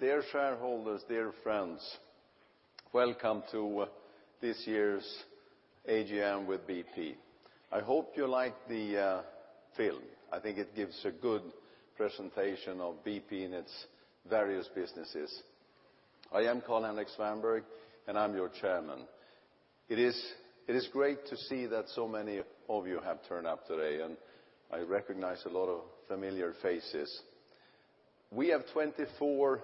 Dear shareholders, dear friends, welcome to this year's AGM with BP. I hope you like the film. I think it gives a good presentation of BP and its various businesses. I am Carl-Henric Svanberg, and I'm your chairman. It is great to see that so many of you have turned up today, and I recognize a lot of familiar faces. We have 24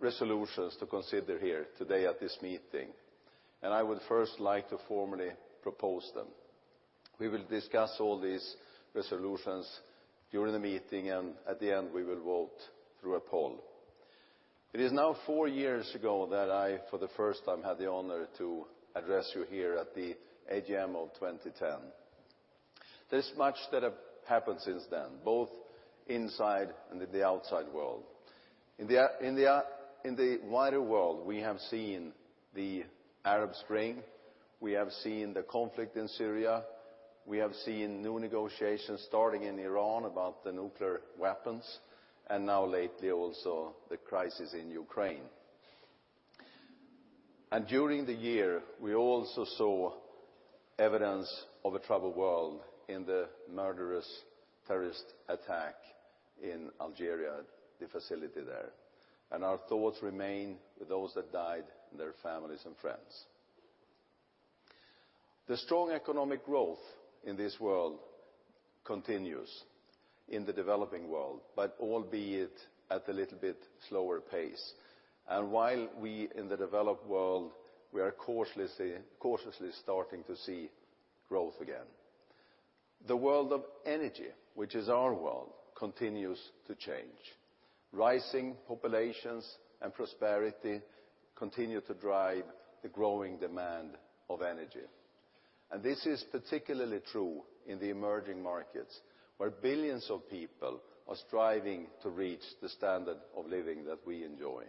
resolutions to consider here today at this meeting, and I would first like to formally propose them. We will discuss all these resolutions during the meeting, and at the end we will vote through a poll. It is now 4 years ago that I, for the first time, had the honor to address you here at the AGM of 2010. There's much that have happened since then, both inside and in the outside world. In the wider world, we have seen the Arab Spring, we have seen the conflict in Syria, we have seen new negotiations starting in Iran about the nuclear weapons, now lately also the crisis in Ukraine. During the year, we also saw evidence of a troubled world in the murderous terrorist attack in Algeria, the facility there. Our thoughts remain with those that died and their families and friends. The strong economic growth in this world continues in the developing world, but albeit at a little bit slower pace. While we in the developed world, we are cautiously starting to see growth again. The world of energy, which is our world, continues to change. Rising populations and prosperity continue to drive the growing demand of energy. This is particularly true in the emerging markets, where billions of people are striving to reach the standard of living that we enjoy.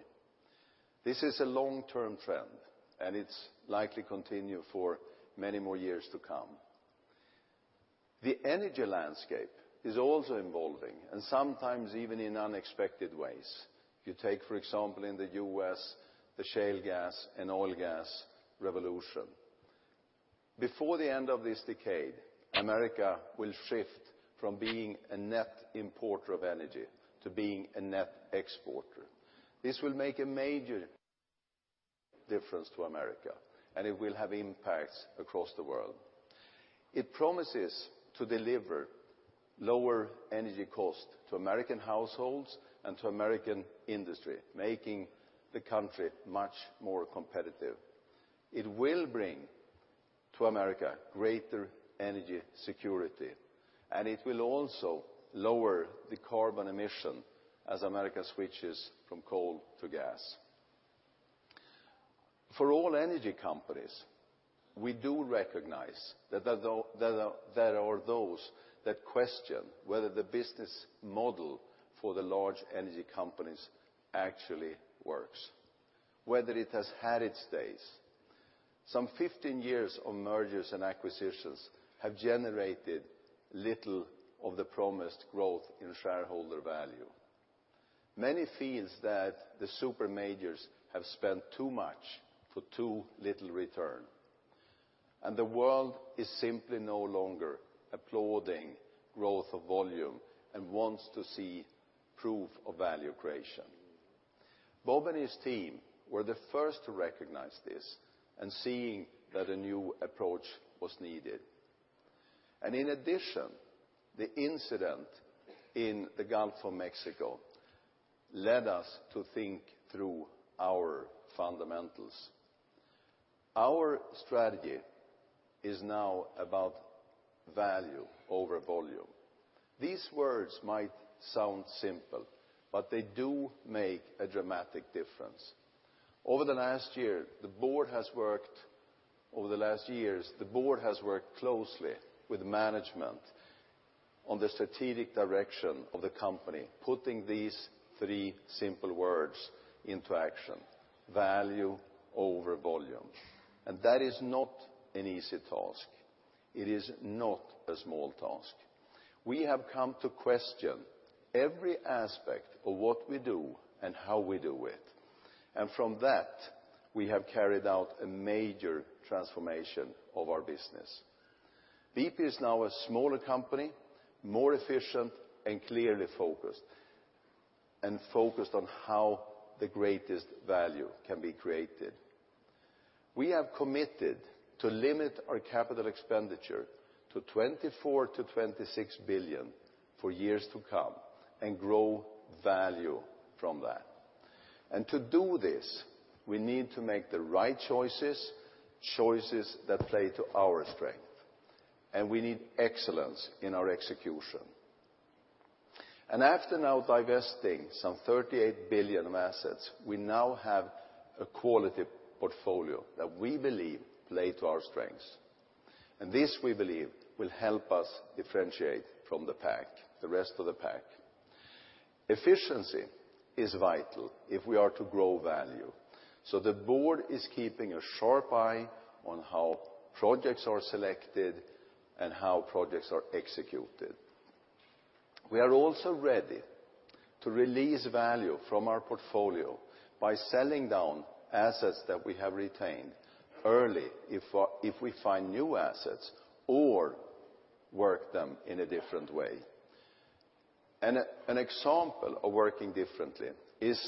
This is a long-term trend, and it's likely continue for many more years to come. The energy landscape is also evolving, sometimes even in unexpected ways. You take, for example, in the U.S., the shale gas and oil gas revolution. Before the end of this decade, America will shift from being a net importer of energy to being a net exporter. This will make a major difference to America, it will have impacts across the world. It promises to deliver lower energy cost to American households and to American industry, making the country much more competitive. It will bring to America greater energy security, it will also lower the carbon emission as America switches from coal to gas. For all energy companies, we do recognize that there are those that question whether the business model for the large energy companies actually works, whether it has had its days. Some 15 years of mergers and acquisitions have generated little of the promised growth in shareholder value. Many feels that the super majors have spent too much for too little return, the world is simply no longer applauding growth of volume and wants to see proof of value creation. Bob and his team were the first to recognize this and seeing that a new approach was needed. In addition, the incident in the Gulf of Mexico led us to think through our fundamentals. Our strategy is now about value over volume. These words might sound simple, they do make a dramatic difference. Over the last years, the board has worked closely with management on the strategic direction of the company, putting these three simple words into action, value over volume. That is not an easy task. It is not a small task. We have come to question every aspect of what we do and how we do it. From that, we have carried out a major transformation of our business. BP is now a smaller company, more efficient and clearly focused, and focused on how the greatest value can be created. We have committed to limit our capital expenditure to $24 billion-$26 billion for years to come and grow value from that. To do this, we need to make the right choices that play to our strength. We need excellence in our execution. After now divesting some $38 billion of assets, we now have a quality portfolio that we believe play to our strengths. This, we believe, will help us differentiate from the pack, the rest of the pack. Efficiency is vital if we are to grow value. The board is keeping a sharp eye on how projects are selected and how projects are executed. We are also ready to release value from our portfolio by selling down assets that we have retained early if we find new assets or work them in a different way. An example of working differently is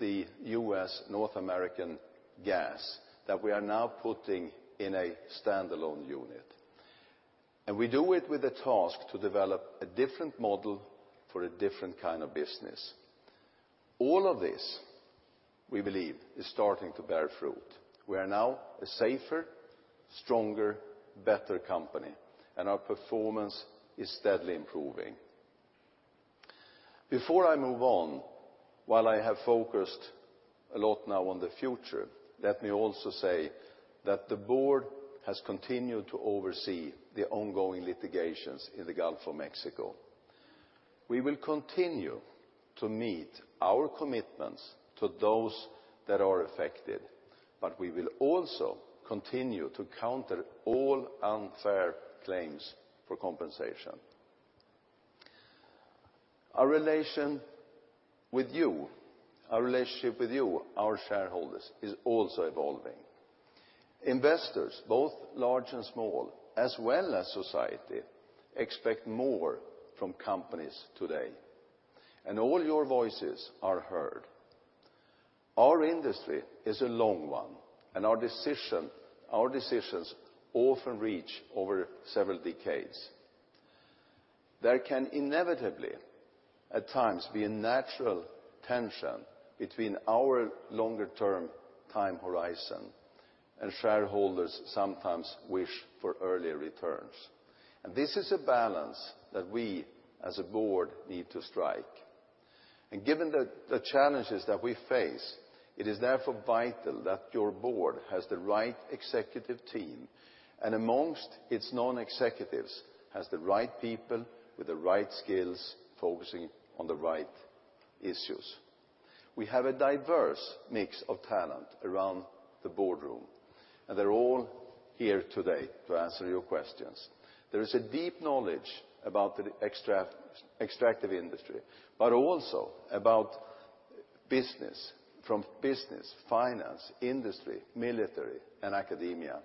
the U.S. North American gas that we are now putting in a standalone unit. We do it with a task to develop a different model for a different kind of business. All of this, we believe, is starting to bear fruit. We are now a safer, stronger, better company, and our performance is steadily improving. Before I move on, while I have focused a lot now on the future, let me also say that the board has continued to oversee the ongoing litigations in the Gulf of Mexico. We will continue to meet our commitments to those that are affected, but we will also continue to counter all unfair claims for compensation. Our relationship with you, our shareholders, is also evolving. Investors, both large and small, as well as society, expect more from companies today. All your voices are heard. Our industry is a long one, and our decisions often reach over several decades. There can inevitably, at times, be a natural tension between our longer-term time horizon and shareholders sometimes wish for earlier returns. This is a balance that we, as a board, need to strike. Given the challenges that we face, it is therefore vital that your board has the right executive team, and amongst its non-executives, has the right people with the right skills, focusing on the right issues. We have a diverse mix of talent around the boardroom, and they're all here today to answer your questions. There is a deep knowledge about the extractive industry, but also about business, from business, finance, industry, military, and academia.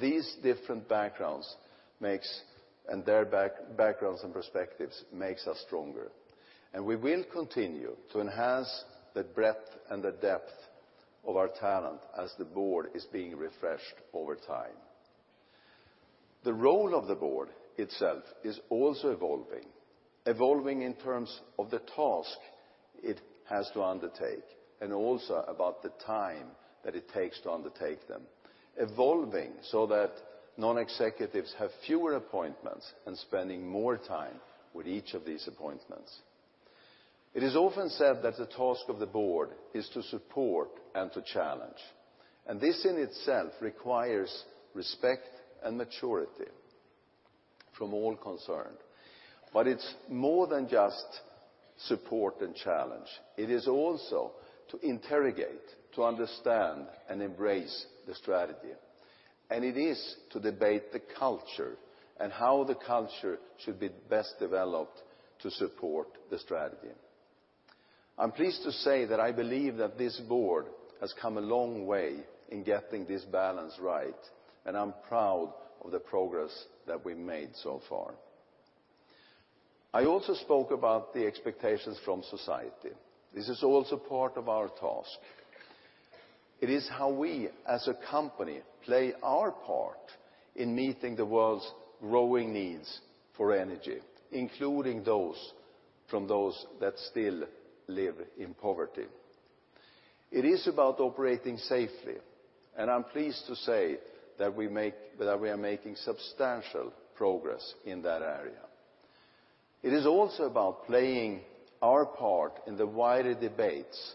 These different backgrounds and perspectives makes us stronger. We will continue to enhance the breadth and the depth of our talent as the board is being refreshed over time. The role of the board itself is also evolving. Evolving in terms of the task it has to undertake, and also about the time that it takes to undertake them. Evolving so that non-executives have fewer appointments and spending more time with each of these appointments. It is often said that the task of the board is to support and to challenge, and this in itself requires respect and maturity from all concerned. It's more than just support and challenge. It is also to interrogate, to understand, and embrace the strategy. It is to debate the culture and how the culture should be best developed to support the strategy. I'm pleased to say that I believe that this board has come a long way in getting this balance right, and I'm proud of the progress that we've made so far. I also spoke about the expectations from society. This is also part of our task. It is how we, as a company, play our part in meeting the world's growing needs for energy, including those from those that still live in poverty. It is about operating safely, and I'm pleased to say that we are making substantial progress in that area. It is also about playing our part in the wider debates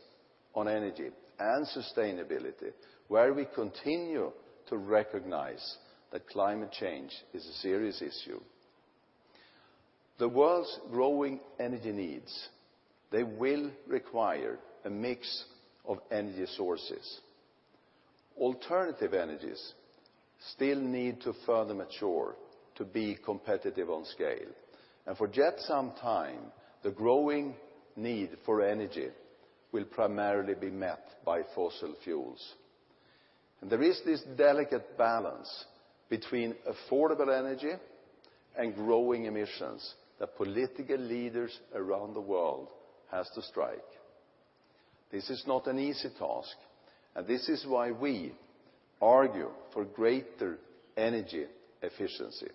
on energy and sustainability, where we continue to recognize that climate change is a serious issue. The world's growing energy needs, they will require a mix of energy sources. Alternative energies still need to further mature to be competitive on scale. For yet some time, the growing need for energy will primarily be met by fossil fuels. There is this delicate balance between affordable energy and growing emissions that political leaders around the world has to strike. This is not an easy task, this is why we argue for greater energy efficiency.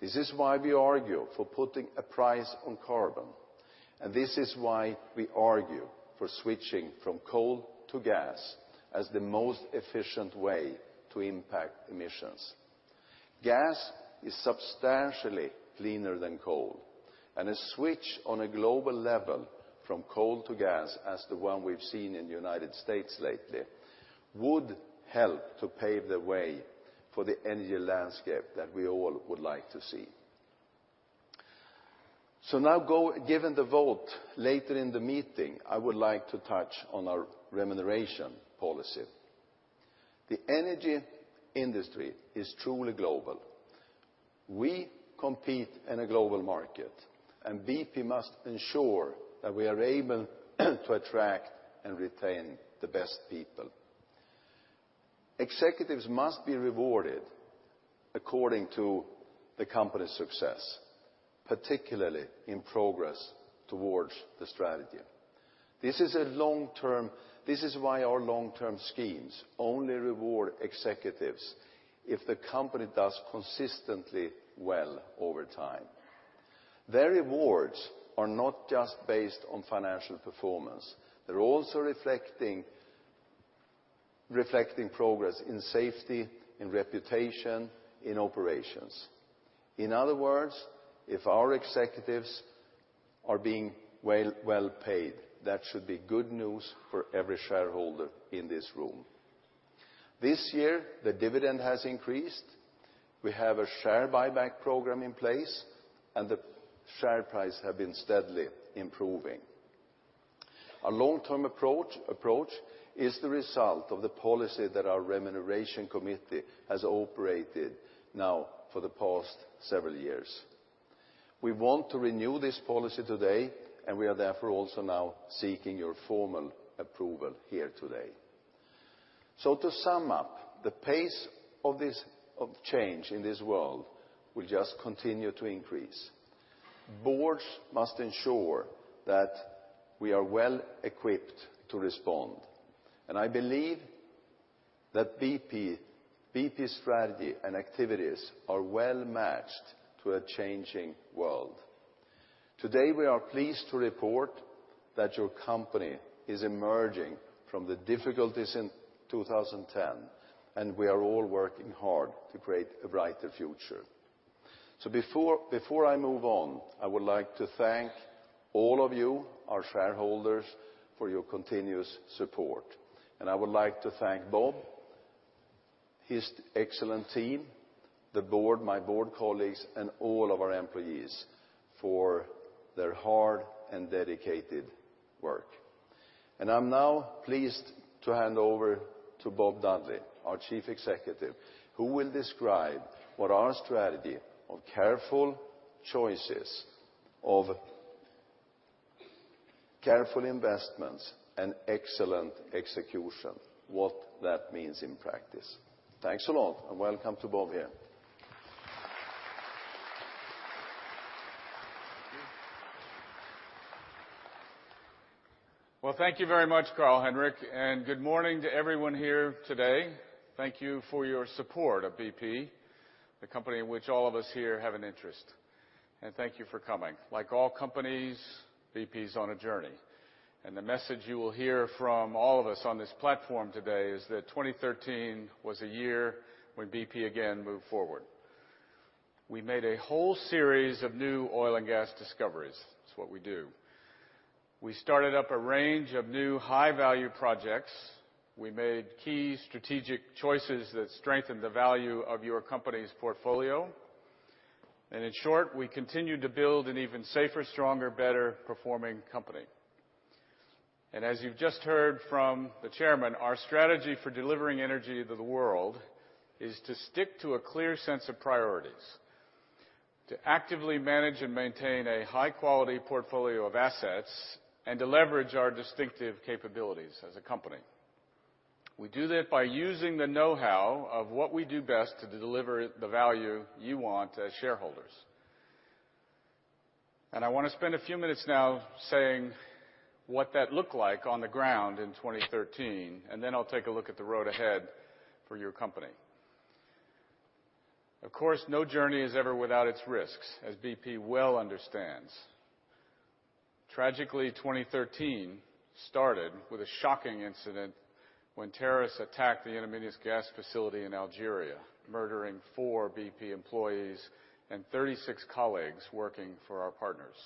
This is why we argue for putting a price on carbon, this is why we argue for switching from coal to gas as the most efficient way to impact emissions. Gas is substantially cleaner than coal, a switch on a global level from coal to gas as the one we've seen in the U.S. lately, would help to pave the way for the energy landscape that we all would like to see. Now, given the vote later in the meeting, I would like to touch on our remuneration policy. The energy industry is truly global. We compete in a global market, BP must ensure that we are able to attract and retain the best people. Executives must be rewarded according to the company's success, particularly in progress towards the strategy. This is why our long-term schemes only reward executives if the company does consistently well over time. Their rewards are not just based on financial performance, they're also reflecting progress in safety, in reputation, in operations. In other words, if our executives are being well paid, that should be good news for every shareholder in this room. This year, the dividend has increased. We have a share buyback program in place, the share price have been steadily improving. Our long-term approach is the result of the policy that our remuneration committee has operated now for the past several years. We want to renew this policy today, we are therefore also now seeking your formal approval here today. To sum up, the pace of change in this world will just continue to increase. Boards must ensure that we are well equipped to respond. I believe that BP strategy and activities are well-matched to a changing world. Today, we are pleased to report that your company is emerging from the difficulties in 2010. We are all working hard to create a brighter future. Before I move on, I would like to thank all of you, our shareholders, for your continuous support. I would like to thank Bob, his excellent team, the board, my board colleagues, and all of our employees for their hard and dedicated work. I am now pleased to hand over to Bob Dudley, our Chief Executive, who will describe what our strategy of careful choices, of careful investments, and excellent execution, what that means in practice. Thanks a lot, and welcome to Bob here. Well, thank you very much, Carl-Henric, and good morning to everyone here today. Thank you for your support of BP, the company in which all of us here have an interest. Thank you for coming. Like all companies, BP is on a journey. The message you will hear from all of us on this platform today is that 2013 was a year when BP again moved forward. We made a whole series of new oil and gas discoveries. It is what we do. We started up a range of new high-value projects. We made key strategic choices that strengthened the value of your company's portfolio. In short, we continued to build an even safer, stronger, better-performing company. As you have just heard from the chairman, our strategy for delivering energy to the world is to stick to a clear sense of priorities, to actively manage and maintain a high-quality portfolio of assets, to leverage our distinctive capabilities as a company. We do that by using the knowhow of what we do best to deliver the value you want as shareholders. I want to spend a few minutes now saying what that looked like on the ground in 2013. Then I will take a look at the road ahead for your company. Of course, no journey is ever without its risks, as BP well understands. Tragically, 2013 started with a shocking incident when terrorists attacked the In Amenas gas facility in Algeria, murdering four BP employees and 36 colleagues working for our partners.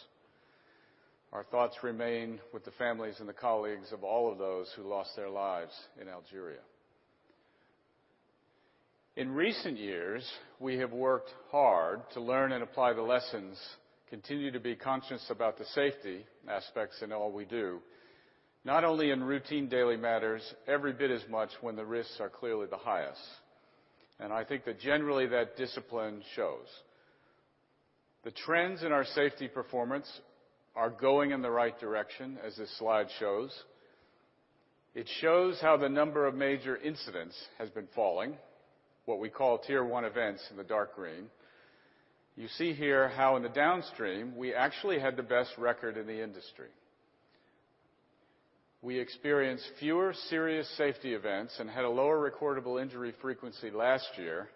Our thoughts remain with the families and the colleagues of all of those who lost their lives in Algeria. In recent years, we have worked hard to learn and apply the lessons, continue to be conscious about the safety aspects in all we do, not only in routine daily matters, every bit as much when the risks are clearly the highest. I think that generally that discipline shows. The trends in our safety performance are going in the right direction, as this slide shows. It shows how the number of major incidents has been falling, what we call Tier 1 events in the dark green. You see here how in the downstream, we actually had the best record in the industry. We experienced fewer serious safety events and had a lower recordable injury frequency last year.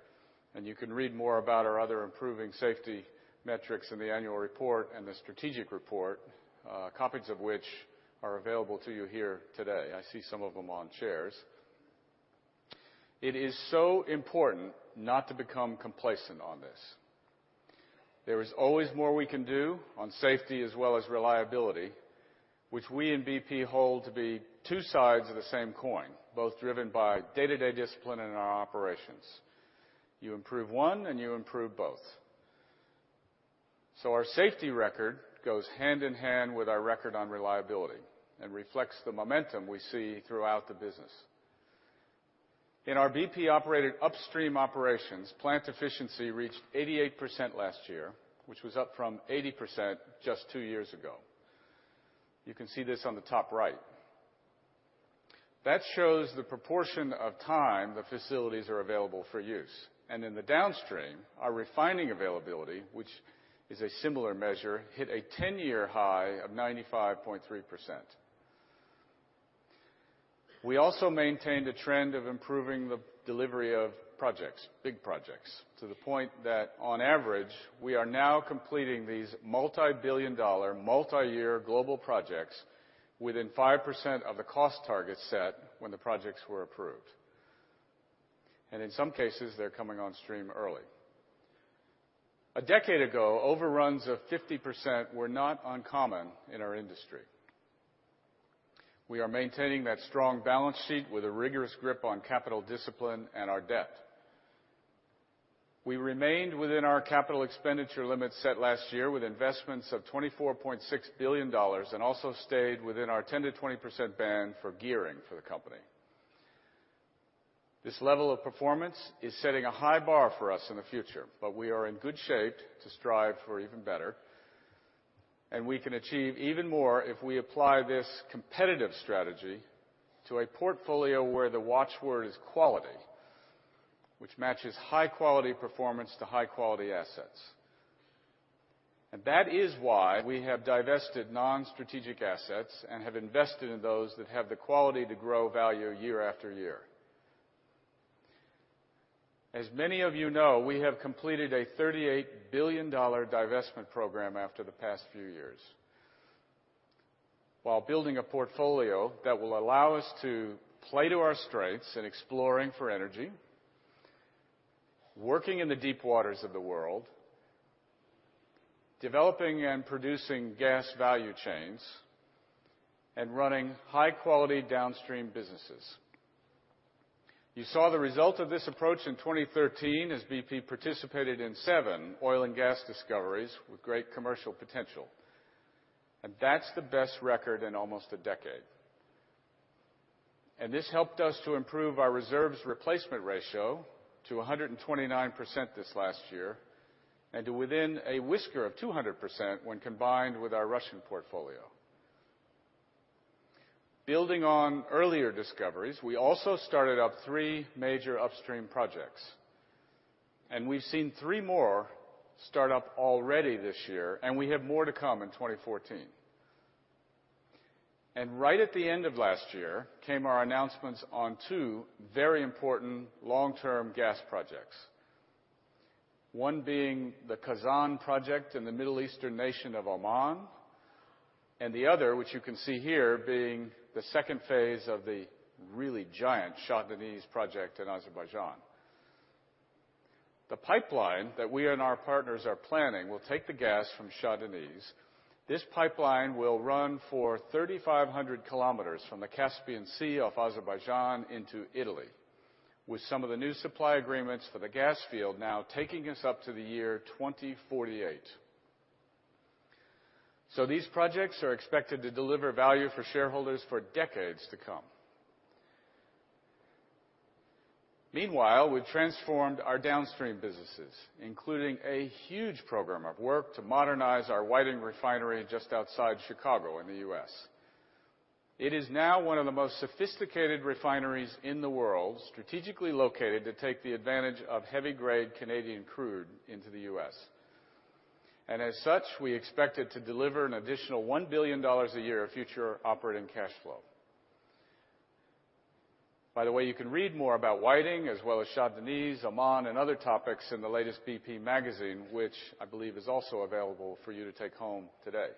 You can read more about our other improving safety metrics in the annual report and the strategic report, copies of which are available to you here today. I see some of them on chairs. It is so important not to become complacent on this. There is always more we can do on safety as well as reliability, which we in BP hold to be two sides of the same coin, both driven by day-to-day discipline in our operations. You improve one, and you improve both. Our safety record goes hand in hand with our record on reliability and reflects the momentum we see throughout the business. In our BP-operated upstream operations, plant efficiency reached 88% last year, which was up from 80% just two years ago. You can see this on the top right. That shows the proportion of time the facilities are available for use. In the downstream, our refining availability, which is a similar measure, hit a 10-year high of 95.3%. We also maintained a trend of improving the delivery of projects, big projects, to the point that on average, we are now completing these multi-billion dollar, multi-year global projects within 5% of the cost targets set when the projects were approved. In some cases, they are coming onstream early. A decade ago, overruns of 50% were not uncommon in our industry. We are maintaining that strong balance sheet with a rigorous grip on capital discipline and our debt. We remained within our capital expenditure limits set last year with investments of $24.6 billion and also stayed within our 10%-20% band for gearing for the company. This level of performance is setting a high bar for us in the future. We are in good shape to strive for even better, and we can achieve even more if we apply this competitive strategy to a portfolio where the watch word is quality, which matches high-quality performance to high-quality assets. That is why we have divested non-strategic assets and have invested in those that have the quality to grow value year after year. As many of you know, we have completed a $38 billion divestment program after the past few years while building a portfolio that will allow us to play to our strengths in exploring for energy, working in the deep waters of the world, developing and producing gas value chains, and running high-quality downstream businesses. You saw the result of this approach in 2013 as BP participated in seven oil and gas discoveries with great commercial potential. That is the best record in almost a decade. This helped us to improve our reserves replacement ratio to 129% this last year, and to within a whisker of 200% when combined with our Russian portfolio. Building on earlier discoveries, we also started up three major upstream projects. We have seen three more start up already this year, and we have more to come in 2014. Right at the end of last year came our announcements on two very important long-term gas projects, one being the Khazzan project in the Middle Eastern nation of Oman, and the other, which you can see here, being the second phase of the really giant Shah Deniz project in Azerbaijan. The pipeline that we and our partners are planning will take the gas from Shah Deniz. This pipeline will run for 3,500 kilometers from the Caspian Sea off Azerbaijan into Italy, with some of the new supply agreements for the gas field now taking us up to the year 2048. These projects are expected to deliver value for shareholders for decades to come. Meanwhile, we've transformed our downstream businesses, including a huge program of work to modernize our Whiting Refinery just outside Chicago in the U.S. It is now one of the most sophisticated refineries in the world, strategically located to take the advantage of heavy-grade Canadian crude into the U.S. As such, we expect it to deliver an additional $1 billion a year of future operating cash flow. By the way, you can read more about Whiting, as well as Shah Deniz, Oman, and other topics in the latest BP magazine, which I believe is also available for you to take home today.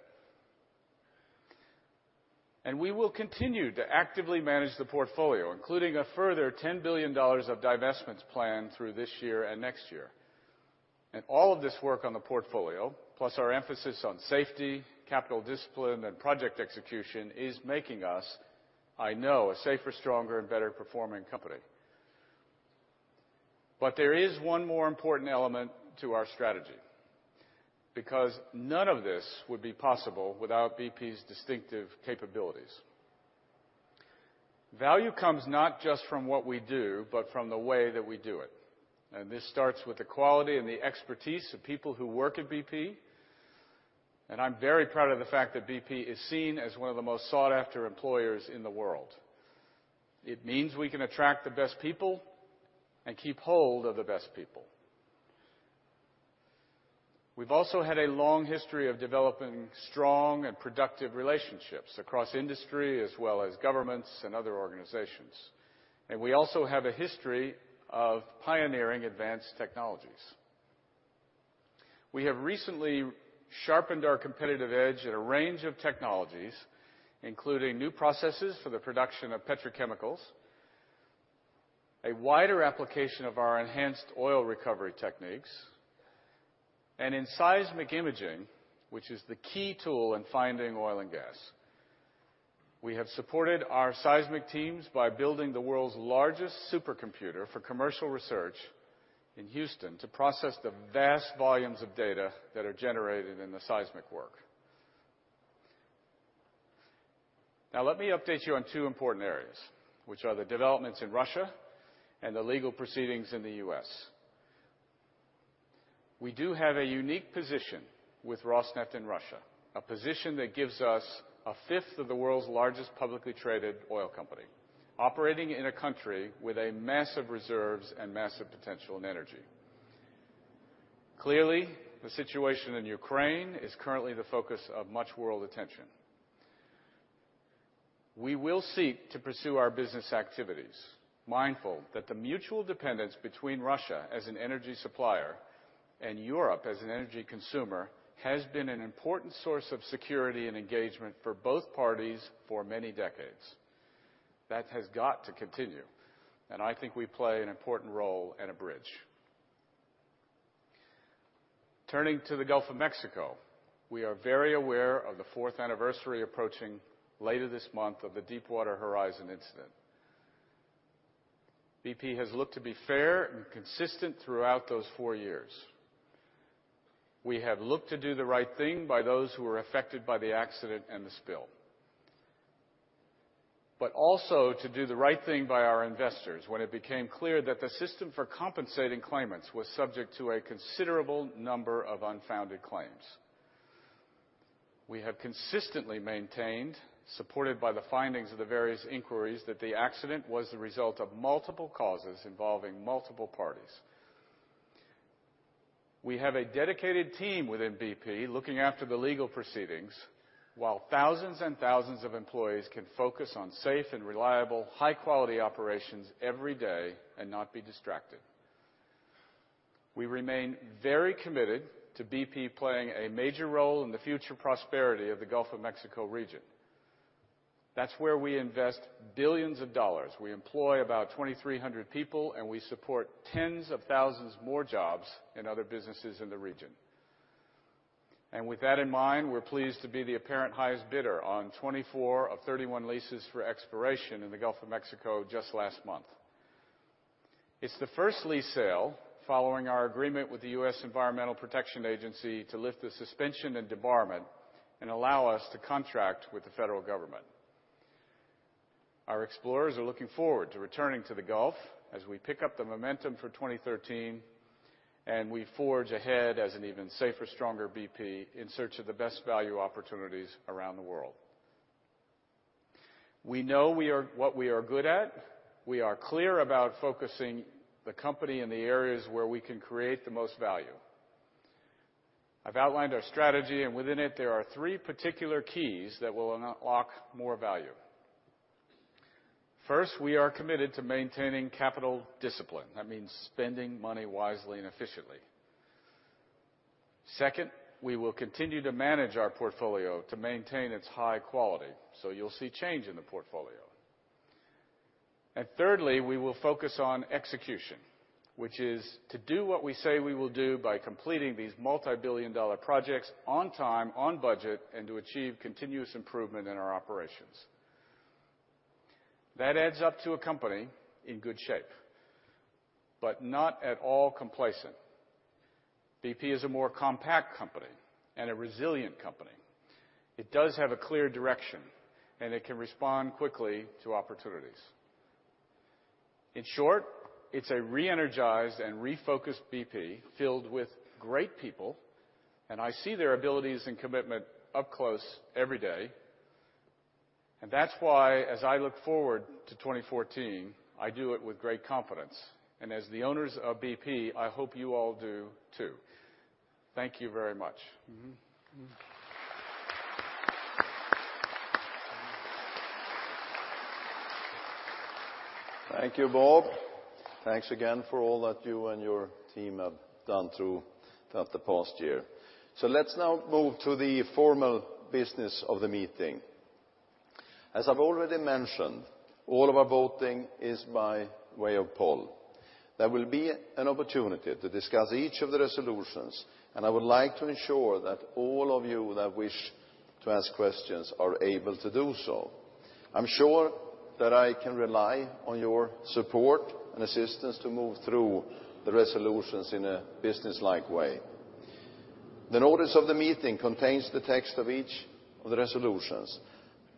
We will continue to actively manage the portfolio, including a further GBP 10 billion of divestments planned through this year and next year. All of this work on the portfolio, plus our emphasis on safety, capital discipline, and project execution, is making us, I know, a safer, stronger, and better-performing company. There is one more important element to our strategy, because none of this would be possible without BP's distinctive capabilities. Value comes not just from what we do, but from the way that we do it, and this starts with the quality and the expertise of people who work at BP, and I'm very proud of the fact that BP is seen as one of the most sought-after employers in the world. It means we can attract the best people and keep hold of the best people. We've also had a long history of developing strong and productive relationships across industry, as well as governments and other organizations. We also have a history of pioneering advanced technologies. We have recently sharpened our competitive edge at a range of technologies, including new processes for the production of petrochemicals. A wider application of our enhanced oil recovery techniques and in seismic imaging, which is the key tool in finding oil and gas. We have supported our seismic teams by building the world's largest supercomputer for commercial research in Houston to process the vast volumes of data that are generated in the seismic work. Let me update you on two important areas, which are the developments in Russia and the legal proceedings in the U.S. We do have a unique position with Rosneft in Russia, a position that gives us a fifth of the world's largest publicly traded oil company, operating in a country with massive reserves and massive potential in energy. Clearly, the situation in Ukraine is currently the focus of much world attention. We will seek to pursue our business activities, mindful that the mutual dependence between Russia as an energy supplier and Europe as an energy consumer has been an important source of security and engagement for both parties for many decades. That has got to continue, I think we play an important role and a bridge. Turning to the Gulf of Mexico, we are very aware of the fourth anniversary approaching later this month of the Deepwater Horizon incident. BP has looked to be fair and consistent throughout those four years. We have looked to do the right thing by those who were affected by the accident and the spill, but also to do the right thing by our investors when it became clear that the system for compensating claimants was subject to a considerable number of unfounded claims. We have consistently maintained, supported by the findings of the various inquiries, that the accident was the result of multiple causes involving multiple parties. We have a dedicated team within BP looking after the legal proceedings while thousands and thousands of employees can focus on safe and reliable high-quality operations every day and not be distracted. We remain very committed to BP playing a major role in the future prosperity of the Gulf of Mexico region. That's where we invest $billions. We employ about 2,300 people, we support tens of thousands more jobs in other businesses in the region. With that in mind, we're pleased to be the apparent highest bidder on 24 of 31 leases for exploration in the Gulf of Mexico just last month. It's the first lease sale following our agreement with the U.S. Environmental Protection Agency to lift the suspension and debarment and allow us to contract with the federal government. Our explorers are looking forward to returning to the Gulf as we pick up the momentum for 2013, we forge ahead as an even safer, stronger BP in search of the best value opportunities around the world. We know what we are good at. We are clear about focusing the company in the areas where we can create the most value. I've outlined our strategy, within it, there are three particular keys that will unlock more value. First, we are committed to maintaining capital discipline. That means spending money wisely and efficiently. Second, we will continue to manage our portfolio to maintain its high quality. You'll see change in the portfolio. Thirdly, we will focus on execution, which is to do what we say we will do by completing these multibillion-dollar projects on time, on budget, and to achieve continuous improvement in our operations. That adds up to a company in good shape, not at all complacent. BP is a more compact company, a resilient company. It does have a clear direction, it can respond quickly to opportunities. In short, it's a re-energized and refocused BP filled with great people, I see their abilities and commitment up close every day. That's why, as I look forward to 2014, I do it with great confidence. As the owners of BP, I hope you all do, too. Thank you very much. Thank you, Bob. Thanks again for all that you and your team have done throughout the past year. Let's now move to the formal business of the meeting. As I've already mentioned, all of our voting is by way of poll. There will be an opportunity to discuss each of the resolutions, and I would like to ensure that all of you that wish to ask questions are able to do so. I'm sure that I can rely on your support and assistance to move through the resolutions in a businesslike way. The notice of the meeting contains the text of each of the resolutions.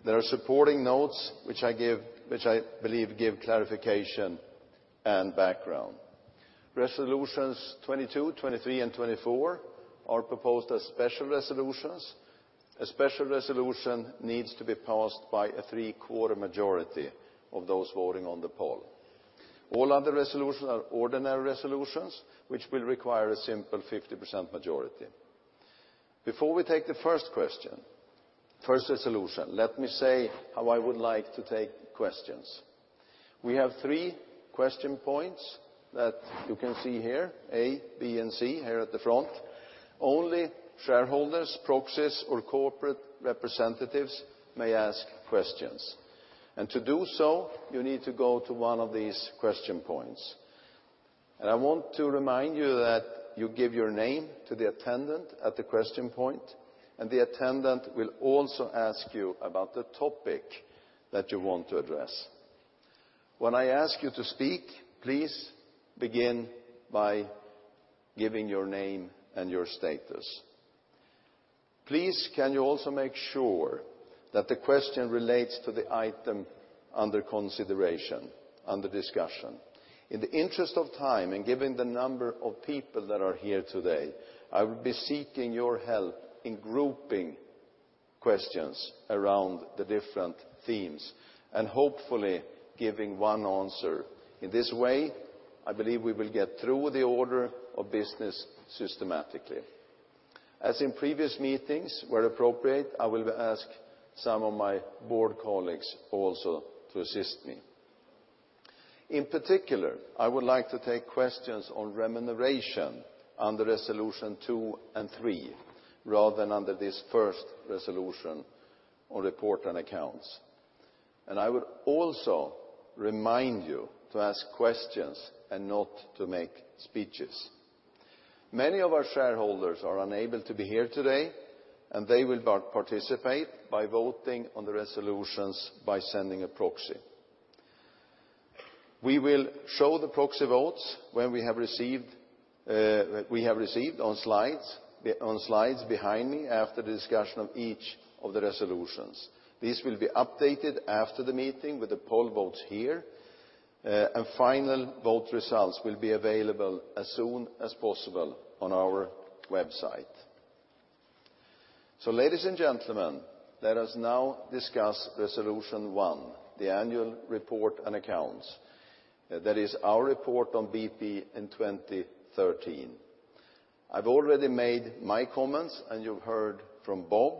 There are supporting notes, which I believe give clarification and background. Resolutions 22, 23, and 24 are proposed as special resolutions. A special resolution needs to be passed by a three-quarter majority of those voting on the poll. All other resolutions are ordinary resolutions, which will require a simple 50% majority. Before we take the first resolution, let me say how I would like to take questions. We have three question points that you can see here, A, B, and C here at the front. Only shareholders, proxies, or corporate representatives may ask questions. To do so, you need to go to one of these question points. I want to remind you that you give your name to the attendant at the question point, and the attendant will also ask you about the topic that you want to address. When I ask you to speak, please begin by giving your name and your status. Please, can you also make sure that the question relates to the item under consideration, under discussion. In the interest of time, and given the number of people that are here today, I will be seeking your help in grouping questions around the different themes, and hopefully giving one answer. In this way, I believe we will get through the order of business systematically. As in previous meetings, where appropriate, I will ask some of my board colleagues also to assist me. In particular, I would like to take questions on remuneration under Resolution II and III, rather than under this first resolution on report and accounts. I would also remind you to ask questions and not to make speeches. Many of our shareholders are unable to be here today, and they will participate by voting on the resolutions by sending a proxy. We will show the proxy votes we have received on slides behind me after the discussion of each of the resolutions. These will be updated after the meeting with the poll votes here, and final vote results will be available as soon as possible on our website. Ladies and gentlemen, let us now discuss Resolution I, the annual report and accounts. That is our report on BP in 2013. I've already made my comments, and you've heard from Bob.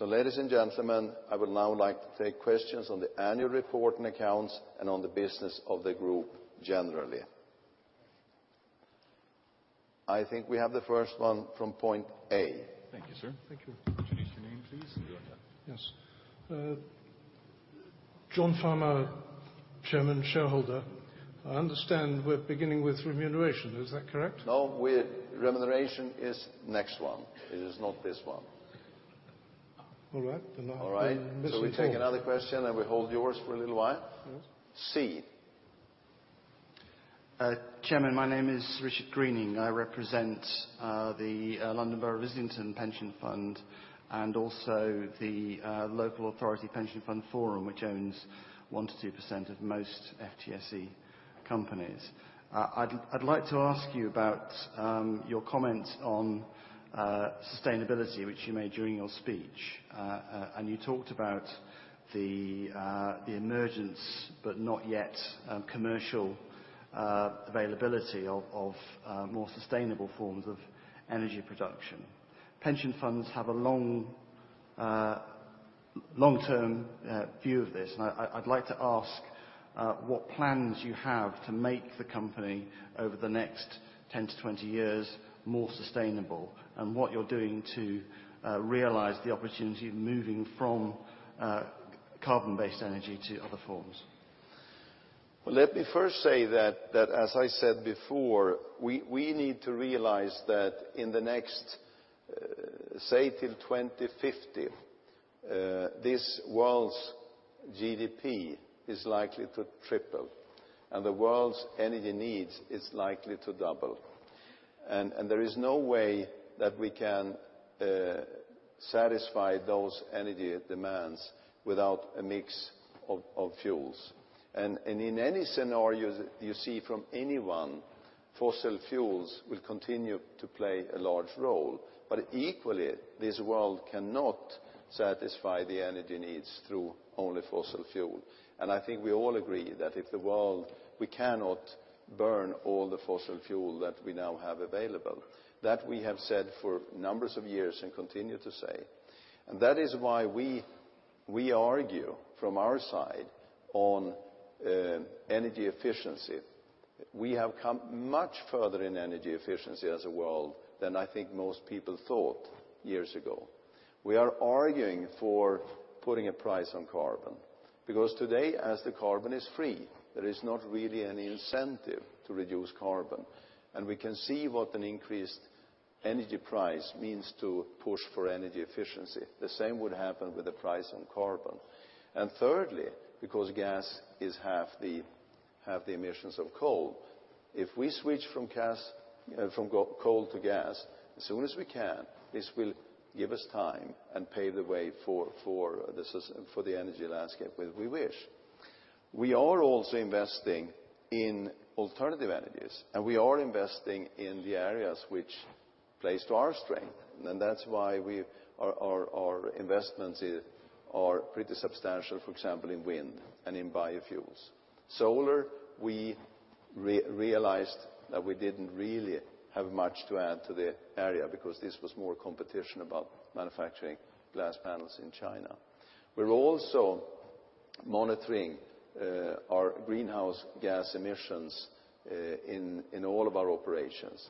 Ladies and gentlemen, I would now like to take questions on the annual report and accounts, and on the business of the group generally. I think we have the first one from point A. Thank you, sir. Thank you. Introduce your name please, and you're on there. Yes. John Farmer, Chairman, shareholder. I understand we're beginning with remuneration. Is that correct? No. Remuneration is next one. It is not this one. All right. All right. I missed it all. We take another question, we hold yours for a little while. Yes. C. Chairman, my name is Richard Greening. I represent the London Borough of Islington Pension Fund, also the Local Authority Pension Fund Forum, which owns 1% to 2% of most FTSE companies. I'd like to ask you about your comment on sustainability, which you made during your speech. You talked about the emergence, but not yet commercial availability of more sustainable forms of energy production. Pension funds have a long-term view of this, I'd like to ask what plans you have to make the company over the next 10 to 20 years more sustainable, what you're doing to realize the opportunity of moving from carbon-based energy to other forms. Let me first say that, as I said before, we need to realize that in the next, say till 2050, this world's GDP is likely to triple. The world's energy needs is likely to double. There is no way that we can satisfy those energy demands without a mix of fuels. In any scenario you see from anyone, fossil fuels will continue to play a large role. Equally, this world cannot satisfy the energy needs through only fossil fuel. I think we all agree that if the world, we cannot burn all the fossil fuel that we now have available. That we have said for numbers of years and continue to say. That is why we argue from our side on energy efficiency. We have come much further in energy efficiency as a world than I think most people thought years ago. We are arguing for putting a price on carbon, because today as the carbon is free, there is not really any incentive to reduce carbon. We can see what an increased energy price means to push for energy efficiency. The same would happen with a price on carbon. Thirdly, because gas is half the emissions of coal, if we switch from coal to gas as soon as we can, this will give us time and pave the way for the energy landscape as we wish. We are also investing in alternative energies, we are investing in the areas which plays to our strength. That's why our investments are pretty substantial, for example, in wind and in biofuels. Solar, we realized that we didn't really have much to add to the area, because this was more competition about manufacturing glass panels in China. We're also monitoring our greenhouse gas emissions in all of our operations.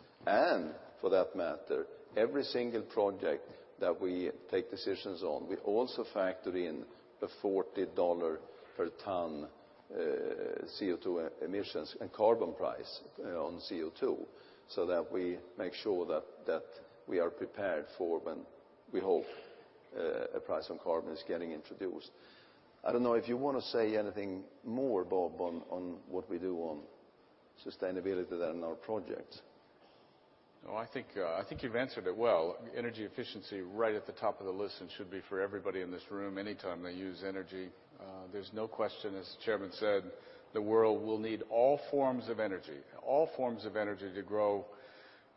For that matter, every single project that we take decisions on, we also factor in the $40 per ton CO2 emissions and carbon price on CO2, so that we make sure that we are prepared for when we hope a price on carbon is getting introduced. I don't know if you want to say anything more, Bob, on what we do on sustainability than our projects. No, I think you've answered it well. Energy efficiency, right at the top of the list, and should be for everybody in this room anytime they use energy. There's no question, as the Chairman said, the world will need all forms of energy. All forms of energy to grow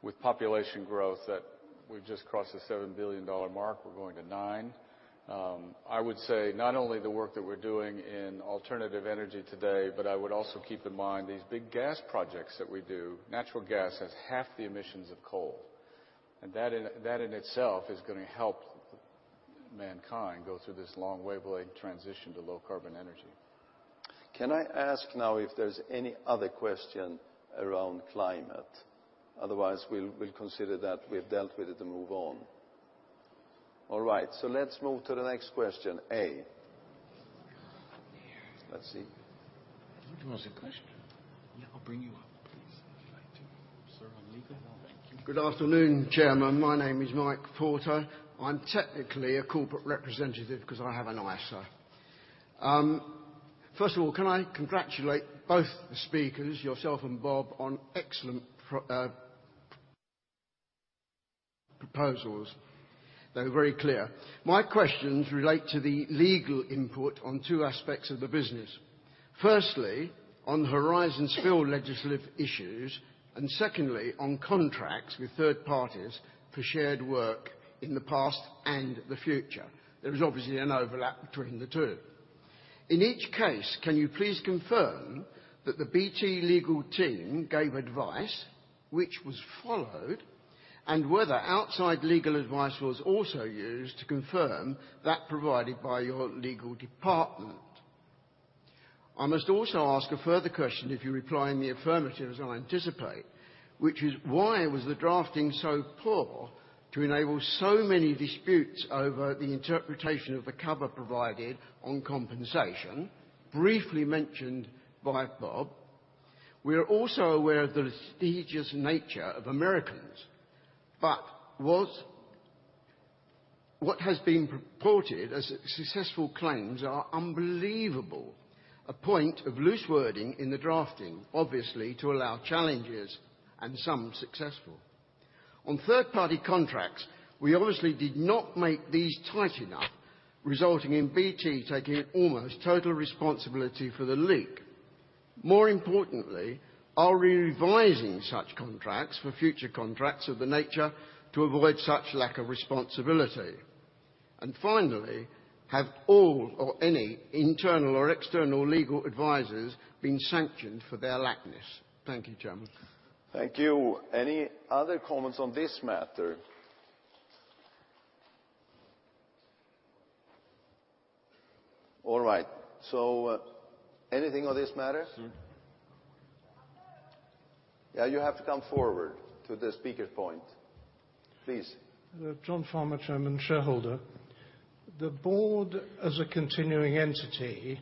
with population growth, that we've just crossed the $7 billion mark. We're going to nine. I would say, not only the work that we're doing in alternative energy today, but I would also keep in mind these big gas projects that we do. Natural gas has half the emissions of coal. That in itself is going to help mankind go through this long, wobbly transition to low carbon energy. Can I ask now if there's any other question around climate? Otherwise, we'll consider that we've dealt with it and move on. All right, let's move to the next question. A. Up here. Let's see. You want to ask a question? Yeah, I'll bring you up. Please, if you'd like to sir, on legal. Thank you. Good afternoon, Chairman. My name is Mike Porter. I'm technically a corporate representative because I have an ISA. First of all, can I congratulate both the speakers, yourself and Bob, on excellent proposals. They were very clear. My questions relate to the legal input on two aspects of the business. Firstly, on Horizon's spill legislative issues, and secondly, on contracts with third parties for shared work in the past and the future. There is obviously an overlap between the two. In each case, can you please confirm that the BP legal team gave advice which was followed, and whether outside legal advice was also used to confirm that provided by your legal department? I must also ask a further question if you reply in the affirmative, as I anticipate, which is, why was the drafting so poor to enable so many disputes over the interpretation of the cover provided on compensation, briefly mentioned by Bob? We are also aware of the litigious nature of Americans, but what has been purported as successful claims are unbelievable. A point of loose wording in the drafting, obviously, to allow challenges, and some successful. On third party contracts, we obviously did not make these tight enough, resulting in BP taking almost total responsibility for the leak. More importantly, are we revising such contracts for future contracts of the nature to avoid such lack of responsibility? Finally, have all or any internal or external legal advisors been sanctioned for their laxness? Thank you, Chairman. Thank you. Any other comments on this matter? All right. Anything on this matter? Sure. Yeah, you have to come forward to the speaker point, please. John Farmer, Chairman, shareholder. The board, as a continuing entity,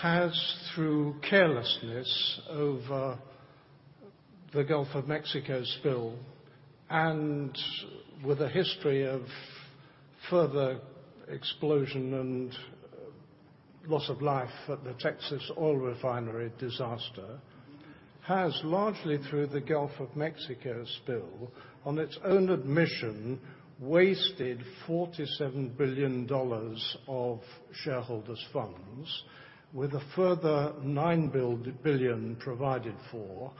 has, through carelessness over the Gulf of Mexico spill, and with a history of further explosion and loss of life at the Texas oil refinery disaster, has largely through the Gulf of Mexico spill, on its own admission, wasted GBP 47 billion of shareholders' funds, with a further 9 billion provided for,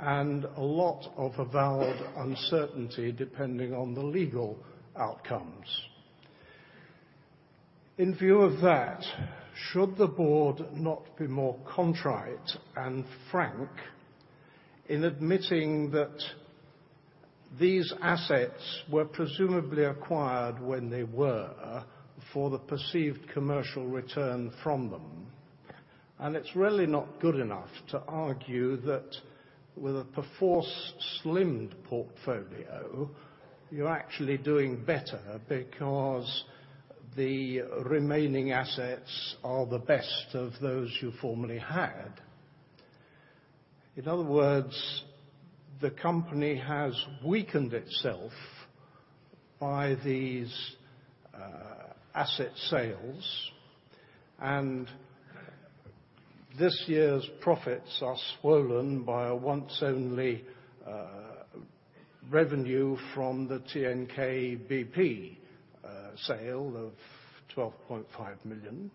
and a lot of avowed uncertainty depending on the legal outcomes. In view of that, should the board not be more contrite and frank in admitting that these assets were presumably acquired when they were for the perceived commercial return from them? It's really not good enough to argue that with a perforce slimmed portfolio, you're actually doing better because the remaining assets are the best of those you formerly had. In other words, the company has weakened itself by these asset sales, this year's profits are swollen by a once-only revenue from the TNK-BP sale of 12.5 million.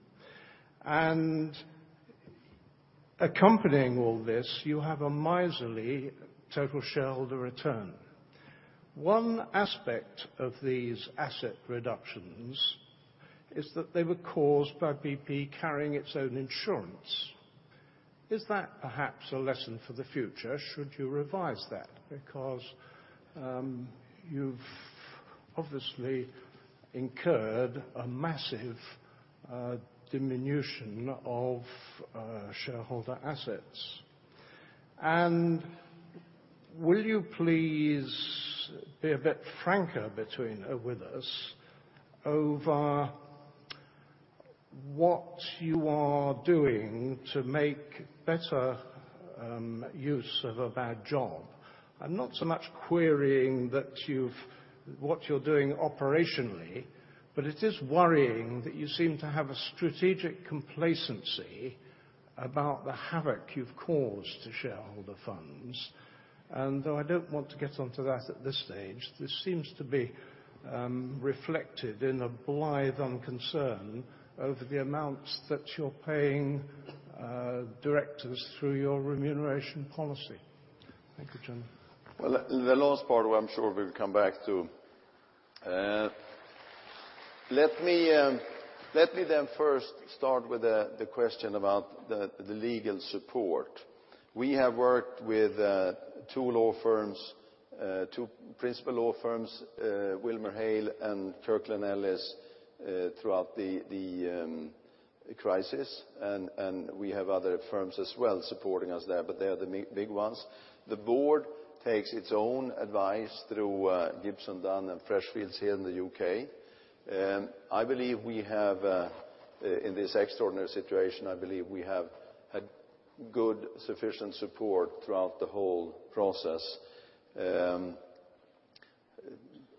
Accompanying all this, you have a miserly total shareholder return. One aspect of these asset reductions is that they were caused by BP carrying its own insurance. Is that perhaps a lesson for the future? Should you revise that? Because, you've obviously incurred a massive diminution of shareholder assets. Will you please be a bit franker with us over what you are doing to make better use of a bad job? I'm not so much querying what you're doing operationally, but it is worrying that you seem to have a strategic complacency about the havoc you've caused to shareholder funds. Though I don't want to get onto that at this stage, this seems to be reflected in a blithe unconcern over the amounts that you're paying directors through your remuneration policy. Thank you, gentlemen. Well, the last part, I'm sure we'll come back to. Let me then first start with the question about the legal support. We have worked with two principal law firms, WilmerHale and Kirkland & Ellis, throughout the crisis. We have other firms as well supporting us there, but they are the big ones. The board takes its own advice through Gibson Dunn and Freshfields here in the U.K. In this extraordinary situation, I believe we have had good sufficient support throughout the whole process.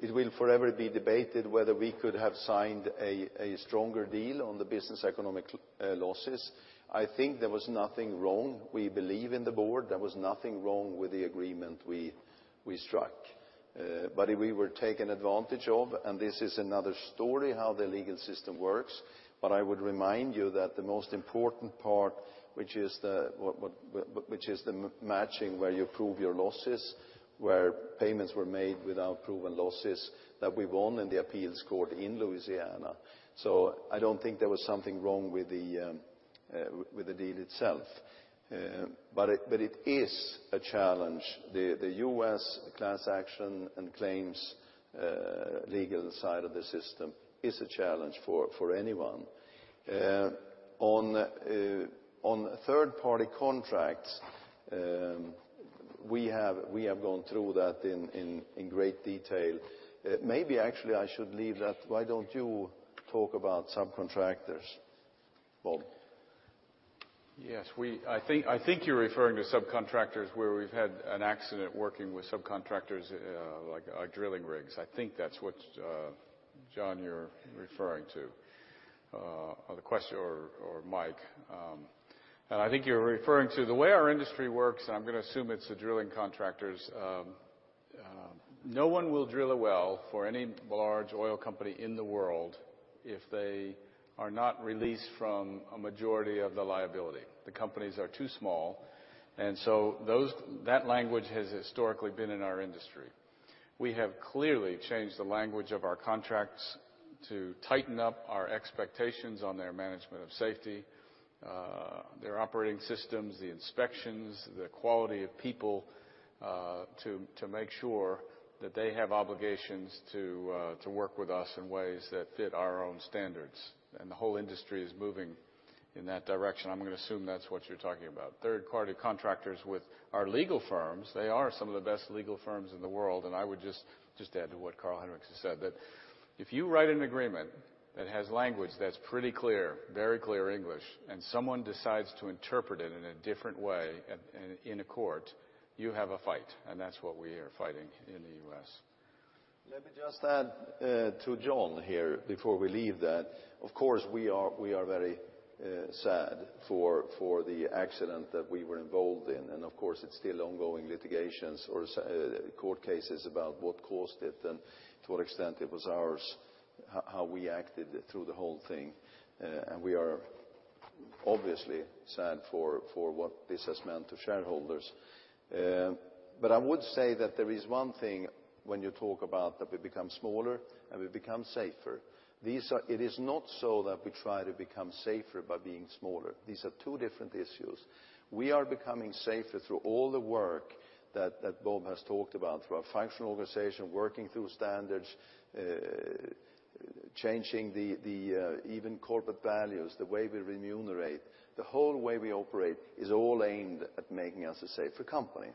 It will forever be debated whether we could have signed a stronger deal on the business economic losses. I think there was nothing wrong. We believe in the board there was nothing wrong with the agreement we struck. We were taken advantage of, and this is another story, how the legal system works. I would remind you that the most important part, which is the matching where you prove your losses, where payments were made without proven losses, that we won in the appeals court in Louisiana. I don't think there was something wrong with the deal itself. It is a challenge. The U.S. class action and claims legal side of the system is a challenge for anyone. On third-party contracts, we have gone through that in great detail. Maybe actually I should leave that. Why don't you talk about subcontractors, Bob? Yes. I think you're referring to subcontractors where we've had an accident working with subcontractors like our drilling rigs. I think that's what, John, you're referring to, or Mike. I think you're referring to the way our industry works, and I'm going to assume it's the drilling contractors. No one will drill a well for any large oil company in the world if they are not released from a majority of the liability. The companies are too small. That language has historically been in our industry. We have clearly changed the language of our contracts to tighten up our expectations on their management of safety, their operating systems, the inspections, the quality of people, to make sure that they have obligations to work with us in ways that fit our own standards. The whole industry is moving in that direction. I'm going to assume that's what you're talking about. Third-party contractors with our legal firms, they are some of the best legal firms in the world, I would just add to what Carl-Henric has said, that if you write an agreement that has language that's pretty clear, very clear English, and someone decides to interpret it in a different way in a court, you have a fight. That's what we are fighting in the U.S. Let me just add to John here before we leave that. Of course, we are very sad for the accident that we were involved in. Of course, it's still ongoing litigations or court cases about what caused it and to what extent it was ours, how we acted through the whole thing. We are obviously sad for what this has meant to shareholders. I would say that there is one thing when you talk about that we become smaller and we become safer. It is not so that we try to become safer by being smaller. These are two different issues. We are becoming safer through all the work that Bob has talked about, through our functional organization, working through standards, changing the even corporate values, the way we remunerate. The whole way we operate is all aimed at making us a safer company.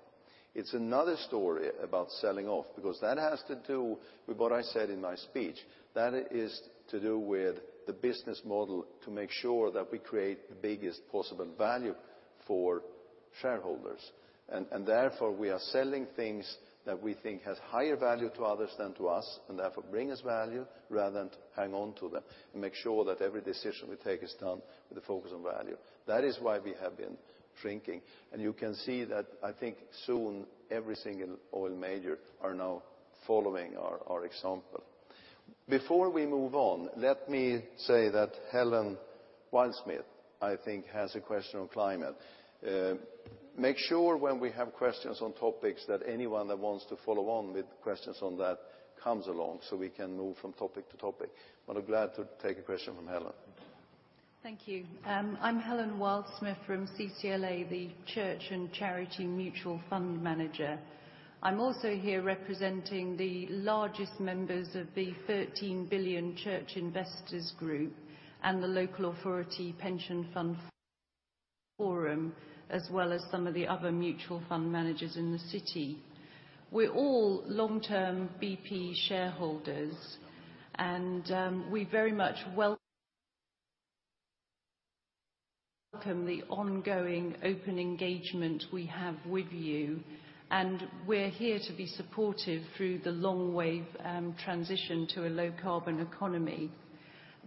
It's another story about selling off, because that has to do with what I said in my speech. That is to do with the business model to make sure that we create the biggest possible value for shareholders. Therefore, we are selling things that we think has higher value to others than to us, and therefore bring us value rather than hang on to them and make sure that every decision we take is done with a focus on value. That is why we have been shrinking. You can see that, I think, soon every single oil major are now following our example. Before we move on, let me say that Helen Wildsmith, I think, has a question on climate. Make sure when we have questions on topics that anyone that wants to follow on with questions on that comes along so we can move from topic to topic. I'm glad to take a question from Helen. Thank you. I'm Helen Wildsmith from CCLA, the Church and Charity Mutual Fund manager. I'm also here representing the largest members of the 13 billion Church Investors Group and the Local Authority Pension Fund Forum as well as some of the other mutual fund managers in the city. We're all long-term BP shareholders, we very much welcome the ongoing open engagement we have with you. We're here to be supportive through the long wave transition to a low-carbon economy.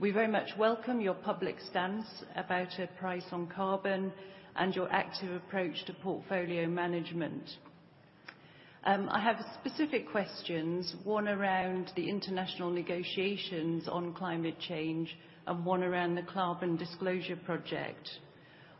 We very much welcome your public stance about a price on carbon and your active approach to portfolio management. I have specific questions, one around the international negotiations on climate change and one around the Carbon Disclosure Project.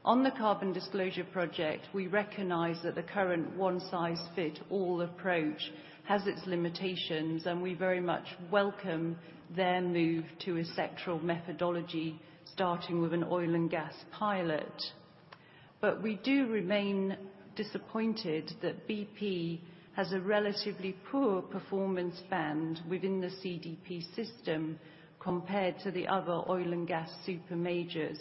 On the Carbon Disclosure Project, we recognize that the current one-size-fits-all approach has its limitations, we very much welcome their move to a sectoral methodology, starting with an oil and gas pilot. We do remain disappointed that BP has a relatively poor performance band within the CDP system compared to the other oil and gas super majors.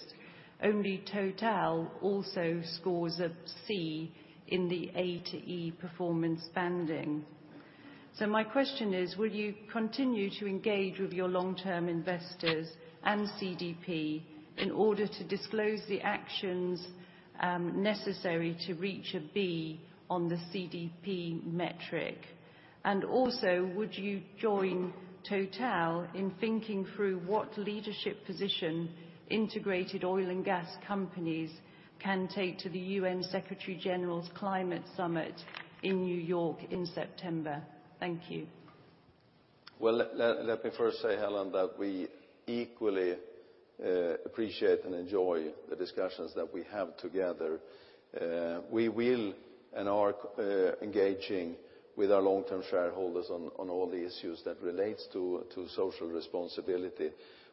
Only Total also scores a C in the A to E performance banding. My question is, will you continue to engage with your long-term investors and CDP in order to disclose the actions necessary to reach a B on the CDP metric? Also, would you join Total in thinking through what leadership position integrated oil and gas companies can take to the UN Secretary-General's climate summit in New York in September? Thank you. Well, let me first say, Helen, that we equally appreciate and enjoy the discussions that we have together. We will and are engaging with our long-term shareholders on all the issues that relate to social responsibility.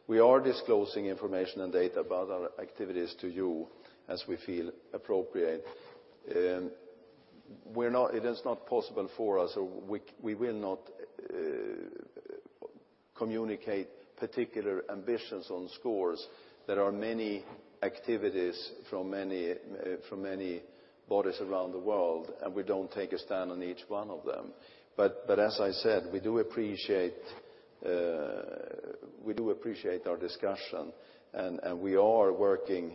We are disclosing information and data about our activities to you as we feel appropriate. It is not possible for us, or we will not communicate particular ambitions on scores. There are many activities from many bodies around the world, we don't take a stand on each one of them. As I said, we do appreciate our discussion, we are working,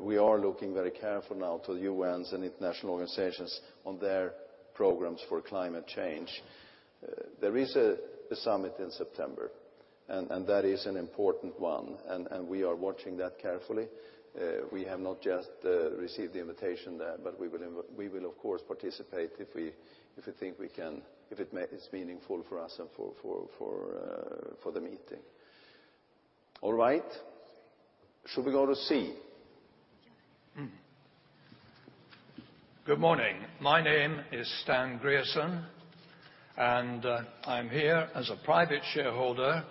we are looking very carefully now to the UN's and international organizations on their programs for climate change. There is a summit in September, that is an important one, we are watching that carefully. We have not just received the invitation there, we will, of course, participate if we think we can, if it is meaningful for us and for the meeting. All right. Should we go to C? Good morning. My name is Stan Grierson, and I'm here as a private shareholder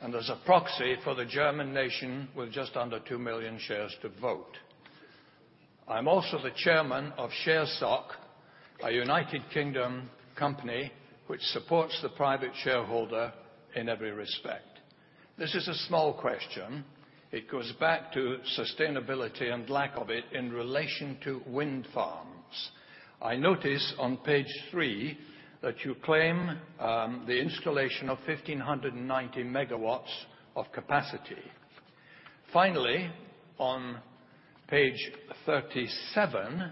and as a proxy for the German nation with just under 2 million shares to vote. I'm also the chairman of ShareSoc, a U.K. company which supports the private shareholder in every respect. This is a small question. It goes back to sustainability and lack of it in relation to wind farms. I notice on page three that you claim the installation of 1,590 MW of capacity. Finally, on page 37,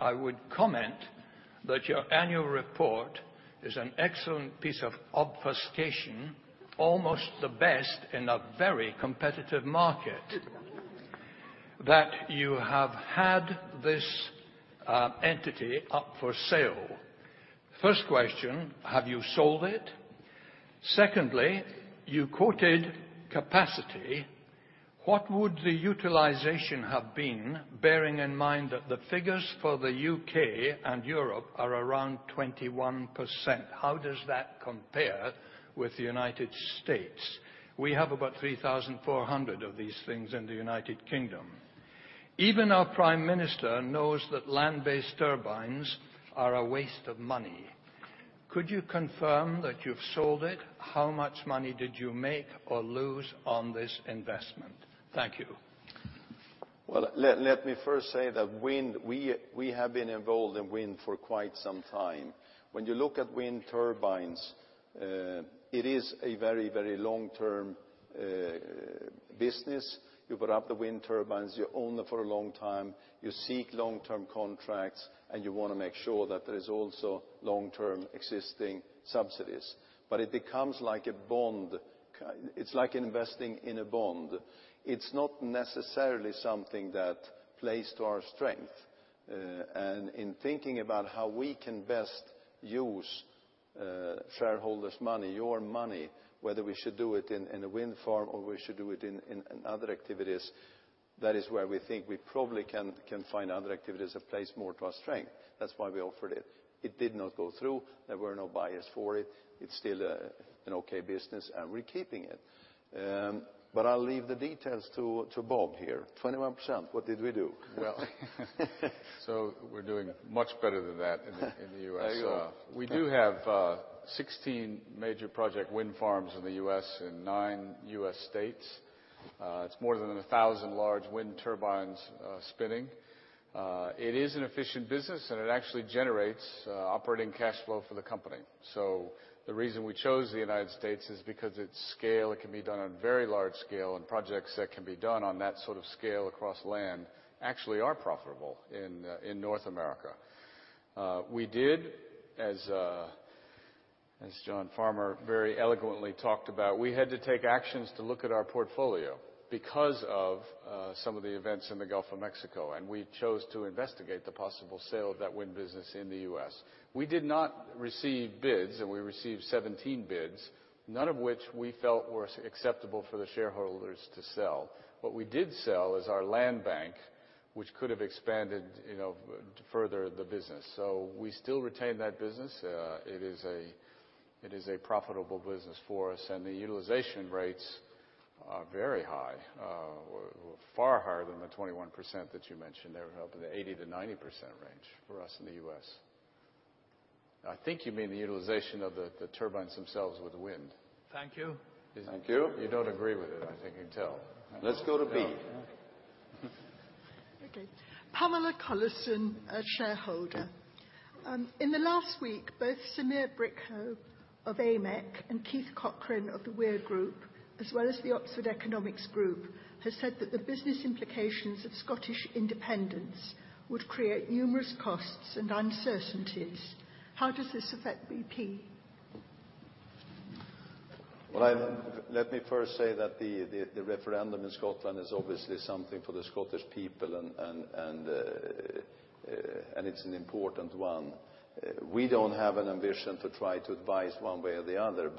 I would comment that your annual report is an excellent piece of obfuscation, almost the best in a very competitive market, that you have had this entity up for sale. First question, have you sold it? Secondly, you quoted capacity. What would the utilization have been, bearing in mind that the figures for the U.K. and Europe are around 21%? How does that compare with the U.S.? We have about 3,400 of these things in the U.K. Even our prime minister knows that land-based turbines are a waste of money. Could you confirm that you've sold it? How much money did you make or lose on this investment? Thank you. Well, let me first say that wind, we have been involved in wind for quite some time. When you look at wind turbines, it is a very, very long-term business. You put up the wind turbines, you own them for a long time, you seek long-term contracts, you want to make sure that there is also long-term existing subsidies. It becomes like a bond. It's like investing in a bond. It's not necessarily something that plays to our strength. In thinking about how we can best use shareholders' money, your money, whether we should do it in a wind farm or we should do it in other activities, that is where we think we probably can find other activities that plays more to our strength. That's why we offered it. It did not go through. There were no buyers for it. It's still an okay business, and we're keeping it. I'll leave the details to Bob here. 21%, what did we do? Well, we're doing much better than that in the U.S. There you go. We do have 16 major project wind farms in the U.S. in nine U.S. states. It's more than 1,000 large wind turbines spinning. It is an efficient business, and it actually generates operating cash flow for the company. The reason we chose the United States is because its scale, it can be done on very large scale, and projects that can be done on that sort of scale across land actually are profitable in North America. We did, as John Farmer very eloquently talked about, we had to take actions to look at our portfolio because of some of the events in the Gulf of Mexico, and we chose to investigate the possible sale of that wind business in the U.S. We did not receive bids. We received 17 bids, none of which we felt were acceptable for the shareholders to sell. What we did sell is our land bank, which could have expanded further the business. We still retain that business. It is a profitable business for us, and the utilization rates are very high, far higher than the 21% that you mentioned. They're up in the 80%-90% range for us in the U.S. I think you mean the utilization of the turbines themselves with the wind. Thank you. Thank you. You don't agree with it, I think I can tell. Let's go to B. Okay. Pamela Collison, a shareholder. In the last week, both Samir Brikho of AMEC and Keith Cochrane of the Weir Group, as well as the Oxford Economics Group, has said that the business implications of Scottish independence would create numerous costs and uncertainties. How does this affect BP? Well, let me first say that the referendum in Scotland is obviously something for the Scottish people and it's an important one. We don't have an ambition to try to advise one way or the other.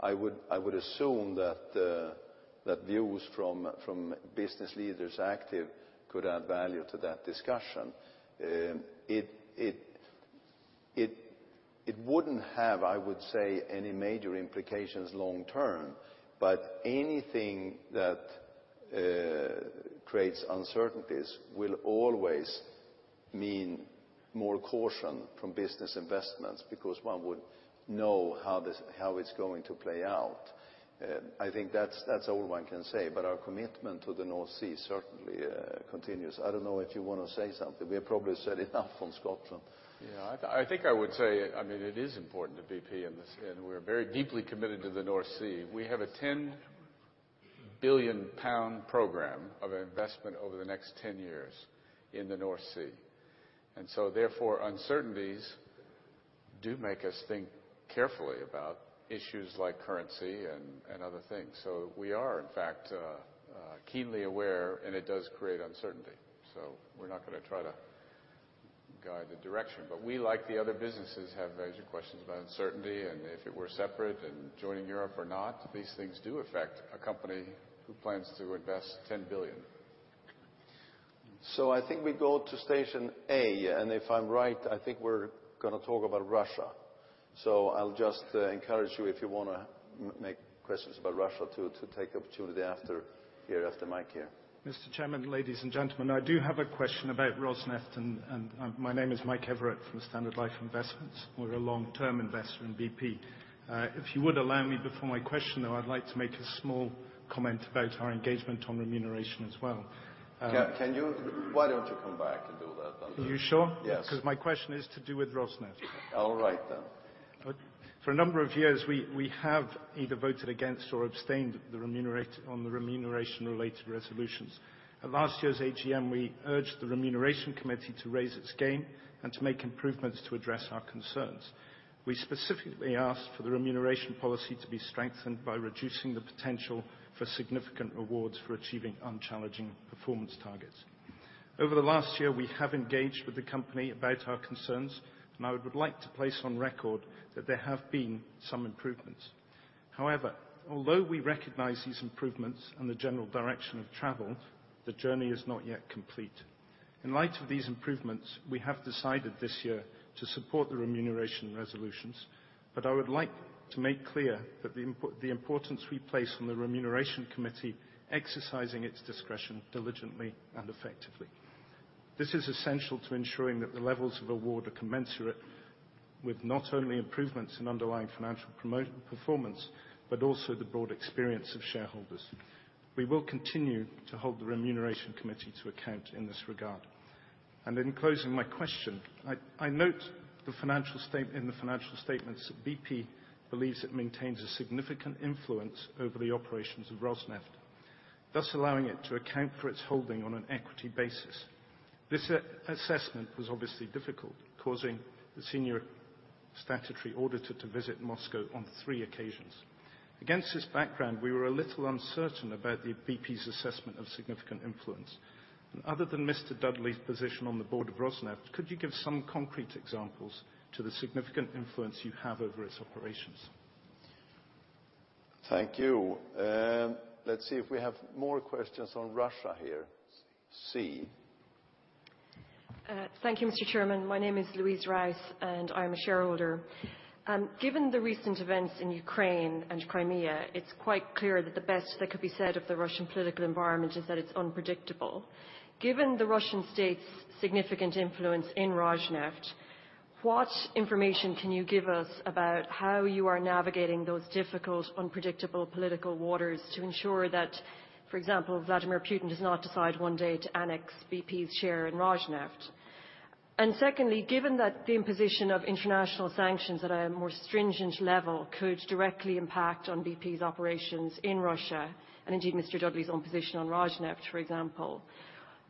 I would assume that views from business leaders active could add value to that discussion. It wouldn't have, I would say, any major implications long term, but anything that creates uncertainties will always mean more caution from business investments because one would know how it's going to play out. I think that's all one can say. Our commitment to the North Sea certainly continues. I don't know if you want to say something. We have probably said enough on Scotland. Yeah, I think I would say, it is important to BP, and we're very deeply committed to the North Sea. We have a 10 billion pound program of investment over the next 10 years in the North Sea. Therefore, uncertainties do make us think carefully about issues like currency and other things. We are, in fact, keenly aware, and it does create uncertainty. We're not going to try to guide the direction. We, like the other businesses, have major questions about uncertainty and if it were separate and joining Europe or not. These things do affect a company who plans to invest 10 billion. I think we go to station A. If I'm right, I think we're going to talk about Russia. I'll just encourage you, if you want to make questions about Russia, to take the opportunity after Mike here. Mr. Chairman, ladies and gentlemen. I do have a question about Rosneft, my name is Mike Everett from Standard Life Investments. We're a long-term investor in BP. If you would allow me, before my question, though, I'd like to make a small comment about our engagement on remuneration as well. Why don't you come back and do that under- Are you sure? Yes. My question is to do with Rosneft. All right, then. For a number of years, we have either voted against or abstained on the remuneration-related resolutions. At last year's AGM, we urged the Remuneration Committee to raise its game and to make improvements to address our concerns. We specifically asked for the remuneration policy to be strengthened by reducing the potential for significant rewards for achieving unchallenging performance targets. Over the last year, we have engaged with the company about our concerns, I would like to place on record that there have been some improvements. Although we recognize these improvements and the general direction of travel, the journey is not yet complete. In light of these improvements, we have decided this year to support the remuneration resolutions, I would like to make clear the importance we place on the Remuneration Committee exercising its discretion diligently and effectively. This is essential to ensuring that the levels of award are commensurate with not only improvements in underlying financial performance, but also the broad experience of shareholders. We will continue to hold the Remuneration Committee to account in this regard. In closing, my question, I note in the financial statements that BP believes it maintains a significant influence over the operations of Rosneft, thus allowing it to account for its holding on an equity basis. This assessment was obviously difficult, causing the senior statutory auditor to visit Moscow on three occasions. Against this background, we were a little uncertain about BP's assessment of significant influence. Other than Mr. Dudley's position on the board of Rosneft, could you give some concrete examples to the significant influence you have over its operations? Thank you. Let's see if we have more questions on Russia here. C. Thank you, Mr. Chairman. My name is Louise Rice, and I'm a shareholder. Given the recent events in Ukraine and Crimea, it's quite clear that the best that could be said of the Russian political environment is that it's unpredictable. Given the Russian state's significant influence in Rosneft, what information can you give us about how you are navigating those difficult, unpredictable political waters to ensure that, for example, Vladimir Putin does not decide one day to annex BP's share in Rosneft? Secondly, given that the imposition of international sanctions at a more stringent level could directly impact on BP's operations in Russia, and indeed, Mr. Dudley's own position on Rosneft, for example,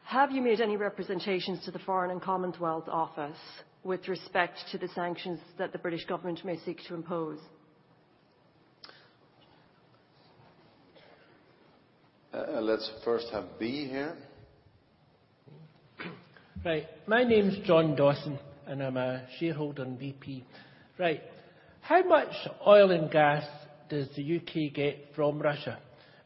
have you made any representations to the Foreign and Commonwealth Office with respect to the sanctions that the British government may seek to impose? Let's first have B here. Right. My name's John Dawson, and I'm a shareholder in BP. Right. How much oil and gas does the U.K. get from Russia?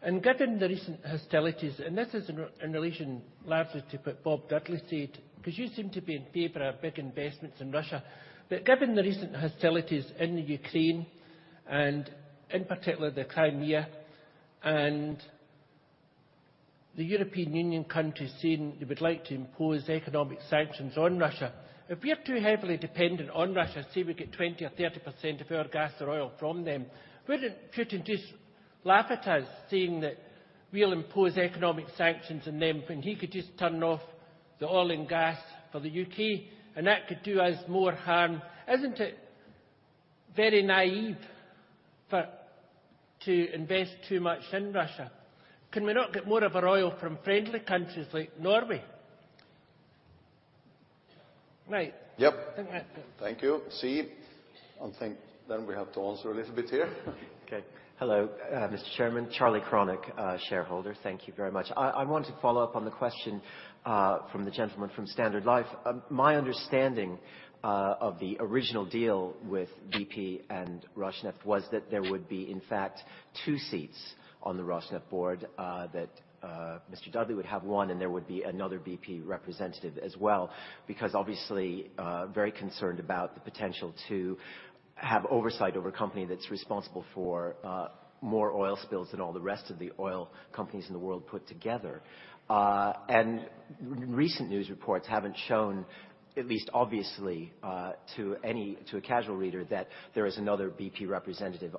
Given the recent hostilities, and this is in relation largely to what Bob Dudley said, because you seem to be in favor of big investments in Russia, but given the recent hostilities in the Ukraine, and in particular, the Crimea, and the European Union countries saying they would like to impose economic sanctions on Russia, if we are too heavily dependent on Russia, say we get 20% or 30% of our gas or oil from them, wouldn't Putin just laugh at us saying that we'll impose economic sanctions on them when he could just turn off the oil and gas for the U.K., and that could do us more harm? Isn't it very naive to invest too much in Russia? Can we not get more of our oil from friendly countries like Norway? Right. Yep. Thank you. I think then we have to answer a little bit here. Okay. Hello, Mr. Chairman. Charlie Cronick, shareholder. Thank you very much. I want to follow up on the question from the gentleman from Standard Life. My understanding of the original deal with BP and Rosneft was that there would be, in fact, two seats on the Rosneft board, that Mr. Dudley would have one, and there would be another BP representative as well, because obviously, very concerned about the potential to have oversight over a company that's responsible for more oil spills than all the rest of the oil companies in the world put together. Recent news reports haven't shown, at least obviously, to a casual reader, that there is another BP representative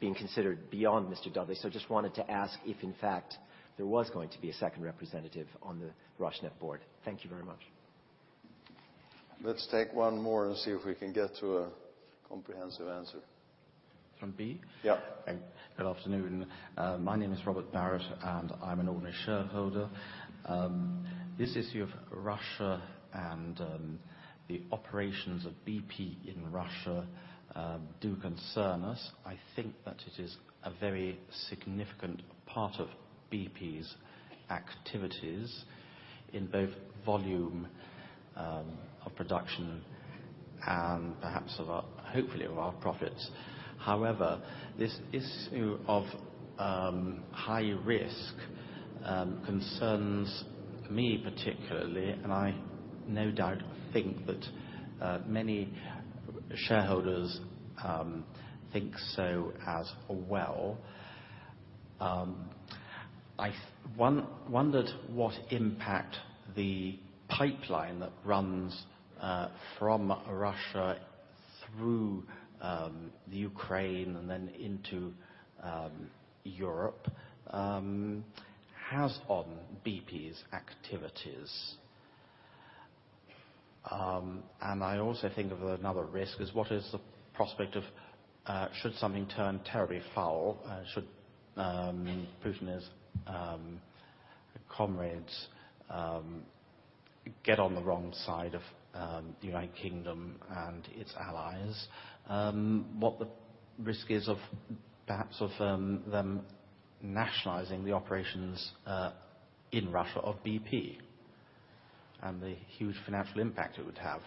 being considered beyond Mr. Dudley. Just wanted to ask if in fact there was going to be a second representative on the Rosneft board. Thank you very much. Let's take one more and see if we can get to a comprehensive answer. From B? Yeah. Good afternoon. My name is Robert Barrett, and I'm an ordinary shareholder. This issue of Russia and the operations of BP in Russia do concern us. I think that it is a very significant part of BP's activities in both volume of production and perhaps, hopefully, of our profits. This issue of high risk concerns me particularly, and I no doubt think that many shareholders think so as well. I wondered what impact the pipeline that runs from Russia through the Ukraine and then into Europe has on BP's activities. I also think of another risk is what is the prospect of should something turn terribly foul, should Vladimir Putin's comrades get on the wrong side of the United Kingdom and its allies, what the risk is of perhaps them nationalizing the operations in Russia of BP, and the huge financial impact it would have.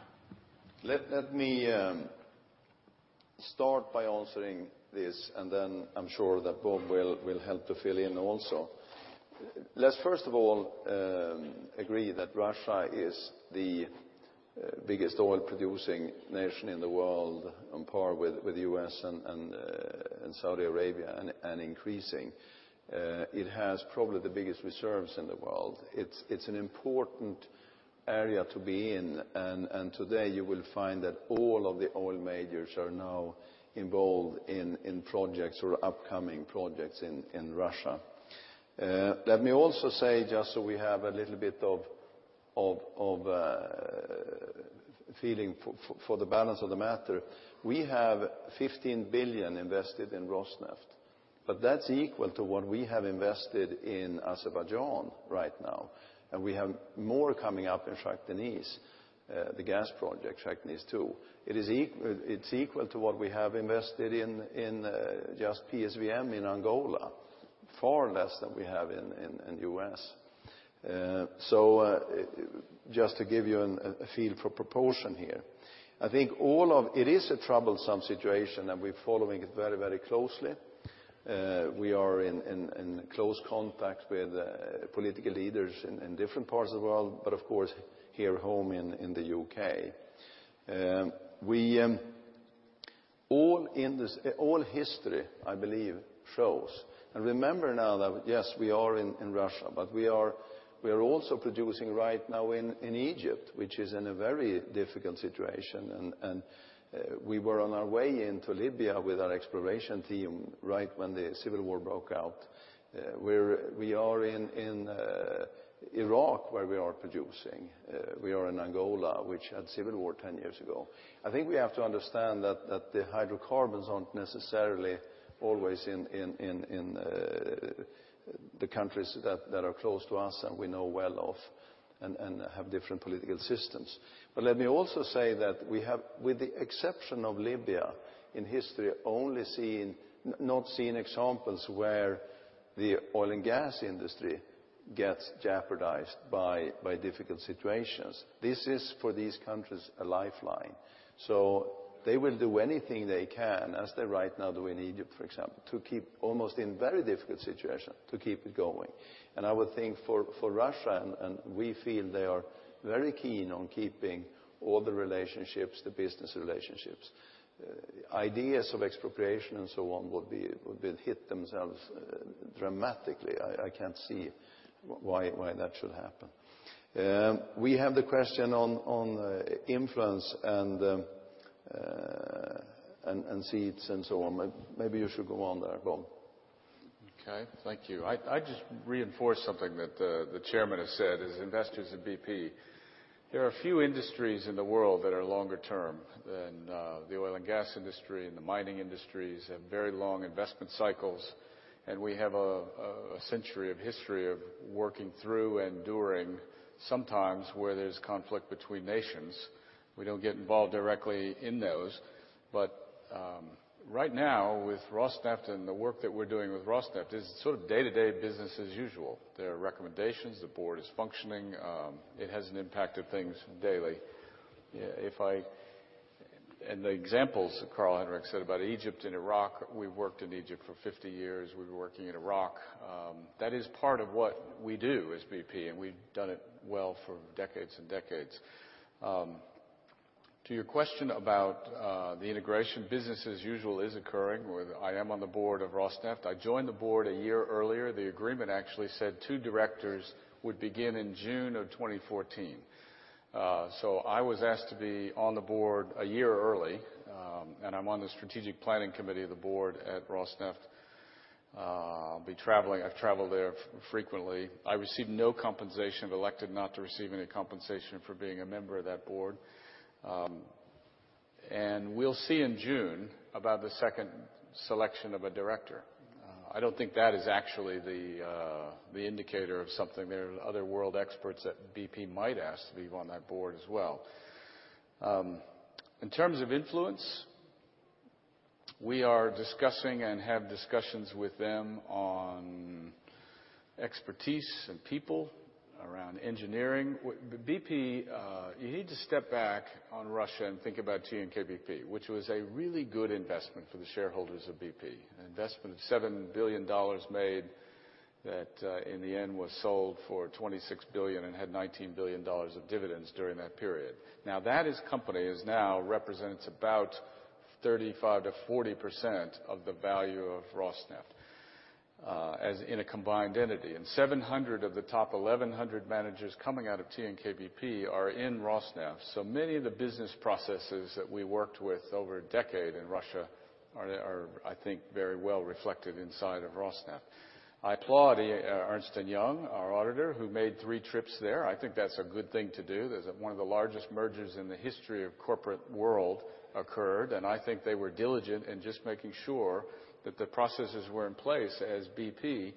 Let me start by answering this, and then I'm sure that Bob Dudley will help to fill in also. Let's first of all agree that Russia is the biggest oil-producing nation in the world, on par with U.S. and Saudi Arabia, and increasing. It has probably the biggest reserves in the world. It's an important area to be in. Today, you will find that all of the oil majors are now involved in projects or upcoming projects in Russia. Let me also say, just so we have a little bit of a feeling for the balance of the matter, we have 15 billion invested in Rosneft, but that's equal to what we have invested in Azerbaijan right now, and we have more coming up in Shah Deniz, the gas project, Shah Deniz 2. It's equal to what we have invested in just PSVM in Angola, far less than we have in U.S. Just to give you a feel for proportion here. I think it is a troublesome situation, and we're following it very, very closely. We are in close contact with political leaders in different parts of the world, but of course, here at home in the U.K. All history, I believe, shows, and remember now that, yes, we are in Russia, but we are also producing right now in Egypt, which is in a very difficult situation. We were on our way into Libya with our exploration team right when the civil war broke out. We are in Iraq, where we are producing. We are in Angola, which had civil war 10 years ago. I think we have to understand that the hydrocarbons aren't necessarily always in the countries that are close to us and we know well of and have different political systems. Let me also say that we have, with the exception of Libya, in history, only not seen examples where the oil and gas industry gets jeopardized by difficult situations. This is, for these countries, a lifeline. They will do anything they can, as they're right now doing in Egypt, for example, to keep almost in very difficult situation, to keep it going. I would think for Russia, and we feel they are very keen on keeping all the relationships, the business relationships. Ideas of expropriation and so on would hit themselves dramatically. I can't see why that should happen. We have the question on influence and seats and so on. Maybe you should go on there, Bob Dudley. Okay. Thank you. I just reinforce something that the chairman has said. As investors in BP, there are few industries in the world that are longer term than the oil and gas industry, and the mining industries have very long investment cycles, and we have a century of history of working through and during, sometimes, where there's conflict between nations. We don't get involved directly in those. Right now with Rosneft and the work that we're doing with Rosneft is sort of day-to-day business as usual. There are recommendations. The board is functioning. It hasn't impacted things daily. The examples that Carl-Henric Svanberg said about Egypt and Iraq, we've worked in Egypt for 50 years. We've been working in Iraq. That is part of what we do as BP, and we've done it well for decades and decades. To your question about the integration, business as usual is occurring, where I am on the board of Rosneft. I joined the board a year earlier. The agreement actually said two directors would begin in June of 2014. I was asked to be on the board a year early, and I'm on the strategic planning committee of the board at Rosneft. I'll be traveling. I've traveled there frequently. I receive no compensation. I've elected not to receive any compensation for being a member of that board. We'll see in June about the second selection of a director. I don't think that is actually the indicator of something. There are other world experts that BP might ask to be on that board as well. In terms of influence, we are discussing and have discussions with them on expertise and people around engineering. BP, you need to step back on Russia and think about TNK-BP, which was a really good investment for the shareholders of BP. An investment of $7 billion made that in the end was sold for $26 billion and had $19 billion of dividends during that period. That as company is now represents about 35%-40% of the value of Rosneft as in a combined entity, and 700 of the top 1,100 managers coming out of TNK-BP are in Rosneft. Many of the business processes that we worked with over a decade in Russia are, I think, very well reflected inside of Rosneft. I applaud Ernst & Young, our auditor, who made three trips there. I think that's a good thing to do. One of the largest mergers in the history of corporate world occurred, I think they were diligent in just making sure that the processes were in place as BP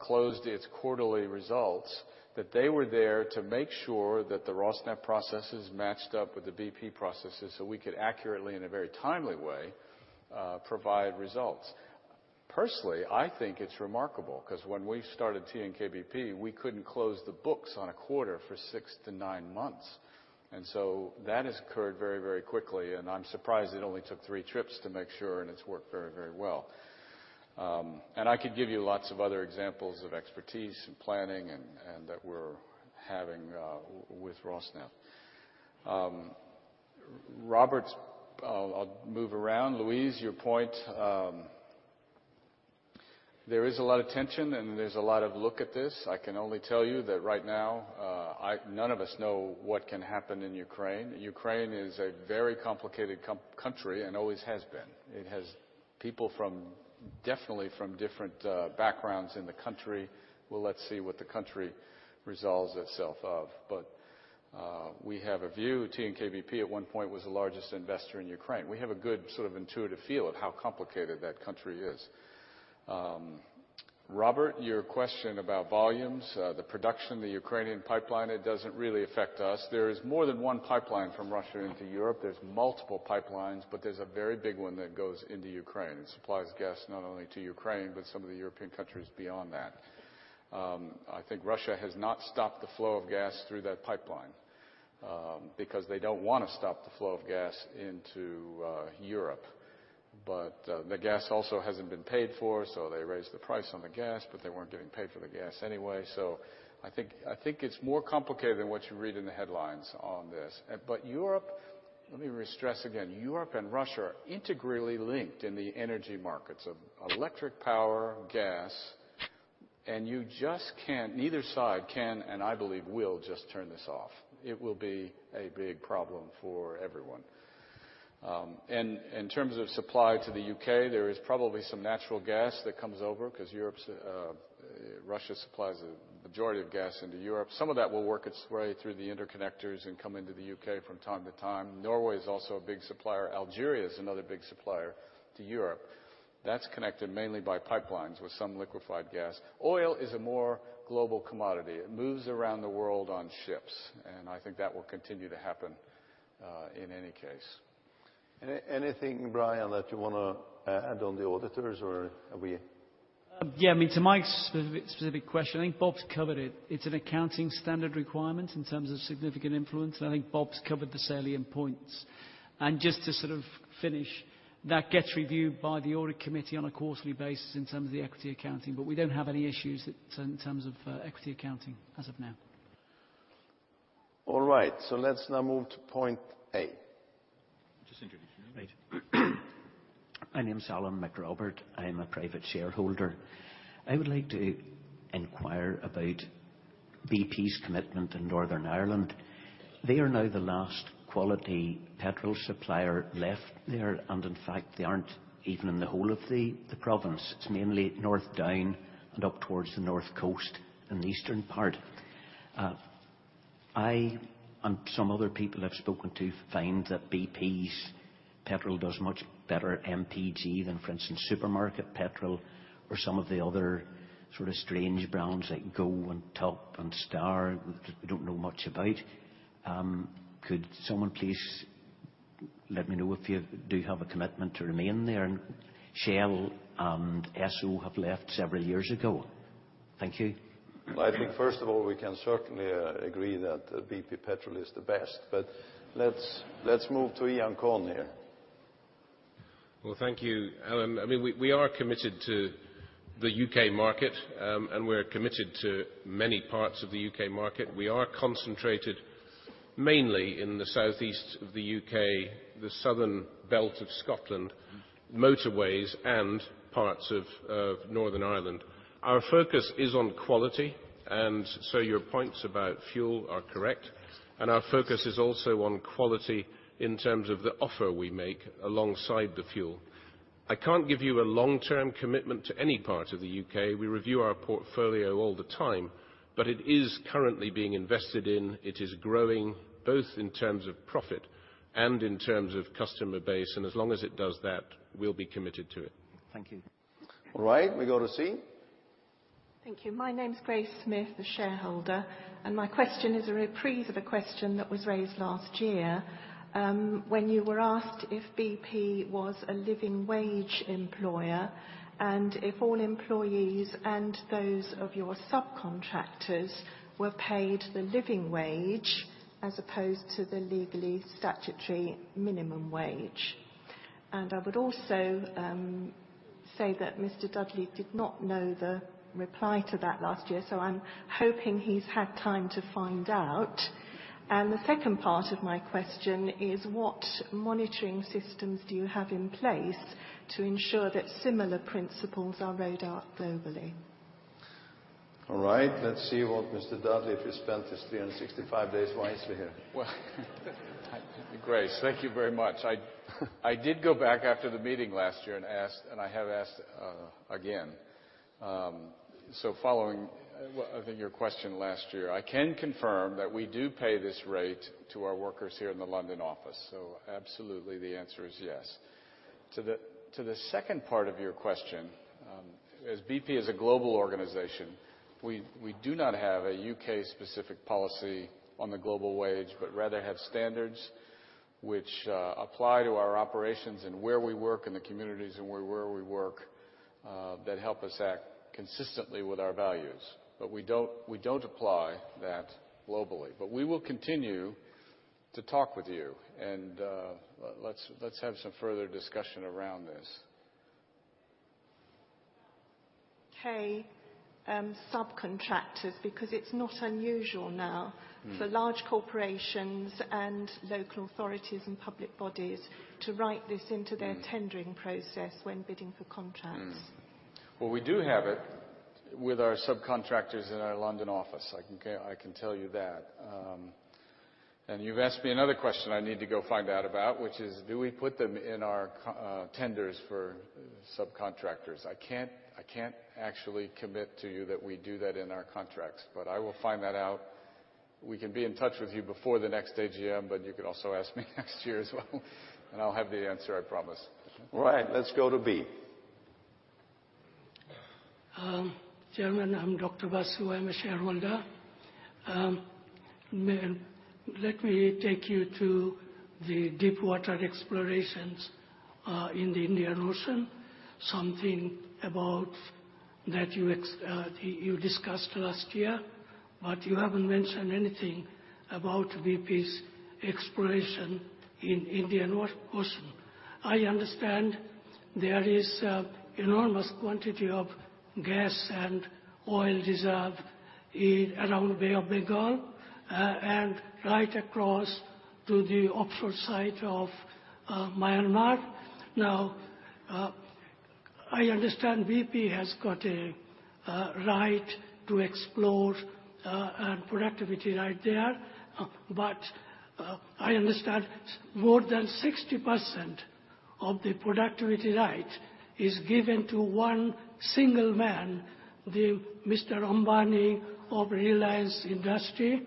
closed its quarterly results, that they were there to make sure that the Rosneft processes matched up with the BP processes so we could accurately, in a very timely way provide results. Personally, I think it's remarkable because when we started TNK-BP, we couldn't close the books on a quarter for six to nine months. That has occurred very quickly, and I'm surprised it only took three trips to make sure, and it's worked very well. I could give you lots of other examples of expertise and planning and that we're having with Rosneft. Robert, I'll move around. Louise, your point, there is a lot of tension and there's a lot of look at this. I can only tell you that right now, none of us know what can happen in Ukraine. Ukraine is a very complicated country and always has been. It has people definitely from different backgrounds in the country. Well, let's see what the country resolves itself of. We have a view. TNK-BP at one point was the largest investor in Ukraine. We have a good sort of intuitive feel of how complicated that country is. Robert, your question about volumes, the production, the Ukrainian pipeline, it doesn't really affect us. There is more than one pipeline from Russia into Europe. There's multiple pipelines, but there's a very big one that goes into Ukraine and supplies gas not only to Ukraine, but some of the European countries beyond that. I think Russia has not stopped the flow of gas through that pipeline because they don't want to stop the flow of gas into Europe. The gas also hasn't been paid for, they raised the price on the gas, they weren't getting paid for the gas anyway. I think it's more complicated than what you read in the headlines on this. Europe, let me stress again, Europe and Russia are integrally linked in the energy markets of electric power, gas, and you just can't, neither side can, and I believe will, just turn this off. It will be a big problem for everyone. In terms of supply to the U.K., there is probably some natural gas that comes over because Europe. Russia supplies a majority of gas into Europe. Some of that will work its way through the interconnectors and come into the U.K. from time to time. Norway is also a big supplier. Algeria is another big supplier to Europe. That's connected mainly by pipelines with some liquified gas. Oil is a more global commodity. It moves around the world on ships, and I think that will continue to happen in any case. Anything, Brian, that you want to add on the auditors? Yeah, to Mike's specific question, I think Bob's covered it. It's an accounting standard requirement in terms of significant influence, and I think Bob's covered the salient points. Just to finish, that gets reviewed by the audit committee on a quarterly basis in terms of the equity accounting. We don't have any issues in terms of equity accounting as of now. All right. Let's now move to point A. Just introduce yourself. Right. My name's Alan McRobert. I am a private shareholder. I would like to inquire about BP's commitment in Northern Ireland. They are now the last quality petrol supplier left there, and in fact, they aren't even in the whole of the province. It's mainly north down and up towards the north coast and the eastern part. I and some other people I've spoken to find that BP's petrol does much better MPG than, for instance, supermarket petrol or some of the other sort of strange brands like Go and Top and Star that we don't know much about. Could someone please let me know if you do have a commitment to remain there? Shell and Esso have left several years ago. Thank you. I think first of all, we can certainly agree that BP petrol is the best. Let's move to Iain Conn here. Well, thank you, Alan. We are committed to the U.K. market. We're committed to many parts of the U.K. market. We are concentrated mainly in the southeast of the U.K., the southern belt of Scotland, motorways, and parts of Northern Ireland. Our focus is on quality. Your points about fuel are correct. Our focus is also on quality in terms of the offer we make alongside the fuel. I can't give you a long-term commitment to any part of the U.K. We review our portfolio all the time. It is currently being invested in, it is growing, both in terms of profit and in terms of customer base. As long as it does that, we'll be committed to it. Thank you. All right, we go to C. Thank you. My name's Grace Smith, a shareholder, my question is a reprise of a question that was raised last year, when you were asked if BP was a living wage employer, and if all employees and those of your subcontractors were paid the living wage as opposed to the legally statutory minimum wage. I would also say that Mr. Dudley did not know the reply to that last year, so I'm hoping he's had time to find out. The second part of my question is what monitoring systems do you have in place to ensure that similar principles are rolled out globally? All right. Let's see what Mr. Dudley, if he spent his 365 days wisely here. Grace, thank you very much. I did go back after the meeting last year and asked, and I have asked again. Following I think your question last year, I can confirm that we do pay this rate to our workers here in the London office. Absolutely, the answer is yes. To the second part of your question, as BP is a global organization, we do not have a U.K.-specific policy on the global wage, rather have standards which apply to our operations and where we work in the communities and where we work, that help us act consistently with our values. We don't apply that globally. We will continue to talk with you, and let's have some further discussion around this. Okay, subcontractors, because it's not unusual now for large corporations and local authorities and public bodies to write this into their tendering process when bidding for contracts. Well, we do have it with our subcontractors in our London office. I can tell you that. You've asked me another question I need to go find out about, which is, do we put them in our tenders for subcontractors? I can't actually commit to you that we do that in our contracts, but I will find that out. We can be in touch with you before the next AGM, but you can also ask me next year as well, and I'll have the answer, I promise. All right. Let's go to B. Chairman, I'm Dr. Basu. I'm a shareholder. Let me take you to the deep water explorations in the Indian Ocean, something about that you discussed last year. You haven't mentioned anything about BP's exploration in Indian Ocean. I understand there is enormous quantity of gas and oil reserve around Bay of Bengal and right across to the offshore site of Myanmar. I understand BP has got a right to explore productivity right there. I understand more than 60% of the productivity right is given to one single man, the Mr. Ambani of Reliance Industries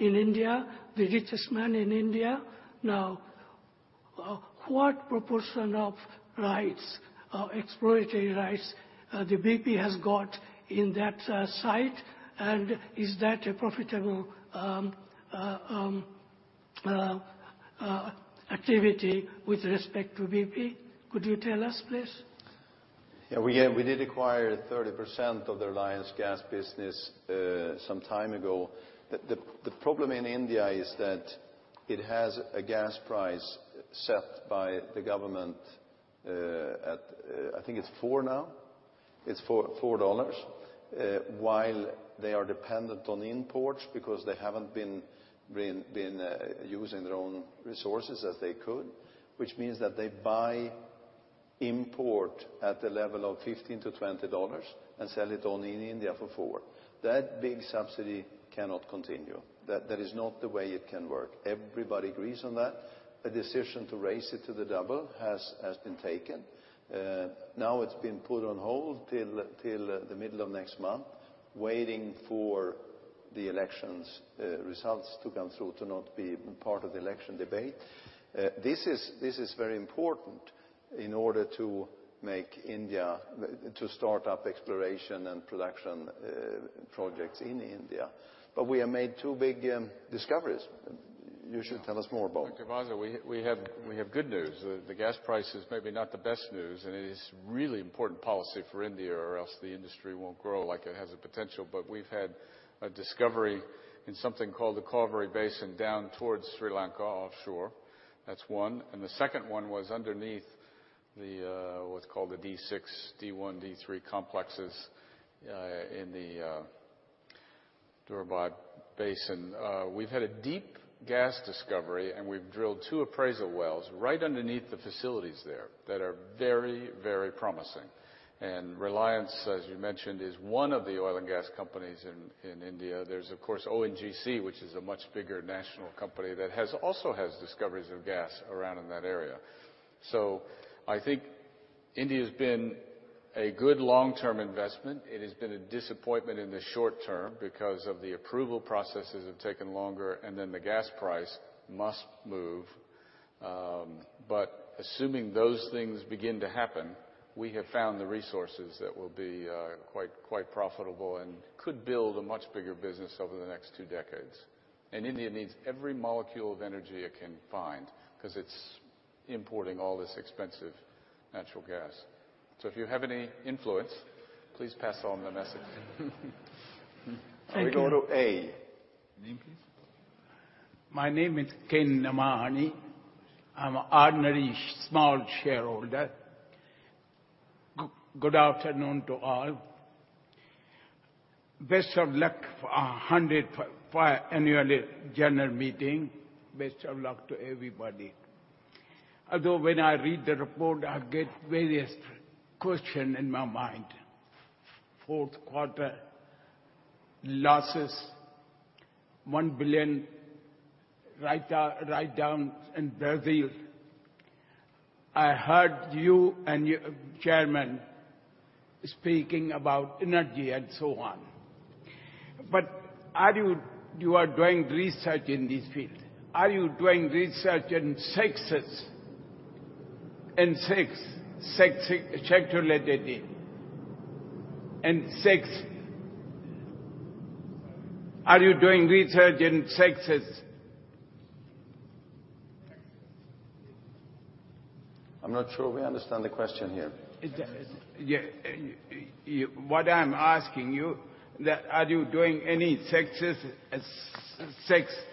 in India, the richest man in India. What proportion of rights, of exploratory rights, BP has got in that site? Is that a profitable activity with respect to BP? Could you tell us, please? Yeah. We did acquire 30% of the Reliance gas business some time ago. The problem in India is that it has a gas price set by the government at, I think it's four now. It's $4. While they are dependent on imports because they haven't been using their own resources as they could, which means that they buy import at the level of $15-$20 and sell it only in India for $4. That big subsidy cannot continue. That is not the way it can work. Everybody agrees on that. A decision to raise it to the double has been taken. It's been put on hold till the middle of next month, waiting for the elections results to come through, to not be part of the election debate. This is very important in order to start up exploration and production projects in India. We have made two big discoveries you should tell us more about. Dr. Basu, we have good news. The gas price is maybe not the best news, and it is really important policy for India, or else the industry won't grow like it has the potential. We've had a discovery in something called the Cauvery Basin down towards Sri Lanka offshore. That's one. The second one was underneath what's called the D6, D1, D3 complexes in the Krishna Godavari Basin. We've had a deep gas discovery, and we've drilled two appraisal wells right underneath the facilities there that are very promising. Reliance, as you mentioned, is one of the oil and gas companies in India. There's, of course, ONGC, which is a much bigger national company that also has discoveries of gas around in that area. I think India's been a good long-term investment. It has been a disappointment in the short term because of the approval processes have taken longer, and then the gas price must move. Assuming those things begin to happen, we have found the resources that will be quite profitable and could build a much bigger business over the next two decades. India needs every molecule of energy it can find because it's importing all this expensive natural gas. If you have any influence, please pass on the message. Thank you. We go to A. Name, please? My name is Ken Namani. I'm ordinary small shareholder. Good afternoon to all. Best of luck for our 100 annual general meeting. Best of luck to everybody. When I read the report, I get various question in my mind. Fourth quarter losses, GBP 1 billion write down in Brazil. I heard you and your Chairman speaking about energy and so on. You are doing research in this field. Are you doing research in sexes and sex sexuality and sex? Are you doing research in sexes? I'm not sure we understand the question here. What I'm asking you, are you doing any sexes, sex? Could be just the seismic research. Yeah.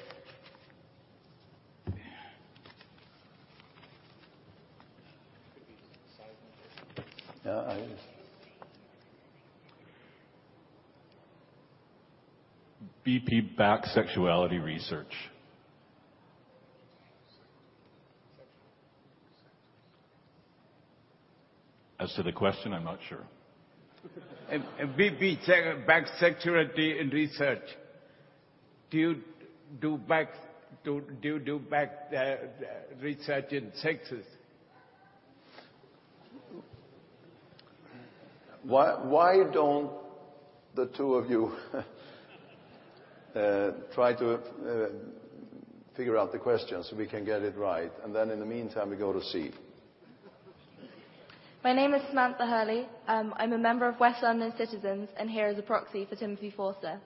BP backs sexuality research. Sexual. Sexuality. As to the question, I'm not sure. BP backs sexuality in research. Do you back the research in sexes? Why don't the two of you try to figure out the question so we can get it right? In the meantime, we go to C. My name is Samantha Hurley. I'm a member of West London Citizens, and here as a proxy for Timothy Forster.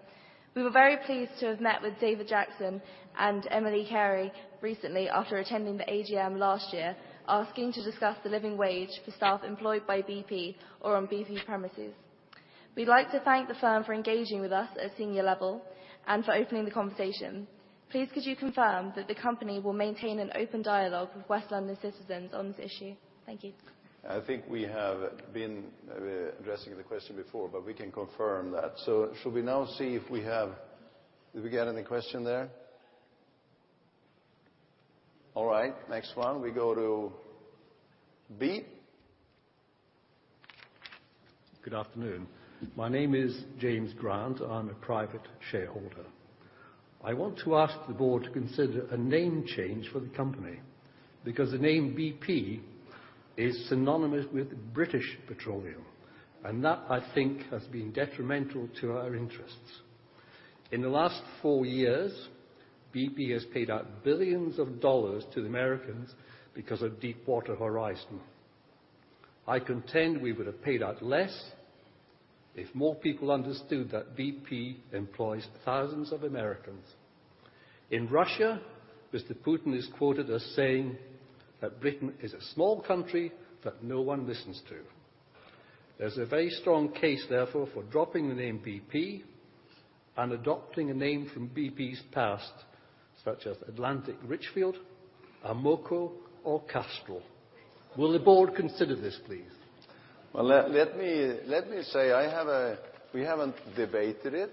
We were very pleased to have met with David Jackson and Emily Carey recently after attending the AGM last year, asking to discuss the living wage for staff employed by BP or on BP premises. We'd like to thank the firm for engaging with us at senior level and for opening the conversation. Please could you confirm that the company will maintain an open dialogue with West London Citizens on this issue? Thank you. I think we have been addressing the question before, but we can confirm that. Should we now see if we have any question there? All right, next one, we go to B. Good afternoon. My name is James Grant. I am a private shareholder. I want to ask the board to consider a name change for the company, because the name BP is synonymous with British Petroleum, and that, I think, has been detrimental to our interests. In the last 4 years, BP has paid out billions of dollars to the Americans because of Deepwater Horizon. I contend we would have paid out less if more people understood that BP employs thousands of Americans. In Russia, Mr. Putin is quoted as saying that Britain is a small country that no one listens to. There is a very strong case, therefore, for dropping the name BP and adopting a name from BP's past, such as Atlantic Richfield, Amoco, or Castrol. Will the board consider this, please? Well, let me say we haven't debated it,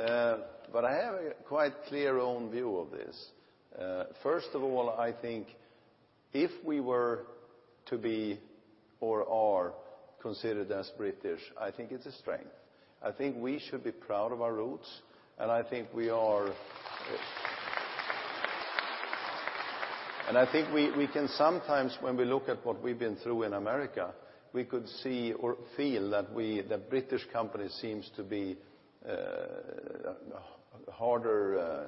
I have a quite clear own view of this. First of all, I think if we were to be or are considered as British, I think it is a strength. I think we should be proud of our roots, and I think we can sometimes, when we look at what we've been through in America, we could see or feel that British company seems to be harder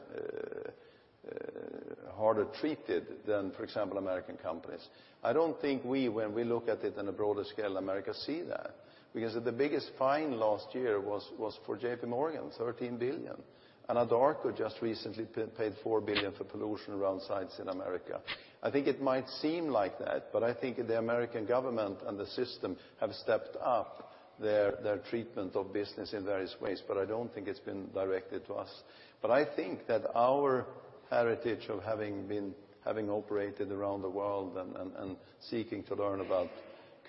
treated than, for example, American companies. I don't think we, when we look at it on a broader scale in America, see that, the biggest fine last year was for JPMorgan, $13 billion. Anadarko just recently paid $4 billion for pollution around sites in America. I think it might seem like that, I think the American government and the system have stepped up their treatment of business in various ways, I don't think it has been directed to us. I think that our heritage of having operated around the world and seeking to learn about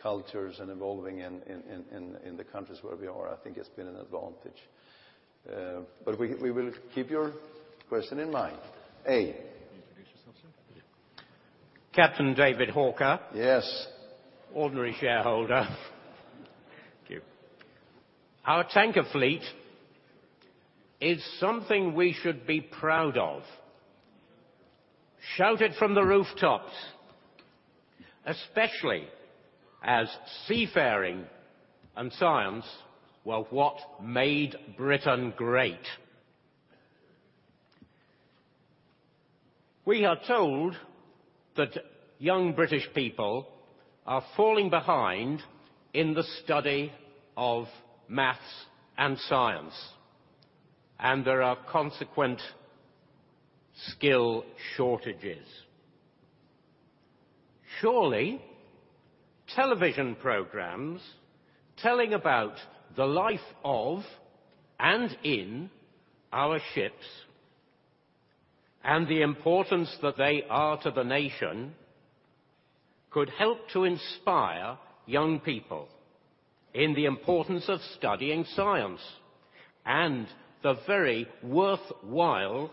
cultures and evolving in the countries where we are, I think has been an advantage. We will keep your question in mind. A. Introduce yourself, sir. Captain David Hawker. Yes. Ordinary shareholder. Thank you. Our tanker fleet is something we should be proud of. Shout it from the rooftops, especially as seafaring and science were what made Britain great. We are told that young British people are falling behind in the study of math and science, and there are consequent skill shortages. Surely television programs telling about the life of and in our ships and the importance that they are to the nation could help to inspire young people in the importance of studying science and the very worthwhile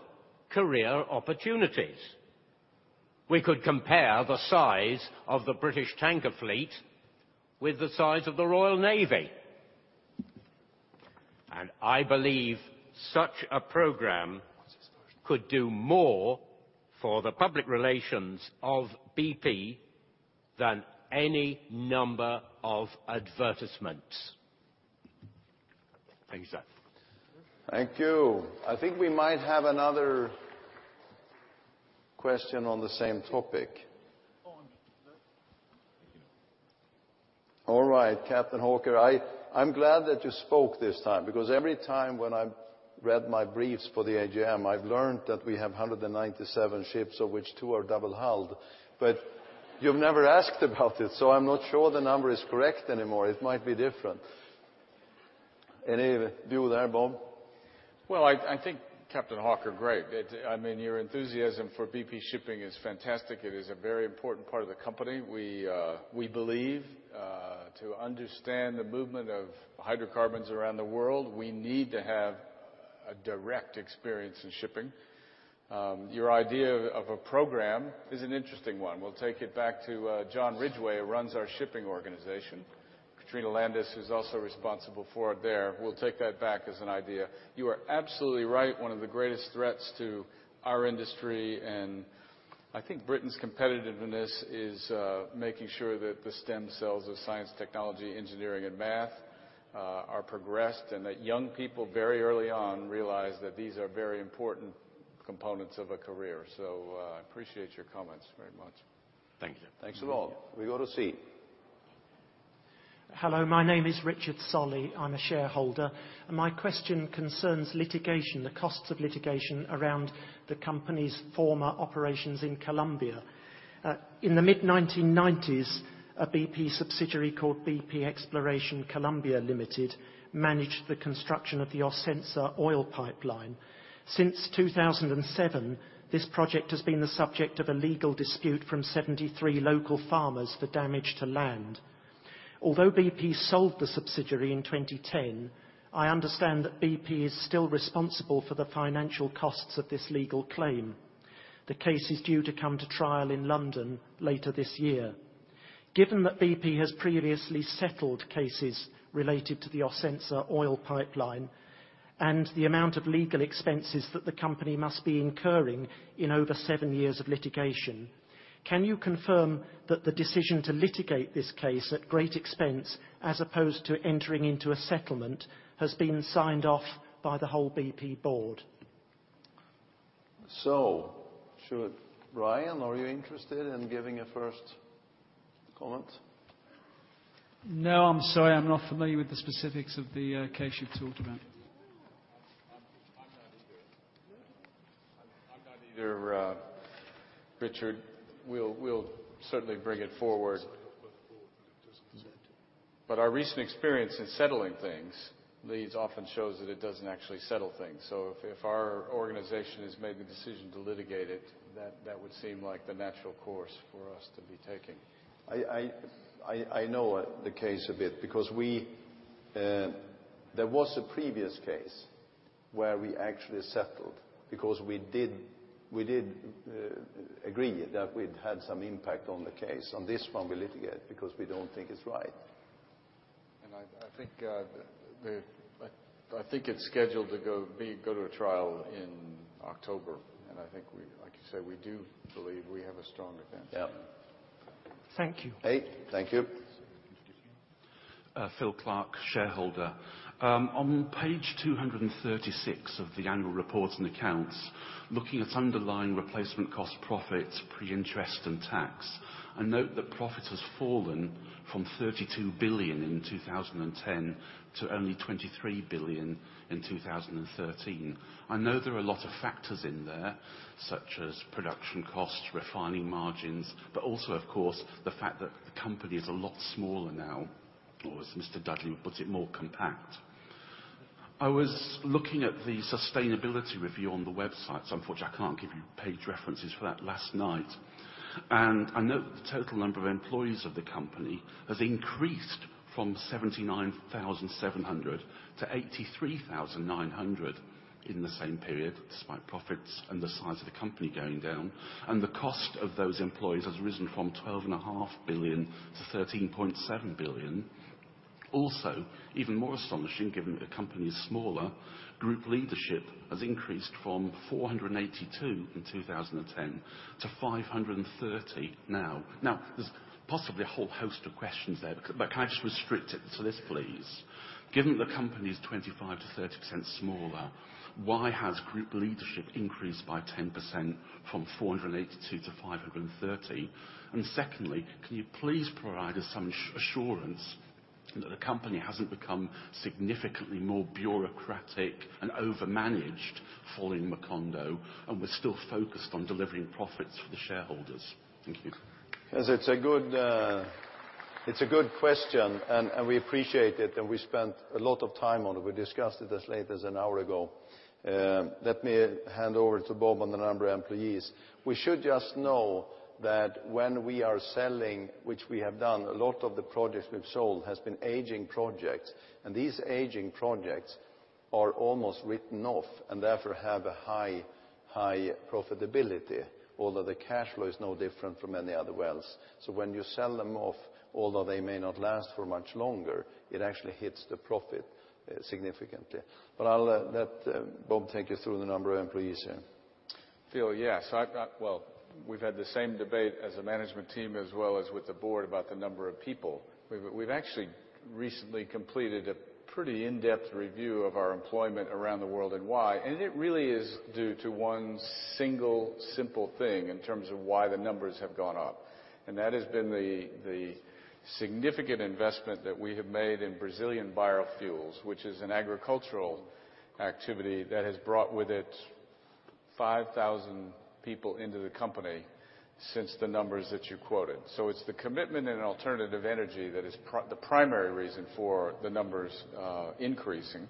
career opportunities. We could compare the size of the British tanker fleet with the size of the Royal Navy. I believe such a program could do more for the public relations of BP than any number of advertisements. Thank you, sir. Thank you. I think we might have another question on the same topic. Go on. All right, Captain Hawker, I'm glad that you spoke this time because every time when I read my briefs for the AGM, I've learned that we have 197 ships, of which two are double hulled. You've never asked about it, so I'm not sure the number is correct anymore. It might be different. Any view there, Bob? Well, I think Captain Hawker, great. I mean, your enthusiasm for BP Shipping is fantastic. It is a very important part of the company. We believe to understand the movement of hydrocarbons around the world, we need to have a direct experience in shipping. Your idea of a program is an interesting one. We'll take it back to John Ridgway, who runs our shipping organization. Katrina Landis, who's also responsible for it there. We'll take that back as an idea. You are absolutely right. One of the greatest threats to our industry, and I think Britain's competitiveness is making sure that the stem cells of science, technology, engineering, and math are progressed and that young people very early on realize that these are very important components of a career. I appreciate your comments very much. Thank you. Thanks a lot. We go to C. Hello, my name is Richard Solly. I'm a shareholder. My question concerns litigation, the costs of litigation around the company's former operations in Colombia. A BP subsidiary called BP Exploration Colombia Limited managed the construction of the Ocensa oil pipeline. Since 2007, this project has been the subject of a legal dispute from 73 local farmers for damage to land. Although BP sold the subsidiary in 2010, I understand that BP is still responsible for the financial costs of this legal claim. The case is due to come to trial in London later this year. Given that BP has previously settled cases related to the Ocensa oil pipeline, and the amount of legal expenses that the company must be incurring in over seven years of litigation, can you confirm that the decision to litigate this case at great expense, as opposed to entering into a settlement, has been signed off by the whole BP board? Brian, are you interested in giving a first comment? No, I'm sorry. I'm not familiar with the specifics of the case you talked about. I'm not either. I'm not either. Richard, we'll certainly bring it forward. It's not before the board, and it doesn't present. Our recent experience in settling things, these often shows that it doesn't actually settle things. If our organization has made the decision to litigate it, that would seem like the natural course for us to be taking. I know the case a bit, because there was a previous case where we actually settled, because we did agree that we'd had some impact on the case. On this one, we litigate because we don't think it's right. I think it's scheduled to go to a trial in October, and I think we, like you say, we do believe we have a strong defense. Yep. Thank you. Thank you. Phil Clark, shareholder. On page 236 of the annual report and accounts, looking at underlying replacement cost profits pre-interest and tax, I note that profit has fallen from $32 billion in 2010 to only $23 billion in 2013. I know there are a lot of factors in there, such as production cost, refining margins, but also, of course, the fact that the company is a lot smaller now, or, as Mr. Dudley put it, more compact. I was looking at the sustainability review on the website, so unfortunately I can't give you page references for that last night. I note the total number of employees of the company has increased from 79,700 to 83,900 in the same period, despite profits and the size of the company going down, and the cost of those employees has risen from $12.5 billion to $13.7 billion. Even more astonishing given that the company is smaller, group leadership has increased from 482 in 2010 to 530 now. There's possibly a whole host of questions there, but can I just restrict it to this, please? Given that the company is 25%-30% smaller, why has group leadership increased by 10% from 482 to 530? Secondly, can you please provide us some assurance that the company hasn't become significantly more bureaucratic and over-managed following Macondo, and we're still focused on delivering profits for the shareholders? Thank you. Yes, it's a good question, and we appreciate it, and we spent a lot of time on it. We discussed it as late as an hour ago. Let me hand over to Bob on the number of employees. We should just know that when we are selling, which we have done, a lot of the projects we've sold has been aging projects, and these aging projects are almost written off and therefore have a high profitability, although the cash flow is no different from any other wells. When you sell them off, although they may not last for much longer, it actually hits the profit significantly. I'll let Bob take you through the number of employees. Phil, yes. We've had the same debate as a management team as well as with the board about the number of people. We've actually recently completed a pretty in-depth review of our employment around the world and why, and it really is due to one single simple thing in terms of why the numbers have gone up, and that has been the significant investment that we have made in Brazilian biofuels, which is an agricultural activity that has brought with it 5,000 people into the company since the numbers that you quoted. It's the commitment in alternative energy that is the primary reason for the numbers increasing.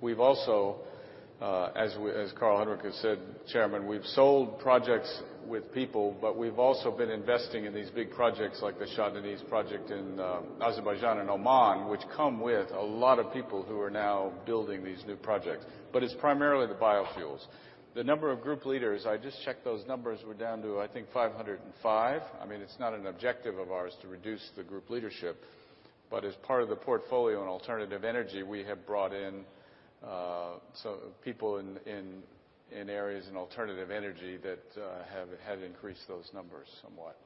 We've also, as Carl-Henric has said, Chairman, we've sold projects with people, but we've also been investing in these big projects like the Shah Deniz project in Azerbaijan and Oman, which come with a lot of people who are now building these new projects. It's primarily the biofuels. The number of group leaders, I just checked those numbers. We're down to, I think, 505. It's not an objective of ours to reduce the group leadership. As part of the portfolio in alternative energy, we have brought in people in areas in alternative energy that have increased those numbers somewhat.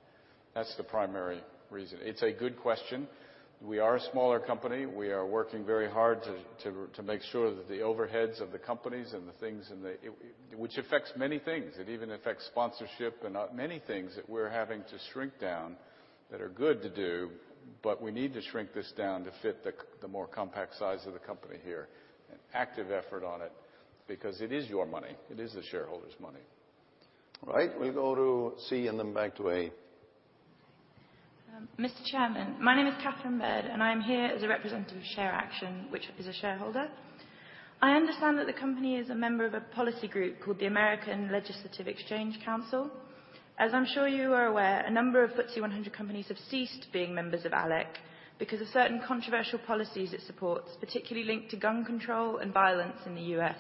That's the primary reason. It's a good question. We are a smaller company. We are working very hard to make sure that the overheads of the companies and which affects many things. It even affects sponsorship and many things that we're having to shrink down that are good to do, but we need to shrink this down to fit the more compact size of the company here. An active effort on it because it is your money. It is the shareholders' money. Right. We'll go to C and then back to A. Mr. Chairman, my name is Catherine Bird. I am here as a representative of ShareAction, which is a shareholder. I understand that the company is a member of a policy group called the American Legislative Exchange Council. As I'm sure you are aware, a number of FTSE 100 companies have ceased being members of ALEC because of certain controversial policies it supports, particularly linked to gun control and violence in the U.S.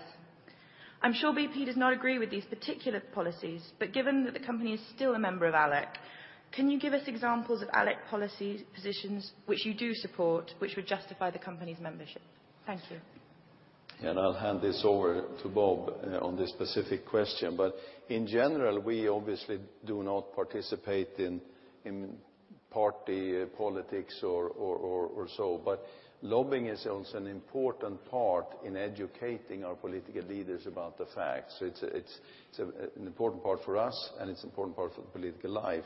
I'm sure BP does not agree with these particular policies. Given that the company is still a member of ALEC, can you give us examples of ALEC policy positions which you do support, which would justify the company's membership? Thank you. I'll hand this over to Bob on this specific question. In general, we obviously do not participate in party politics or so. Lobbying is also an important part in educating our political leaders about the facts. It's an important part for us. It's an important part for the political life.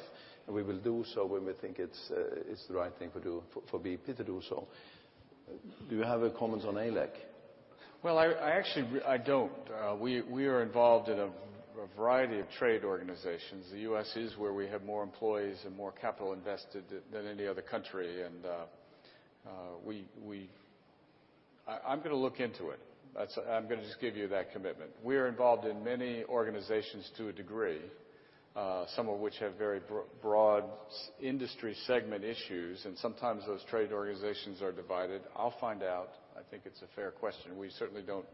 We will do so when we think it's the right thing for BP to do so. Do you have any comments on ALEC? Well, I actually don't. We are involved in a variety of trade organizations. The U.S. is where we have more employees and more capital invested than any other country. I'm going to look into it. I'm going to just give you that commitment. We're involved in many organizations to a degree, some of which have very broad industry segment issues. Sometimes those trade organizations are divided. I'll find out. I think it's a fair question. We certainly don't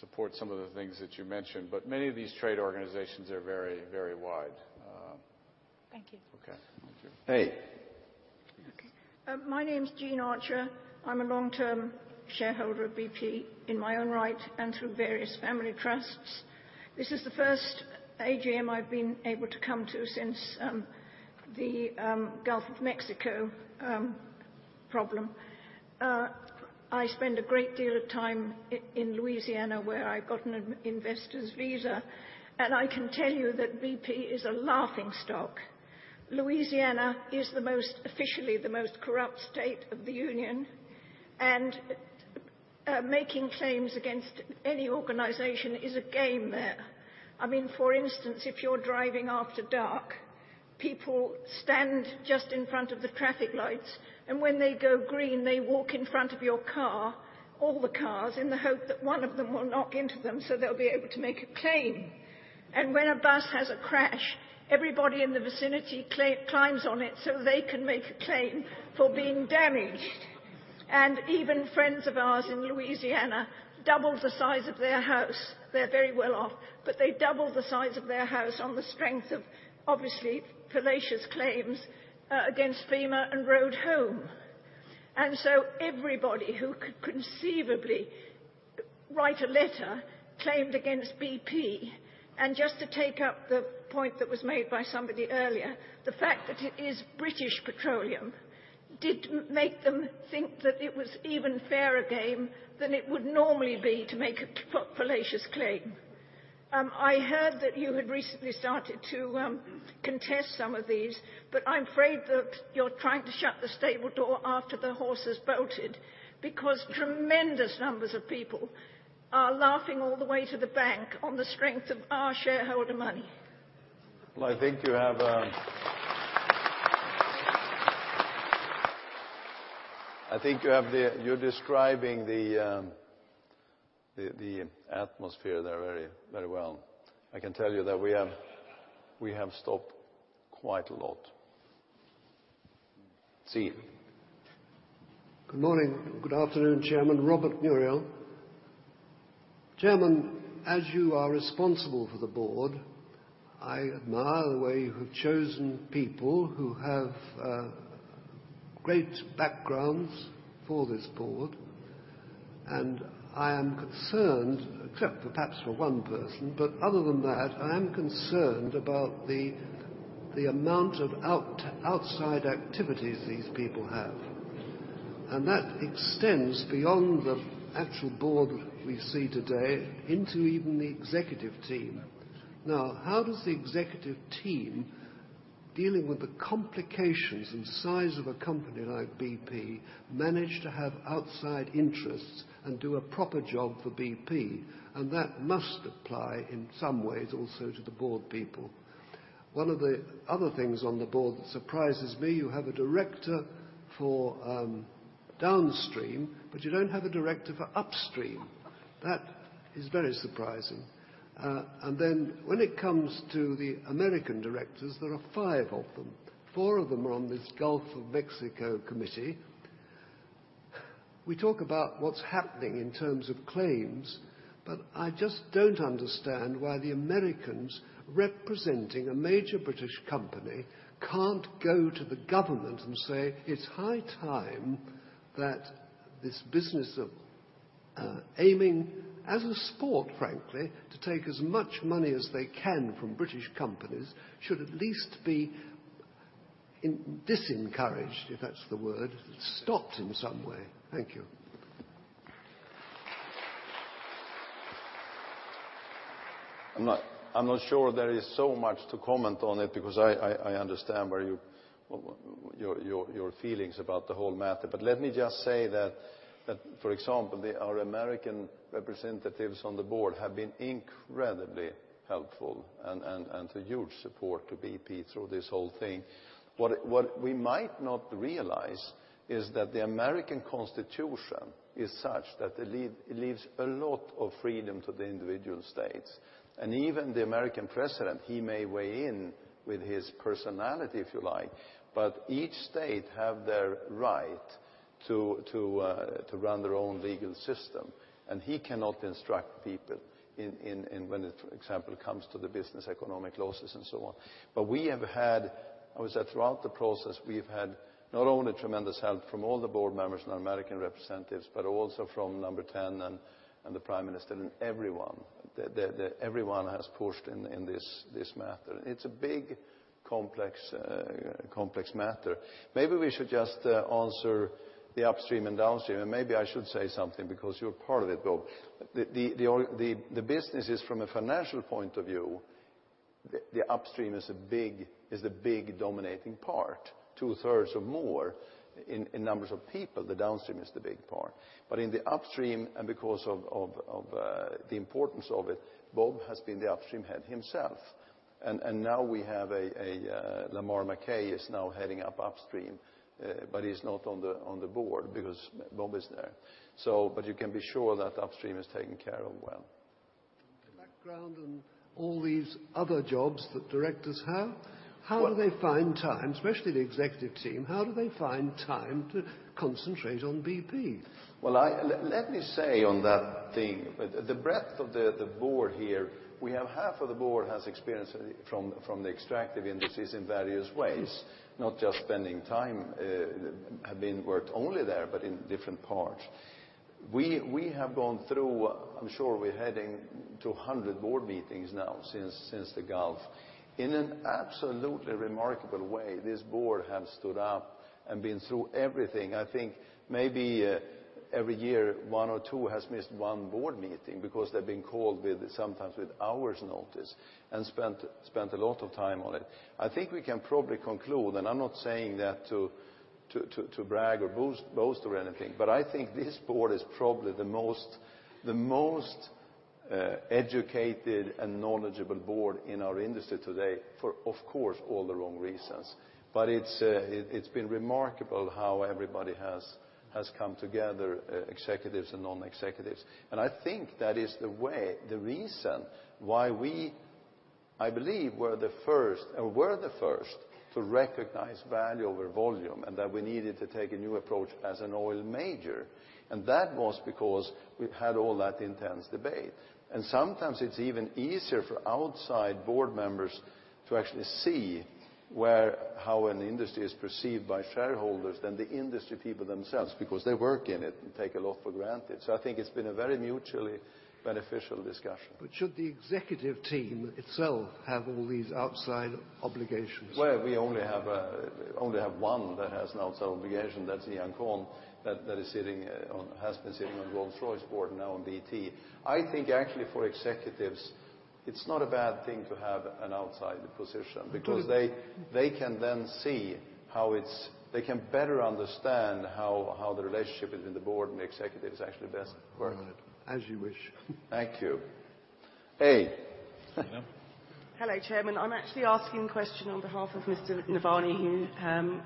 support some of the things that you mentioned. Many of these trade organizations are very wide. Thank you. Okay. Thank you. Okay. My name's Jean Archer. I'm a long-term shareholder of BP, in my own right and through various family trusts. This is the first AGM I've been able to come to since the Gulf of Mexico problem. I spend a great deal of time in Louisiana, where I got an investor's visa, and I can tell you that BP is a laughing stock. Louisiana is officially the most corrupt state of the Union, and making claims against any organization is a game there. I mean, for instance, if you're driving after dark, people stand just in front of the traffic lights, and when they go green, they walk in front of your car, all the cars, in the hope that one of them will knock into them so they'll be able to make a claim. When a bus has a crash, everybody in the vicinity claims on it so they can make a claim for being damaged. Even friends of ours in Louisiana doubled the size of their house. They're very well off, but they doubled the size of their house on the strength of obviously fallacious claims against FEMA and Road Home. Everybody who could conceivably write a letter claimed against BP. Just to take up the point that was made by somebody earlier, the fact that it is British Petroleum did make them think that it was even fairer game than it would normally be to make a fallacious claim. I heard that you had recently started to contest some of these. I'm afraid that you're trying to shut the stable door after the horse has bolted because tremendous numbers of people are laughing all the way to the bank on the strength of our shareholder money. I think you're describing the atmosphere there very well. I can tell you that we have stopped quite a lot. Good morning, good afternoon, Chairman Robert Murrell. Chairman, as you are responsible for the board, I admire the way you have chosen people who have great backgrounds for this board. I am concerned, except for perhaps for one person. Other than that, I am concerned about the amount of outside activities these people have. That extends beyond the actual board we see today into even the executive team. How does the executive team, dealing with the complications and size of a company like BP, manage to have outside interests and do a proper job for BP? That must apply in some ways also to the board people. One of the other things on the board that surprises me, you have a director for downstream, but you don't have a director for upstream. That is very surprising. When it comes to the American directors, there are five of them. Four of them are on this Gulf of Mexico committee. We talk about what's happening in terms of claims. I just don't understand why the Americans representing a major British company can't go to the government and say, "It's high time that this business of aiming as a sport, frankly, to take as much money as they can from British companies should at least be disencouraged," if that's the word, stopped in some way. Thank you. I'm not sure there is so much to comment on it, because I understand your feelings about the whole matter. Let me just say that, for example, our American representatives on the board have been incredibly helpful and a huge support to BP through this whole thing. What we might not realize is that the American Constitution is such that it leaves a lot of freedom to the individual states. Even the American president, he may weigh in with his personality, if you like, but each state have their right to run their own legal system, and he cannot instruct people when it, for example, comes to the business economic losses and so on. We have had, as I said, throughout the process, we've had not only tremendous help from all the board members and our American representatives, but also from Number 10 and the Prime Minister, and everyone. Everyone has pushed in this matter. It's a big, complex matter. Maybe we should just answer the Upstream and Downstream, and maybe I should say something because you're part of it, Bob. The business is from a financial point of view, the Upstream is the big dominating part, two-thirds or more. In numbers of people, the Downstream is the big part. In the Upstream, and because of the importance of it, Bob has been the Upstream head himself. Now we have Lamar McKay is now heading up Upstream, but he's not on the board because Bob is there. You can be sure that Upstream is taken care of well. The background and all these other jobs that directors have Well- How do they find time, especially the executive team, how do they find time to concentrate on BP? Well, let me say on that thing, the breadth of the board here, we have half of the board has experience from the extractive industries in various ways, not just spending time, have been worked only there, but in different parts. We have gone through, I'm sure we're heading to 100 board meetings now since the Gulf. In an absolutely remarkable way, this board has stood up and been through everything. I think maybe every year, one or two has missed one board meeting because they're being called sometimes with hours notice and spent a lot of time on it. I think we can probably conclude, and I'm not saying that to brag or boast or anything, but I think this board is probably the most educated and knowledgeable board in our industry today for, of course, all the wrong reasons. It's been remarkable how everybody has come together, executives and non-executives. I think that is the way, the reason why we, I believe, were the first to recognize value over volume, and that we needed to take a new approach as an oil major. That was because we've had all that intense debate. Sometimes it's even easier for outside board members to actually see how an industry is perceived by shareholders than the industry people themselves, because they work in it and take a lot for granted. I think it's been a very mutually beneficial discussion. Should the executive team itself have all these outside obligations? Well, we only have one that has an outside obligation. That's Iain Conn, that has been sitting on Rolls-Royce board, now on BT. I think actually for executives, it's not a bad thing to have an outside position because. Good They can better understand how the relationship between the board and the executives actually best works. As you wish. Thank you. Hello, Chairman. I'm actually asking the question on behalf of Mr. Navani, who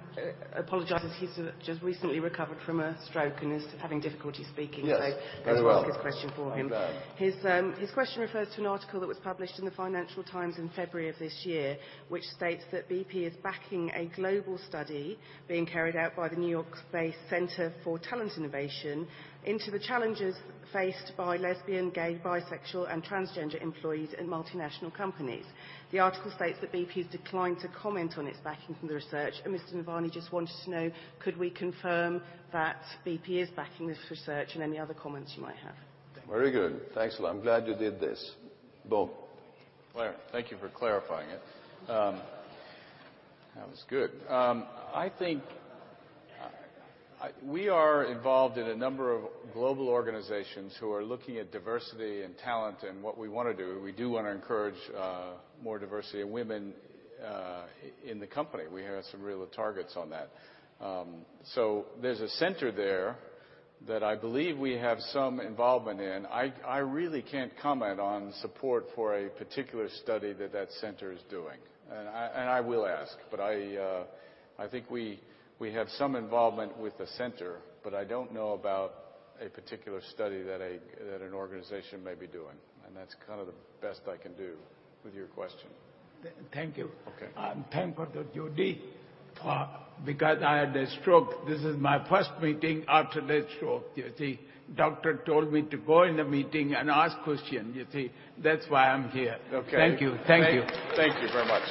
apologizes. He's just recently recovered from a stroke and is having difficulty speaking. Yes. Very well. I'm going to ask his question for him. I'm glad. His question refers to an article that was published in the Financial Times in February of this year, which states that BP is backing a global study being carried out by the New York-based Center for Talent Innovation into the challenges faced by lesbian, gay, bisexual, and transgender employees in multinational companies. The article states that BP has declined to comment on its backing from the research, and Mr. Navani just wanted to know, could we confirm that BP is backing this research and any other comments you might have? Very good. Thanks a lot. I'm glad you did this. Bob. Carl, thank you for clarifying it. That was good. I think we are involved in a number of global organizations who are looking at diversity and talent and what we want to do, we do want to encourage more diversity of women in the company. We have some real targets on that. There's a center there that I believe we have some involvement in. I really can't comment on support for a particular study that that center is doing. I will ask, but I think we have some involvement with the center, but I don't know about a particular study that an organization may be doing. That's kind of the best I can do with your question. Thank you. Okay. I'm thankful to Judy, because I had a stroke. This is my first meeting after that stroke. You see, doctor told me to go in the meeting and ask question, you see. That's why I'm here. Okay. Thank you. Thank you very much.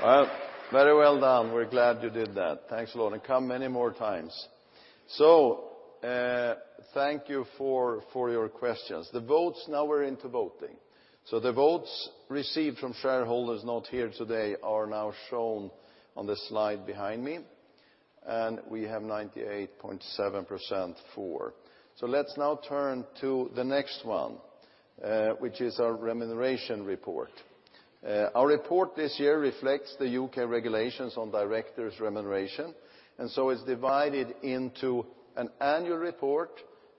Well, very well done. We're glad you did that. Thanks a lot, and come many more times. Thank you for your questions. The votes, now we're into voting. The votes received from shareholders not here today are now shown on the slide behind me. We have 98.7% for. Let's now turn to the next one, which is our remuneration report. Our report this year reflects the U.K. regulations on directors' remuneration. It's divided into an annual report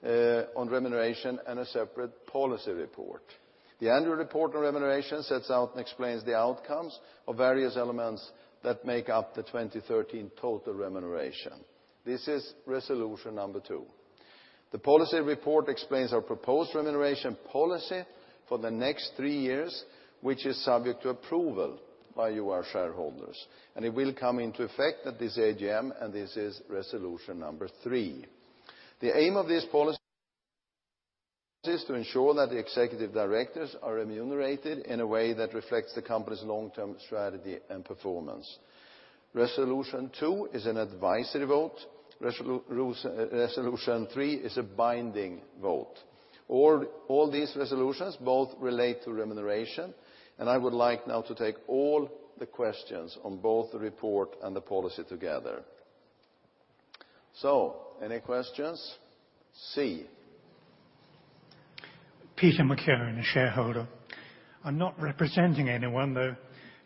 on remuneration and a separate policy report. The annual report on remuneration sets out and explains the outcomes of various elements that make up the 2013 total remuneration. This is resolution number two. The policy report explains our proposed remuneration policy for the next three years, which is subject to approval by you, our shareholders, and it will come into effect at this AGM, and this is resolution number three. The aim of this policy is to ensure that the executive directors are remunerated in a way that reflects the company's long-term strategy and performance. Resolution two is an advisory vote. Resolution three is a binding vote. All these resolutions both relate to remuneration, and I would like now to take all the questions on both the report and the policy together. Any questions? C. Peter McCarron, a shareholder. I'm not representing anyone, though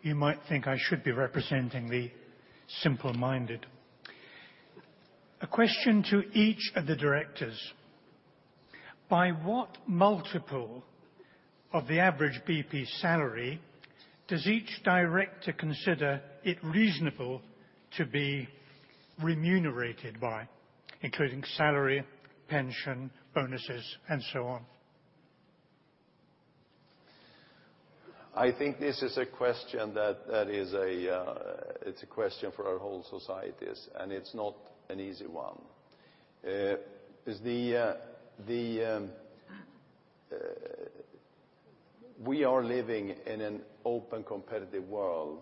you might think I should be representing the simple-minded. A question to each of the directors. By what multiple of the average BP salary does each director consider it reasonable to be remunerated by, including salary, pension, bonuses, and so on? I think this is a question that is a question for our whole societies. It's not an easy one. We are living in an open, competitive world,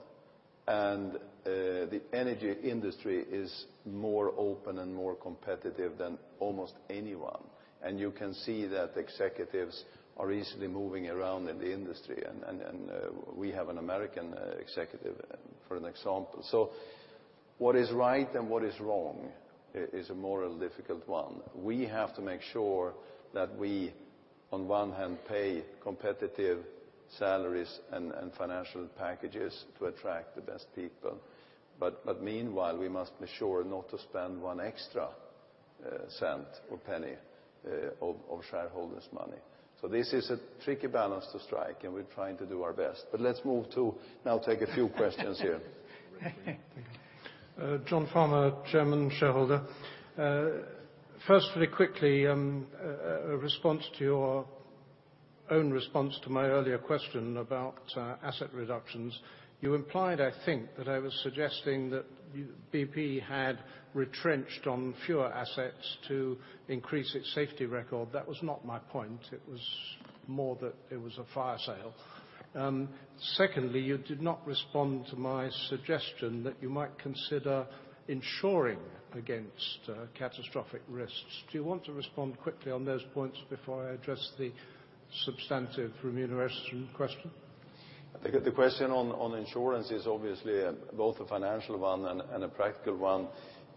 and the energy industry is more open and more competitive than almost anyone. You can see that executives are easily moving around in the industry, and we have an American executive for an example. What is right and what is wrong is a moral difficult one. We have to make sure that we, on one hand, pay competitive salaries and financial packages to attract the best people. Meanwhile, we must be sure not to spend one extra cent or penny of shareholders' money. This is a tricky balance to strike, and we're trying to do our best. Let's move to now take a few questions here. Thank you. John Farmer, chairman shareholder. First, very quickly, a response to your own response to my earlier question about asset reductions. You implied, I think, that I was suggesting that BP had retrenched on fewer assets to increase its safety record. That was not my point. It was more that it was a fire sale. Secondly, you did not respond to my suggestion that you might consider insuring against catastrophic risks. Do you want to respond quickly on those points before I address the substantive remuneration question? I think the question on insurance is obviously both a financial one and a practical one.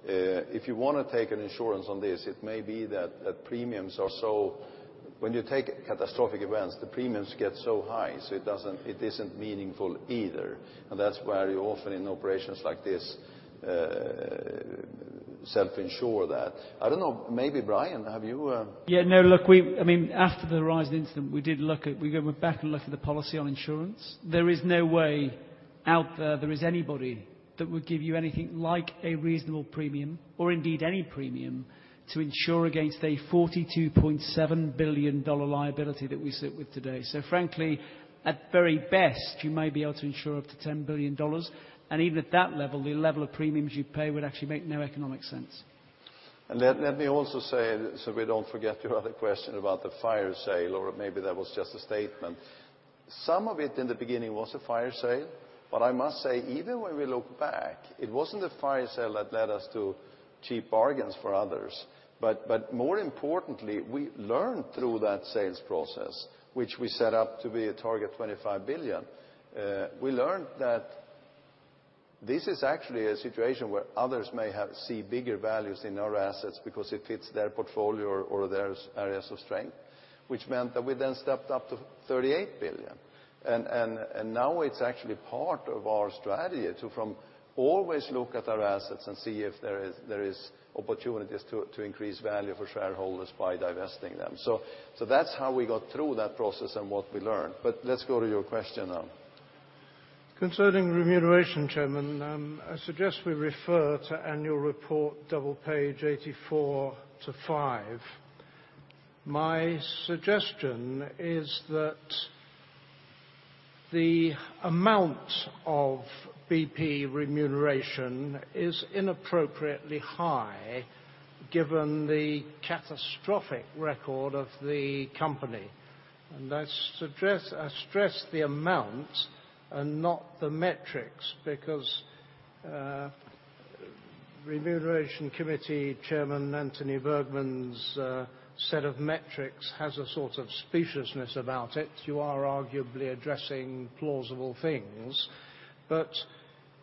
If you want to take an insurance on this, it may be that when you take catastrophic events, the premiums get so high, so it isn't meaningful either. That's why you often, in operations like this, self-insure that. I don't know. Maybe Brian. Yeah, no, look, after the Horizon incident, we went back and looked at the policy on insurance. There is no way out there there is anybody that would give you anything like a reasonable premium, or indeed any premium, to insure against a $42.7 billion liability that we sit with today. Frankly, at very best, you may be able to insure up to $10 billion. Even at that level, the level of premiums you pay would actually make no economic sense. Let me also say, so we don't forget your other question about the fire sale, or maybe that was just a statement. Some of it in the beginning was a fire sale, I must say, even when we look back, it wasn't a fire sale that led us to cheap bargains for others. More importantly, we learned through that sales process, which we set up to be a target 25 billion. We learned that this is actually a situation where others may see bigger values in our assets because it fits their portfolio or their areas of strength, which meant that we then stepped up to 38 billion. Now it's actually part of our strategy to always look at our assets and see if there is opportunities to increase value for shareholders by divesting them. That's how we got through that process and what we learned. Let's go to your question now. Concerning remuneration, Chairman, I suggest we refer to annual report double page 84-85. My suggestion is that the amount of BP remuneration is inappropriately high given the catastrophic record of the company, I stress the amount and not the metrics because Remuneration Committee Chairman Antony Burgmans's set of metrics has a sort of speciousness about it. You are arguably addressing plausible things.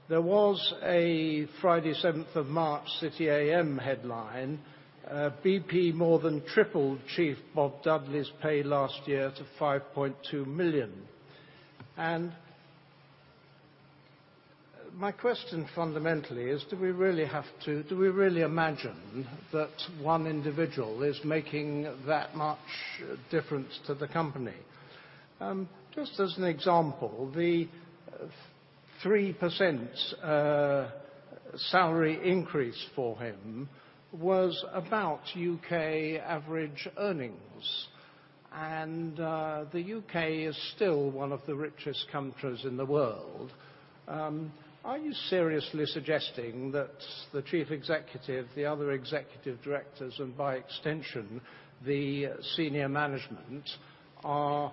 There was a Friday 7th of March City A.M. headline, BP more than tripled Chief Bob Dudley's pay last year to 5.2 million. My question fundamentally is, do we really imagine that one individual is making that much difference to the company? Just as an example, the 3% salary increase for him was about U.K. average earnings, and the U.K. is still one of the richest countries in the world. Are you seriously suggesting that the Chief Executive, the other Executive Directors, and by extension, the senior management, are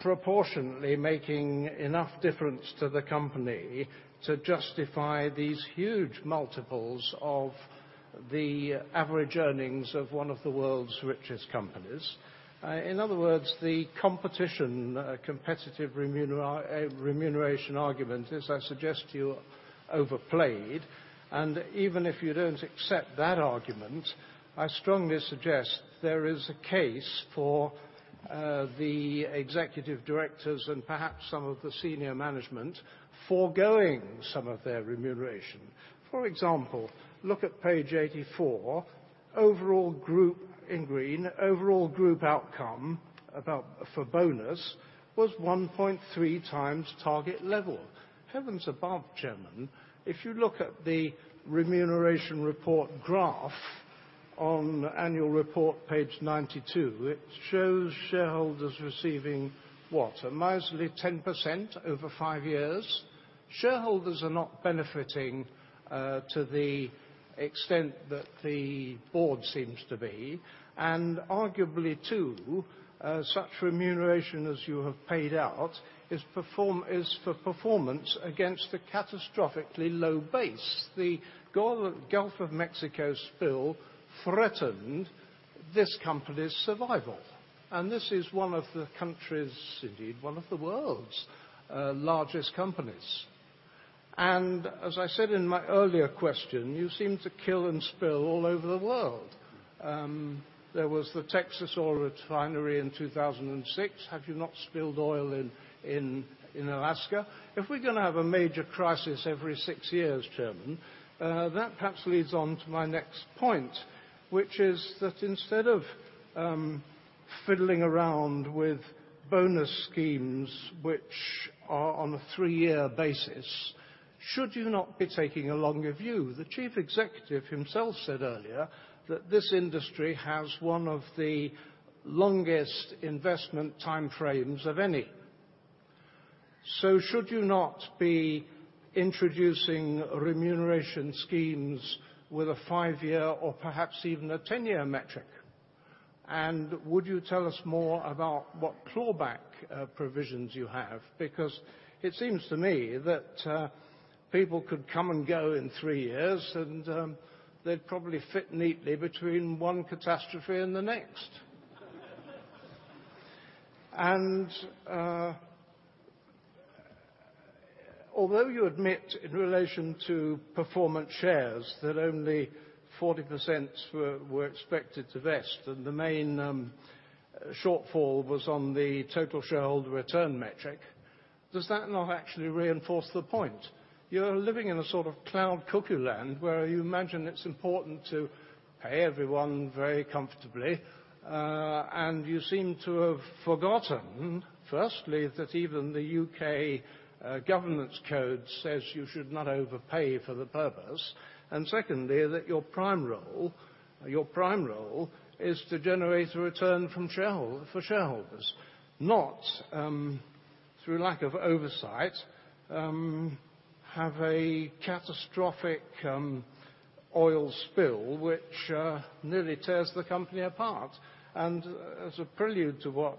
proportionately making enough difference to the company to justify these huge multiples of the average earnings of one of the world's richest companies? In other words, the competitive remuneration argument is, I suggest to you, overplayed. Even if you don't accept that argument, I strongly suggest there is a case for the Executive Directors and perhaps some of the senior management forgoing some of their remuneration. For example, look at page 84. In green, overall group outcome for bonus was 1.3 times target level. Heavens above, Chairman. If you look at the remuneration report graph on annual report page 92, it shows shareholders receiving what? A miserly 10% over five years. Shareholders are not benefiting to the extent that the board seems to be. Arguably too, such remuneration as you have paid out is for performance against a catastrophically low base. The Gulf of Mexico spill threatened this company's survival. This is one of the country's, indeed, one of the world's largest companies. As I said in my earlier question, you seem to kill and spill all over the world. There was the Texas oil refinery in 2006. Have you not spilled oil in Alaska? If we're going to have a major crisis every six years, Chairman, that perhaps leads on to my next point, which is that instead of fiddling around with bonus schemes which are on a three-year basis, should you not be taking a longer view? The Chief Executive himself said earlier that this industry has one of the longest investment time frames of any. Should you not be introducing remuneration schemes with a five-year or perhaps even a 10-year metric? Would you tell us more about what clawback provisions you have? Because it seems to me that people could come and go in three years, and they'd probably fit neatly between one catastrophe and the next. Although you admit, in relation to performance shares, that only 40% were expected to vest and the main shortfall was on the total shareholder return metric, does that not actually reinforce the point? You're living in a sort of cloud cuckoo land where you imagine it's important to pay everyone very comfortably, and you seem to have forgotten, firstly, that even the UK Governance Code says you should not overpay for the purpose. Secondly, that your prime role is to generate a return for shareholders, not through lack of oversight have a catastrophic oil spill which nearly tears the company apart. As a prelude to what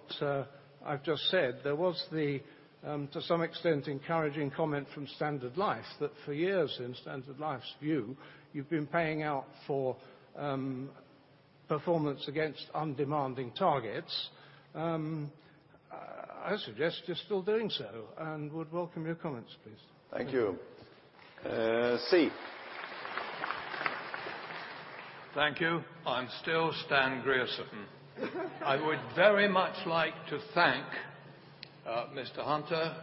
I've just said, there was the, to some extent, encouraging comment from Standard Life that for years, in Standard Life's view, you've been paying out for performance against undemanding targets. I suggest you're still doing so and would welcome your comments, please. Thank you. Thank you. I'm still Stan Grierson. I would very much like to thank Mr. Hunter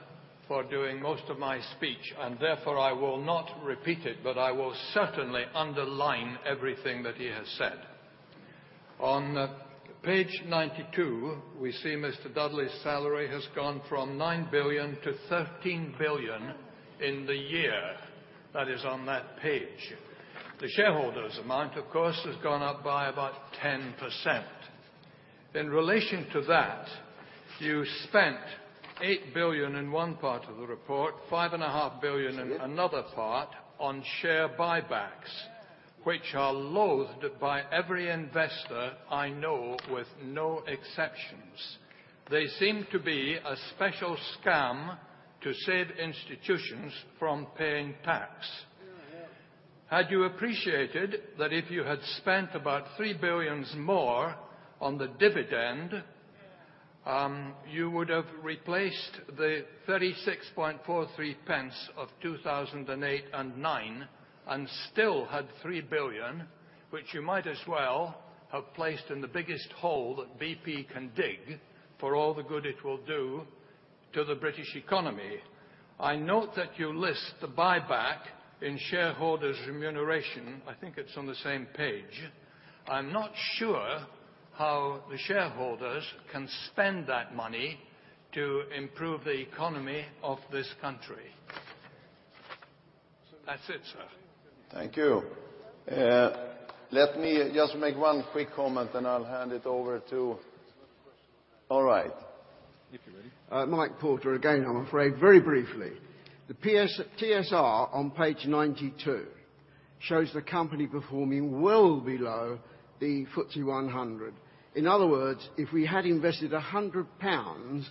for doing most of my speech, and therefore, I will not repeat it, but I will certainly underline everything that he has said. On page 92, we see Mr. Dudley's salary has gone from 9 billion to 13 billion in the year that is on that page. The shareholders' amount, of course, has gone up by about 10%. In relation to that, you spent 8 billion in one part of the report, 5.5 billion, Steve in another part on share buybacks, which are loathed by every investor I know with no exceptions. They seem to be a special scam to save institutions from paying tax. Had you appreciated that if you had spent about 3 billion more on the dividend, you would have replaced the 0.3643 of 2008 and 2009 and still had 3 billion, which you might as well have placed in the biggest hole that BP can dig for all the good it will do to the British economy. I note that you list the buyback in shareholders' remuneration. I think it's on the same page. I'm not sure how the shareholders can spend that money to improve the economy of this country. That's it, sir. Thank you. Let me just make one quick comment, then I'll hand it over. If you're ready. Mike Porter again, I'm afraid. Very briefly. The TSR on page 92 shows the company performing well below the FTSE 100. In other words, if we had invested 100 pounds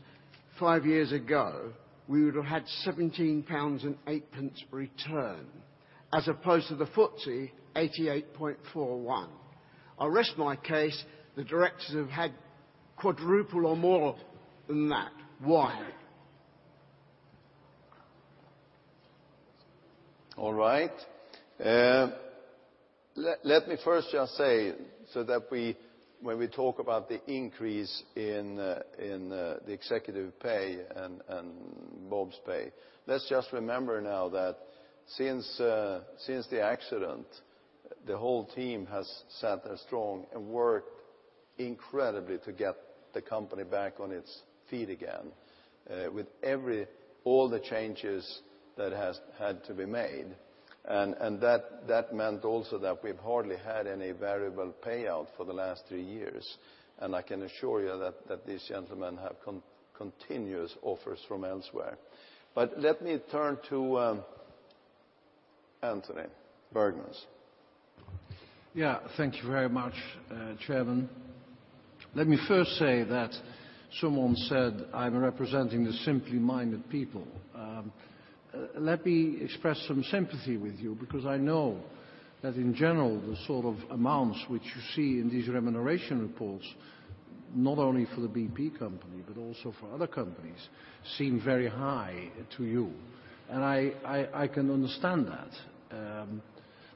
five years ago, we would have had 17.08 pounds return, as opposed to the FTSE, 88.41. I rest my case. The directors have had quadruple or more than that. Why? All right. Let me first just say, so that when we talk about the increase in the executive pay and Bob's pay, let's just remember now that since the accident, the whole team has stood strong and worked incredibly to get the company back on its feet again, with all the changes that had to be made, and that meant also that we've hardly had any variable payout for the last three years. I can assure you that these gentlemen have continuous offers from elsewhere. Let me turn to Antony Burgmans. Yeah. Thank you very much, Chairman. Let me first say that someone said I'm representing the simply minded people. Let me express some sympathy with you, because I know that in general, the sort of amounts which you see in these remuneration reports, not only for the BP company, but also for other companies, seem very high to you, and I can understand that.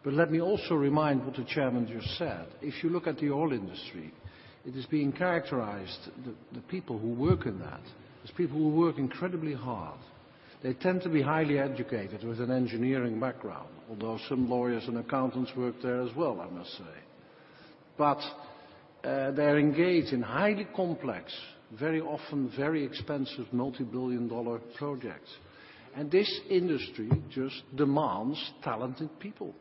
Let me also remind what the Chairman just said. If you look at the oil industry, it is being characterized, the people who work in that, as people who work incredibly hard. They tend to be highly educated with an engineering background, although some lawyers and accountants work there as well, I must say. They're engaged in highly complex, very often very expensive, multibillion-dollar projects. This industry just demands talented people.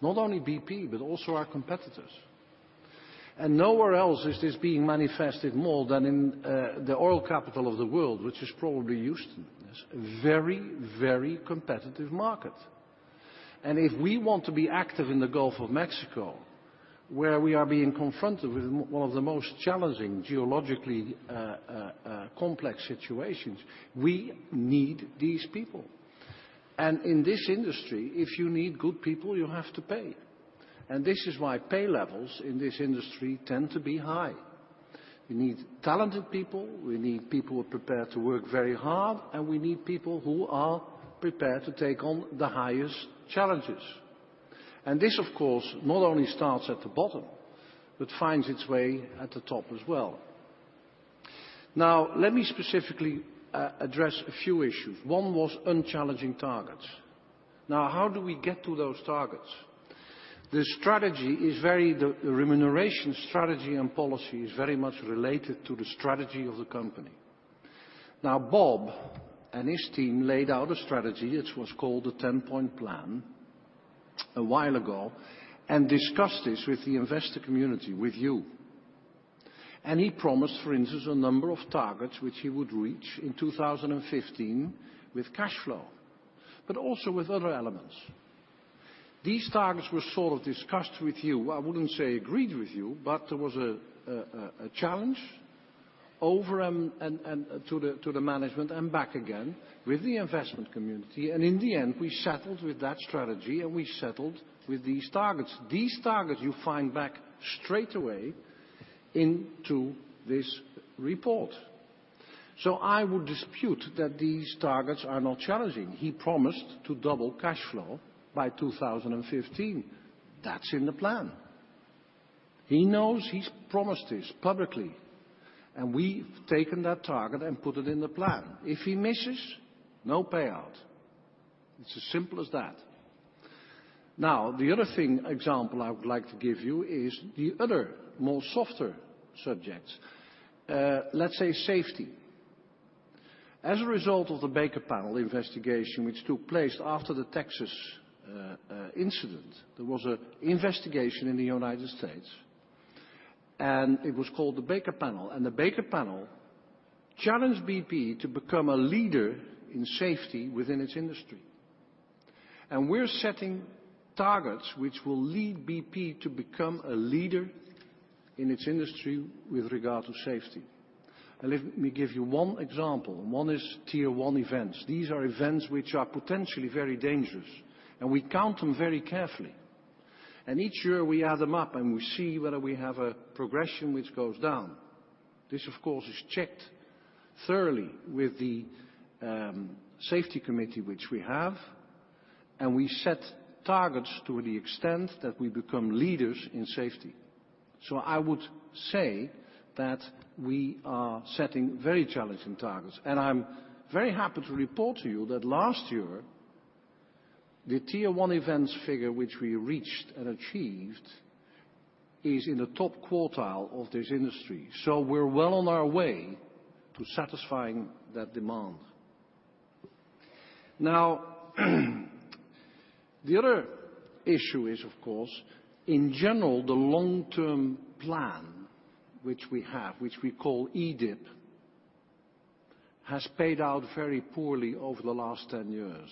Not only BP, but also our competitors. Nowhere else is this being manifested more than in the oil capital of the world, which is probably Houston. It's a very competitive market. If we want to be active in the Gulf of Mexico, where we are being confronted with one of the most challenging geologically complex situations, we need these people. In this industry, if you need good people, you have to pay. This is why pay levels in this industry tend to be high. We need talented people, we need people who are prepared to work very hard, and we need people who are prepared to take on the highest challenges. This, of course, not only starts at the bottom, but finds its way at the top as well. Now, let me specifically address a few issues. One was unchallenging targets. Now, how do we get to those targets? The remuneration strategy and policy is very much related to the strategy of the company. Now, Bob and his team laid out a strategy. It was called the 10-point plan, a while ago, and discussed this with the investor community, with you. He promised, for instance, a number of targets which he would reach in 2015 with cash flow, but also with other elements. These targets were sort of discussed with you. I wouldn't say agreed with you, but there was a challenge over and to the management and back again with the investment community, and in the end, we settled with that strategy and we settled with these targets. These targets you find back straight away into this report. I would dispute that these targets are not challenging. He promised to double cash flow by 2015. That's in the plan. He knows he's promised this publicly, and we've taken that target and put it in the plan. If he misses, no payout. It's as simple as that. Now, the other example I would like to give you is the other, more softer subject. Let's say safety. As a result of the Baker Panel investigation, which took place after the Texas incident, there was an investigation in the U.S., and it was called the Baker Panel. The Baker Panel challenged BP to become a leader in safety within its industry. We're setting targets which will lead BP to become a leader in its industry with regard to safety. Let me give you one example. One is Tier 1 events. These are events which are potentially very dangerous, and we count them very carefully. Each year we add them up and we see whether we have a progression which goes down. This, of course, is checked thoroughly with the safety committee which we have, and we set targets to the extent that we become leaders in safety. I would say that we are setting very challenging targets. I'm very happy to report to you that last year, the Tier 1 events figure which we reached and achieved is in the top quartile of this industry. We're well on our way to satisfying that demand. Now, the other issue is, of course, in general, the long-term plan which we have, which we call EDIP, has paid out very poorly over the last 10 years.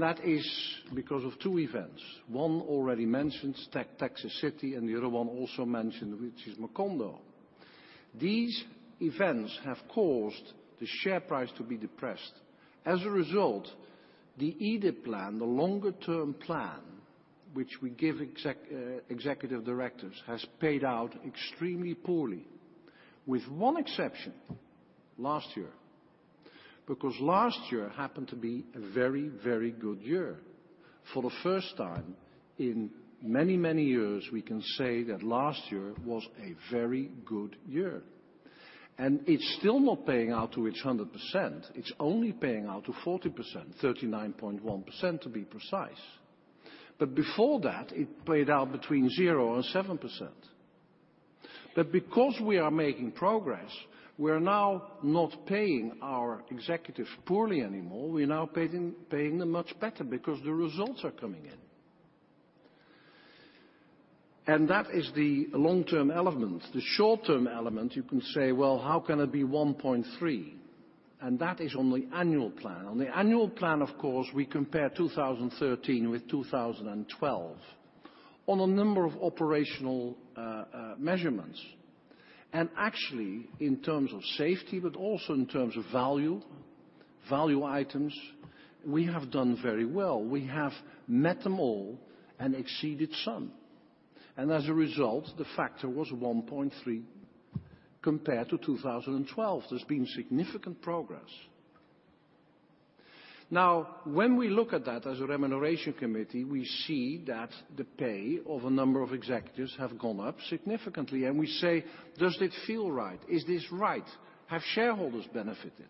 That is because of two events. One already mentioned, Texas City, and the other one also mentioned, which is Macondo. These events have caused the share price to be depressed. As a result, the EDIP plan, the longer-term plan which we give executive directors, has paid out extremely poorly, with one exception: last year. Because last year happened to be a very, very good year. For the first time in many, many years, we can say that last year was a very good year. It's still not paying out to its 100%, it's only paying out to 40%, 39.1% to be precise. But before that, it paid out between 0% and 7%. Because we are making progress, we are now not paying our executives poorly anymore. We're now paying them much better because the results are coming in. That is the long-term element. The short-term element, you can say, "Well, how can it be 1.3?" That is on the annual plan. On the annual plan, of course, we compare 2013 with 2012 on a number of operational measurements. Actually, in terms of safety, but also in terms of value items, we have done very well. We have met them all and exceeded some. As a result, the factor was 1.3 compared to 2012. There's been significant progress. Now, when we look at that as a remuneration committee, we see that the pay of a number of executives have gone up significantly, and we say, "Does this feel right? Is this right? Have shareholders benefited?"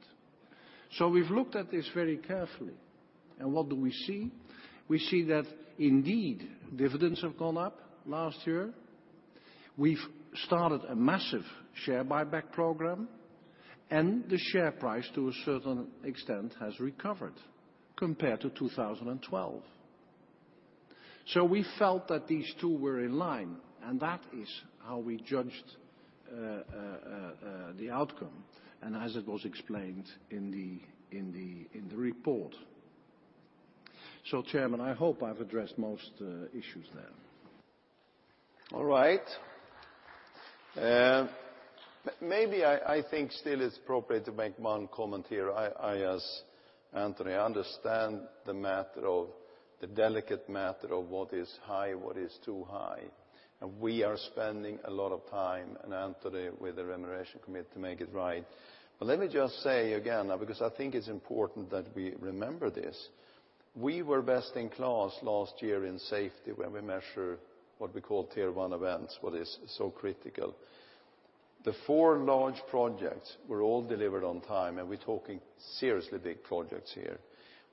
So we've looked at this very carefully. What do we see? We see that indeed, dividends have gone up last year. We've started a massive share buyback program, and the share price, to a certain extent, has recovered compared to 2012. We felt that these two were in line, and that is how we judged the outcome, and as it was explained in the report. Chairman, I hope I've addressed most issues there. All right. Maybe I think still it's appropriate to make one comment here. I, as Antony, understand the delicate matter of what is high, what is too high. We are spending a lot of time, and Antony, with the remuneration committee, to make it right. But let me just say again, because I think it's important that we remember this. We were best in class last year in safety when we measure what we call Tier 1 events, what is so critical. The four large projects were all delivered on time, and we're talking seriously big projects here.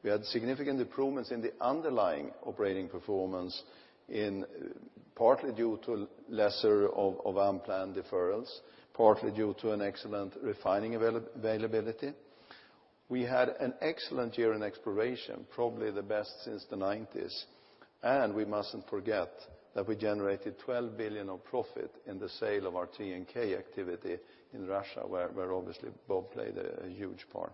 We had significant improvements in the underlying operating performance partly due to lesser of unplanned deferrals, partly due to an excellent refining availability. We had an excellent year in exploration, probably the best since the '90s. We mustn't forget that we generated 12 billion of profit in the sale of our TNK activity in Russia, where obviously Bob played a huge part.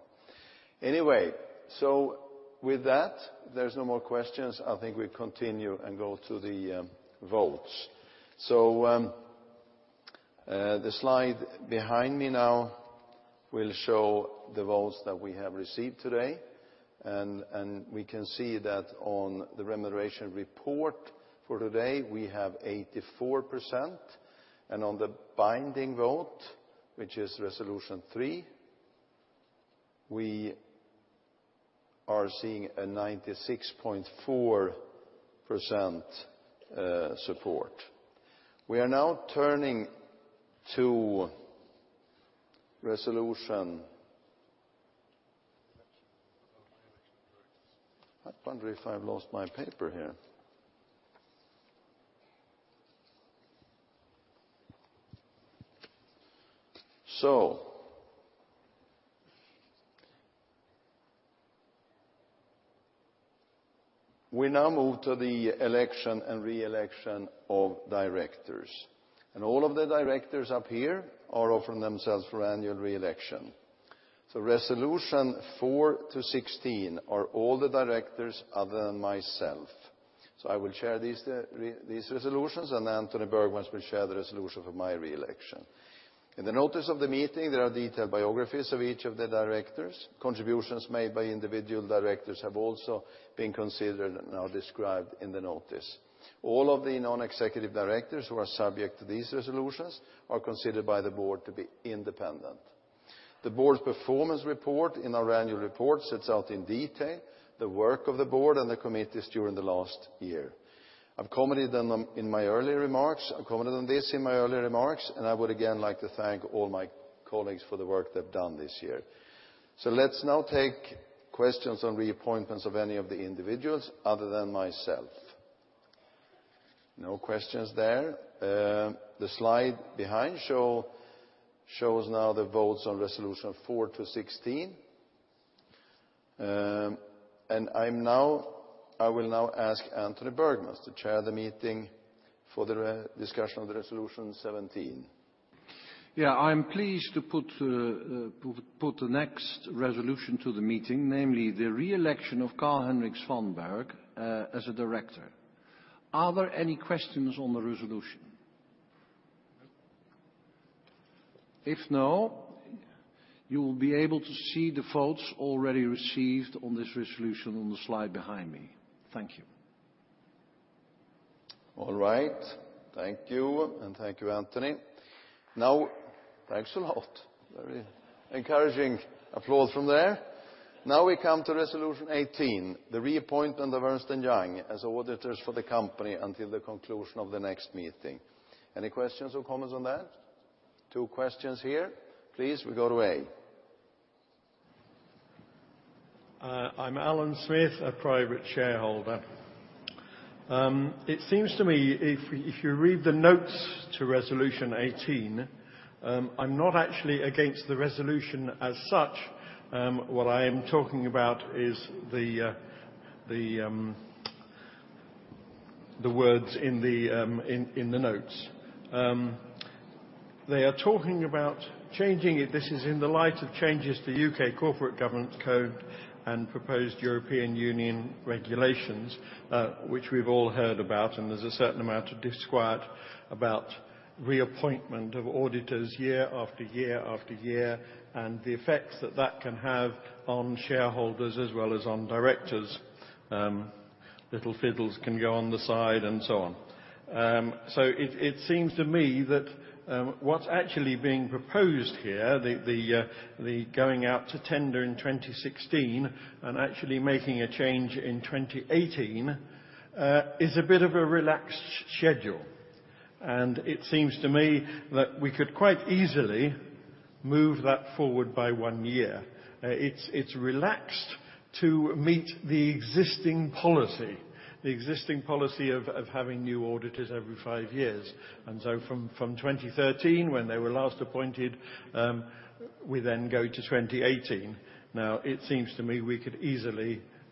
With that, there's no more questions. I think we continue and go to the votes. The slide behind me now will show the votes that we have received today. We can see that on the remuneration report for today, we have 84%. On the binding vote, which is resolution three, we are seeing a 96.4% support. We are now turning to resolution. I wonder if I've lost my paper here. We now move to the election and re-election of directors. All of the directors up here are offering themselves for annual re-election. Resolution 4 to 16 are all the directors other than myself. I will share these resolutions, and Antony Burgmans will share the resolution for my re-election. In the notice of the meeting, there are detailed biographies of each of the directors. Contributions made by individual directors have also been considered and are described in the notice. All of the non-executive directors who are subject to these resolutions are considered by the board to be independent. The board's performance report in our annual report sets out in detail the work of the board and the committees during the last year. I've commented on them in my earlier remarks, I've commented on this in my earlier remarks, and I would again like to thank all my colleagues for the work they've done this year. Let's now take questions on reappointments of any of the individuals other than myself. No questions there. The slide behind shows now the votes on resolution 4 to 16. I will now ask Antony Burgmans to chair the meeting for the discussion of the resolution 17. I'm pleased to put the next resolution to the meeting, namely the re-election of Carl-Henric Svanberg as a director. Are there any questions on the resolution? If no, you will be able to see the votes already received on this resolution on the slide behind me. Thank you. All right. Thank you. Thank you, Antony. Thanks a lot. Very encouraging applause from there. We come to resolution 18, the reappointment of Ernst & Young as auditors for the company until the conclusion of the next meeting. Any questions or comments on that? Two questions here. Please, we go to A. I'm Alan Smith, a private shareholder. It seems to me, if you read the notes to resolution 18, I'm not actually against the resolution as such. What I am talking about is the words in the notes. They are talking about changing it. This is in the light of changes to UK Corporate Governance Code and proposed European Union regulations, which we've all heard about, and there's a certain amount of disquiet about reappointment of auditors year, after year, after year, and the effects that that can have on shareholders as well as on directors. Little fiddles can go on the side and so on. It seems to me that, what's actually being proposed here, the going out to tender in 2016 and actually making a change in 2018, is a bit of a relaxed schedule. It seems to me that we could quite easily move that forward by one year. It's relaxed to meet the existing policy of having new auditors every five years. From 2013, when they were last appointed, we then go to 2018. It seems to me we could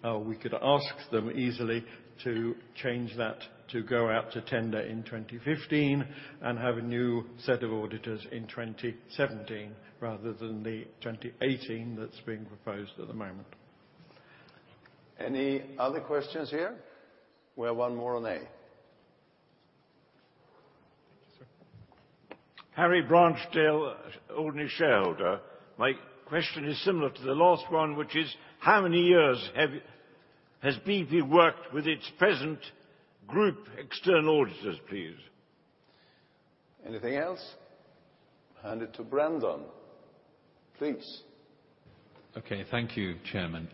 ask them easily to change that to go out to tender in 2015 and have a new set of auditors in 2017 rather than the 2018 that's being proposed at the moment. Any other questions here? We have one more on A. Thank you, sir. Harry Branchdale, ordinary shareholder. My question is similar to the last one, which is, how many years has BP worked with its present group external auditors, please? Anything else? Hand it to Brian, please. Okay, thank you, Chairman.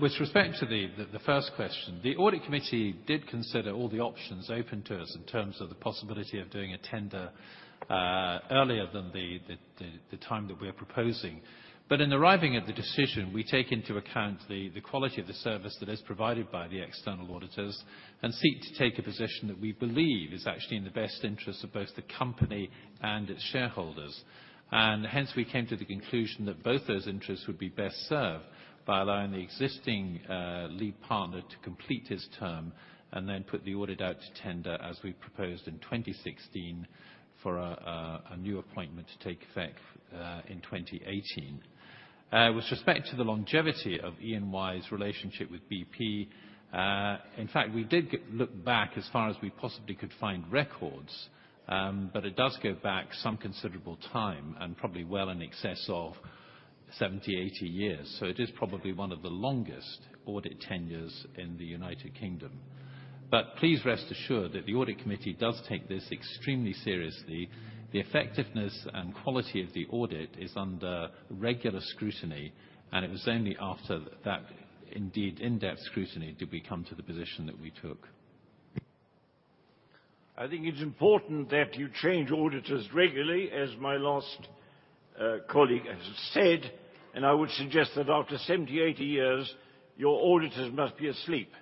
With respect to the first question, the audit committee did consider all the options open to us in terms of the possibility of doing a tender earlier than the time that we're proposing. In arriving at the decision, we take into account the quality of the service that is provided by the external auditors and seek to take a position that we believe is actually in the best interest of both the company and its shareholders. Hence, we came to the conclusion that both those interests would be best served by allowing the existing lead partner to complete his term and then put the audit out to tender as we proposed in 2016 for a new appointment to take effect, in 2018. With respect to the longevity of EY's relationship with BP, in fact, we did look back as far as we possibly could find records, it does go back some considerable time and probably well in excess of 70, 80 years. It is probably one of the longest audit tenures in the U.K. Please rest assured that the audit committee does take this extremely seriously. The effectiveness and quality of the audit is under regular scrutiny, it was only after that indeed in-depth scrutiny did we come to the position that we took. I think it's important that you change auditors regularly, as my last colleague has said, I would suggest that after 70, 80 years, your auditors must be asleep.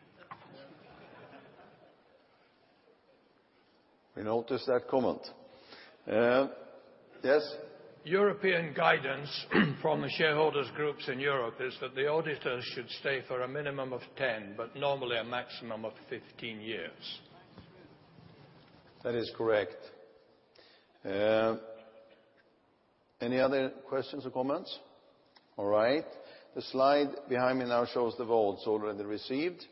We notice that comment. Yes? European guidance from the shareholders' groups in Europe is that the auditors should stay for a minimum of 10, but normally a maximum of 15 years. That is correct. Any other questions or comments? All right. The slide behind me now shows the votes already received,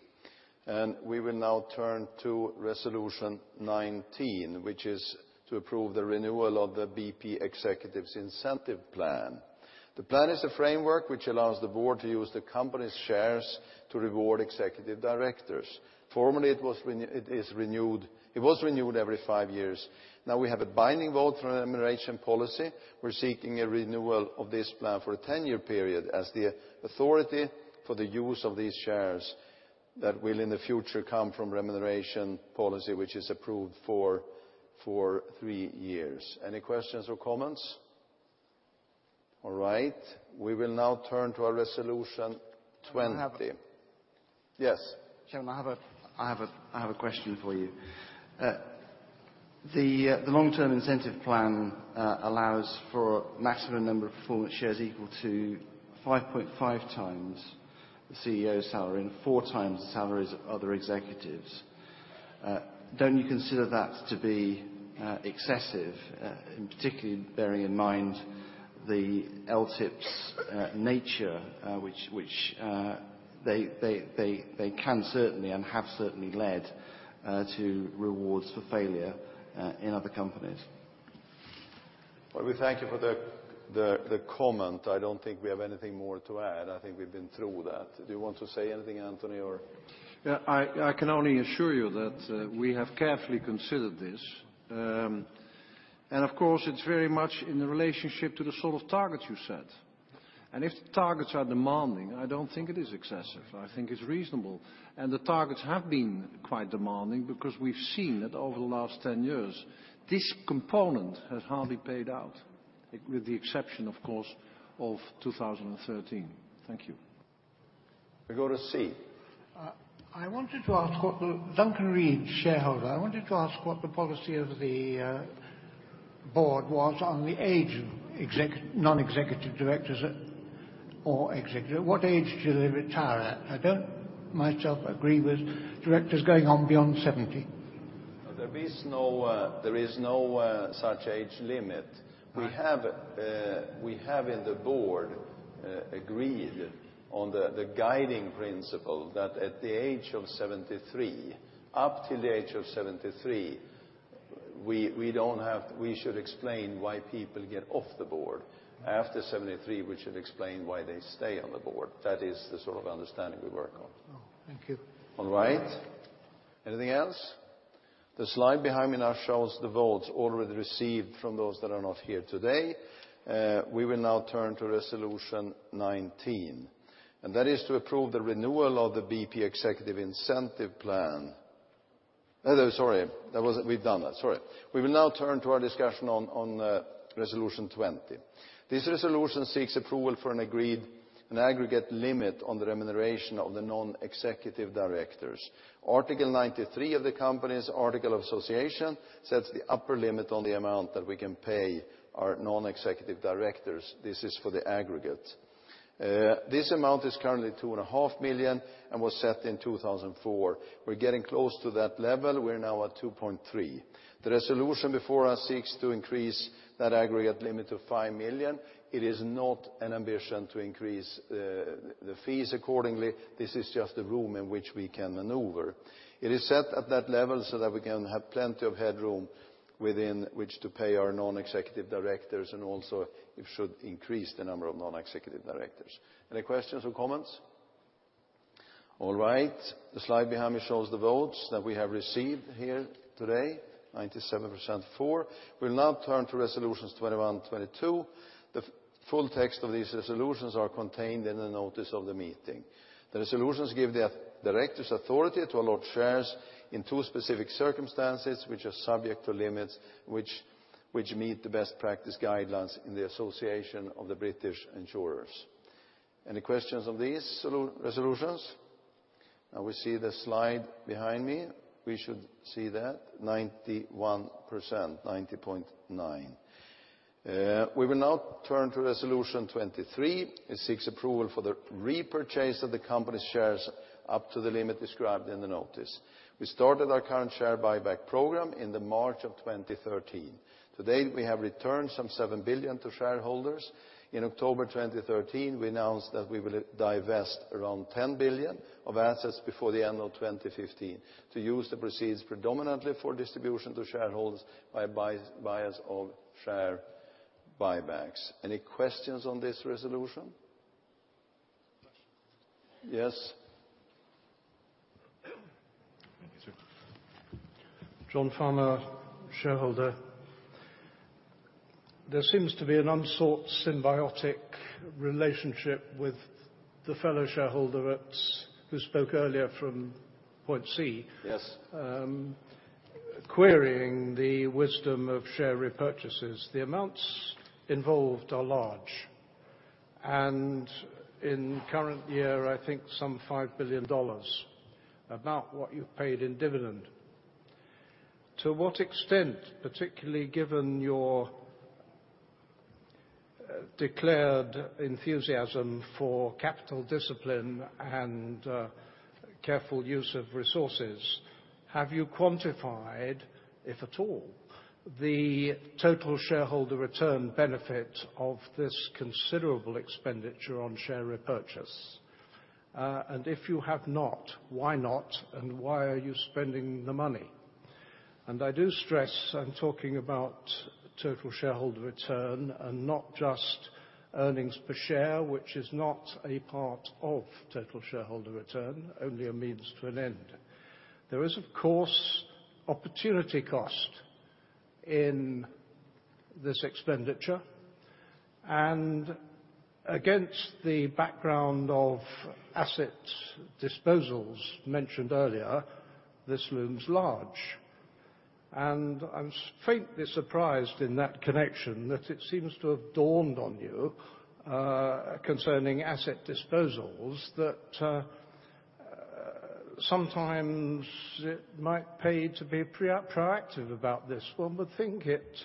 We will now turn to Resolution 19, which is to approve the renewal of the BP Executives' Incentive Plan. The plan is a framework which allows the board to use the company's shares to reward executive directors. Formerly, it was renewed every five years. Now we have a binding vote through our remuneration policy. We're seeking a renewal of this plan for a 10-year period as the authority for the use of these shares that will in the future come from remuneration policy, which is approved for three years. Any questions or comments? All right. We will now turn to our Resolution 20. I have a- Yes. Chairman, I have a question for you. The Long-Term Incentive Plan allows for a maximum number of performance shares equal to 5.5 times the CEO's salary and four times the salaries of other executives. Don't you consider that to be excessive, particularly bearing in mind the LTIP's nature, which they can certainly and have certainly led to rewards for failure in other companies? Well, we thank you for the comment. I don't think we have anything more to add. I think we've been through that. Do you want to say anything, Antony, or? Yeah, I can only assure you that we have carefully considered this. Of course, it's very much in the relationship to the sort of targets you set. If the targets are demanding, I don't think it is excessive. I think it's reasonable. The targets have been quite demanding because we've seen that over the last 10 years, this component has hardly paid out, with the exception, of course, of 2013. Thank you. We go to C. Duncan Reid, shareholder. I wanted to ask what the policy of the board was on the age of non-executive directors or executive. What age do they retire at? I don't myself agree with directors going on beyond 70. There is no such age limit. Right. We have in the board agreed on the guiding principle that at the age of 73, up till the age of 73, we should explain why people get off the board. After 73, we should explain why they stay on the board. That is the sort of understanding we work on. Oh, thank you. All right. Anything else? The slide behind me now shows the votes already received from those that are not here today. We will now turn to Resolution 19, and that is to approve the renewal of the BP Executive Incentive Plan. Sorry, we've done that. Sorry. We will now turn to our discussion on Resolution 20. This resolution seeks approval for an agreed and aggregate limit on the remuneration of the non-executive directors. Article 93 of the company's articles of association sets the upper limit on the amount that we can pay our non-executive directors. This is for the aggregate. This amount is currently 2.5 million and was set in 2004. We're getting close to that level. We're now at 2.3. The resolution before us seeks to increase that aggregate limit to 5 million. It is not an ambition to increase the fees accordingly. This is just the room in which we can maneuver. It is set at that level so that we can have plenty of headroom within which to pay our non-executive directors and also it should increase the number of non-executive directors. Any questions or comments? All right. The slide behind me shows the votes that we have received here today, 97% for. We'll now turn to Resolutions 21, 22. The full text of these resolutions are contained in the notice of the meeting. The resolutions give the directors authority to allot shares in two specific circumstances, which are subject to limits, which meet the best practice guidelines in the Association of British Insurers. Any questions on these resolutions? Now we see the slide behind me. We should see that, 91%, 90.9%. We will now turn to Resolution 23. It seeks approval for the repurchase of the company's shares up to the limit described in the notice. We started our current share buyback program in March 2013. To date, we have returned some 7 billion to shareholders. In October 2013, we announced that we will divest around 10 billion of assets before the end of 2015 to use the proceeds predominantly for distribution to shareholders by buyers of share buybacks. Any questions on this resolution? Question. Yes. Thank you, sir. John Farmer, shareholder. There seems to be an unsought symbiotic relationship with the fellow shareholder who spoke earlier from point C- Yes querying the wisdom of share repurchases. The amounts involved are large, and in current year, I think some GBP 5 billion, about what you've paid in dividend. To what extent, particularly given your declared enthusiasm for capital discipline and careful use of resources, have you quantified, if at all, the Total Shareholder Return benefit of this considerable expenditure on share repurchase? If you have not, why not, and why are you spending the money? I do stress, I'm talking about Total Shareholder Return and not just earnings per share, which is not a part of Total Shareholder Return, only a means to an end. There is, of course, opportunity cost in this expenditure. Against the background of asset disposals mentioned earlier, this looms large. I'm faintly surprised in that connection that it seems to have dawned on you, concerning asset disposals, that sometimes it might pay to be proactive about this. One would think it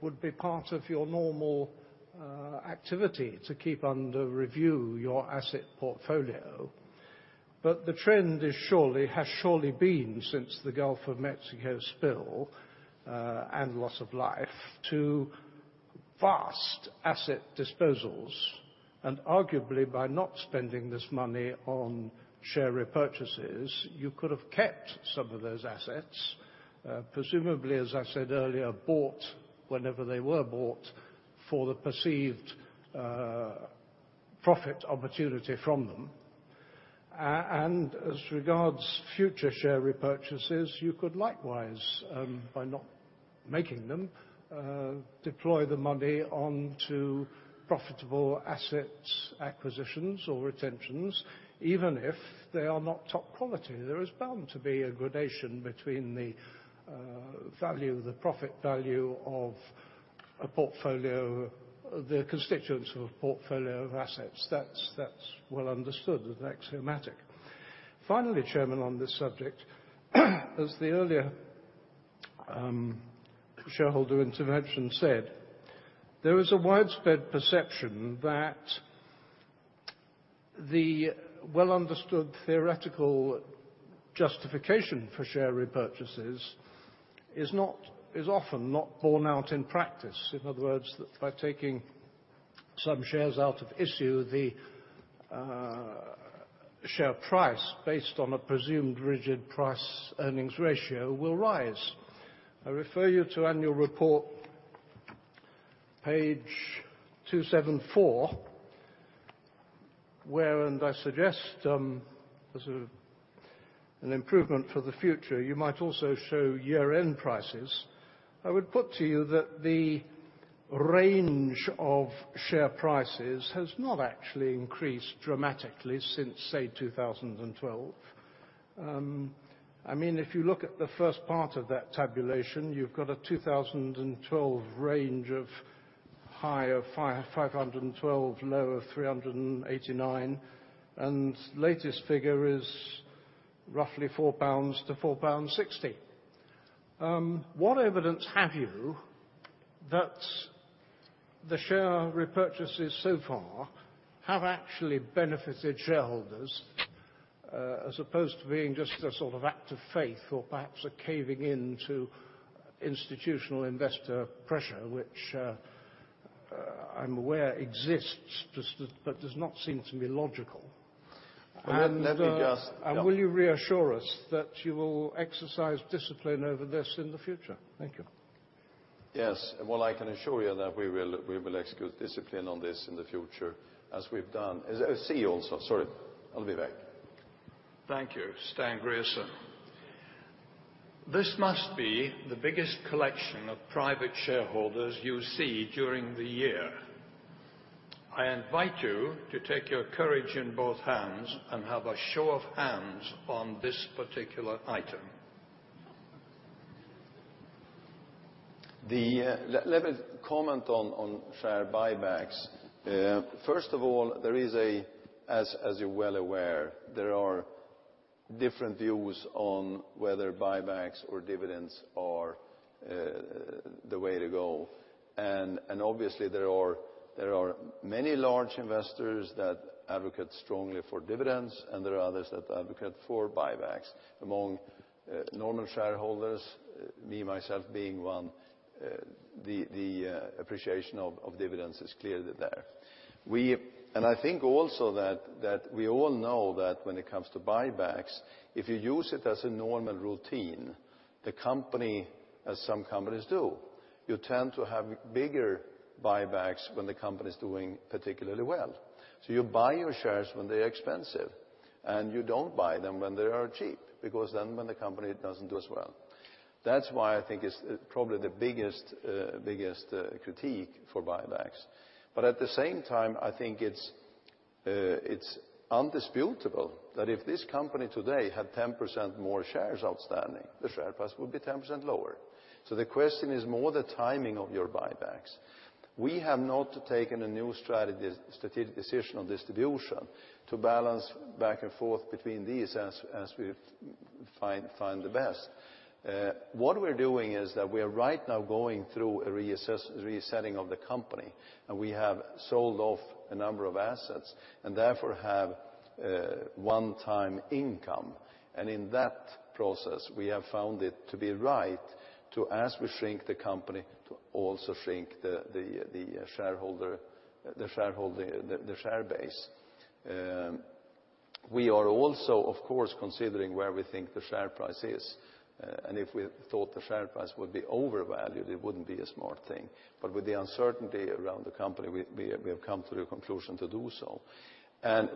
would be part of your normal activity to keep under review your asset portfolio. The trend has surely been, since the Gulf of Mexico spill, and loss of life, to vast asset disposals. Arguably, by not spending this money on share repurchases, you could have kept some of those assets, presumably, as I said earlier, bought whenever they were bought, for the perceived profit opportunity from them. As regards future share repurchases, you could likewise, by not making them, deploy the money onto profitable assets, acquisitions or retentions, even if they are not top quality. There is bound to be a gradation between the value of the profit value of the constituents of a portfolio of assets. That's well understood. That's axiomatic. Finally, Chairman, on this subject, as the earlier shareholder intervention said, there is a widespread perception that the well-understood theoretical justification for share repurchases is often not borne out in practice. In other words, that by taking some shares out of issue, the share price based on a presumed rigid price-earnings ratio will rise. I refer you to annual report page 274, where, I suggest as an improvement for the future, you might also show year-end prices. I would put to you that the range of share prices has not actually increased dramatically since, say, 2012. If you look at the first part of that tabulation, you've got a 2012 range of high of 512, low of 389. Latest figure is roughly 4-4.60 pounds. What evidence have you that the share repurchases so far have actually benefited shareholders as opposed to being just a sort of act of faith or perhaps a caving in to institutional investor pressure, which I'm aware exists but does not seem to me logical. Let me just- Will you reassure us that you will exercise discipline over this in the future? Thank you. Yes. Well, I can assure you that we will execute discipline on this in the future as we've done. I see you also, sorry. I'll be back. Thank you. Stan Grierson. This must be the biggest collection of private shareholders you see during the year. I invite you to take your courage in both hands and have a show of hands on this particular item. Let me comment on share buybacks. First of all, as you're well aware, there are different views on whether buybacks or dividends are the way to go. Obviously, there are many large investors that advocate strongly for dividends, and there are others that advocate for buybacks. Among normal shareholders, me, myself being one, the appreciation of dividends is clearly there. I think also that we all know that when it comes to buybacks, if you use it as a normal routine, the company, as some companies do, you tend to have bigger buybacks when the company is doing particularly well. You buy your shares when they're expensive, and you don't buy them when they are cheap, because then when the company doesn't do as well. That's why I think it's probably the biggest critique for buybacks. At the same time, I think it's undisputable that if this company today had 10% more shares outstanding, the share price would be 10% lower. The question is more the timing of your buybacks. We have not taken a new strategic decision on distribution to balance back and forth between these as we've find the best. What we're doing is that we are right now going through a resetting of the company, and we have sold off a number of assets, and therefore have a one-time income. In that process, we have found it to be right to, as we shrink the company, to also shrink the share base. We are also, of course, considering where we think the share price is, and if we thought the share price would be overvalued, it wouldn't be a smart thing. With the uncertainty around the company, we have come to the conclusion to do so.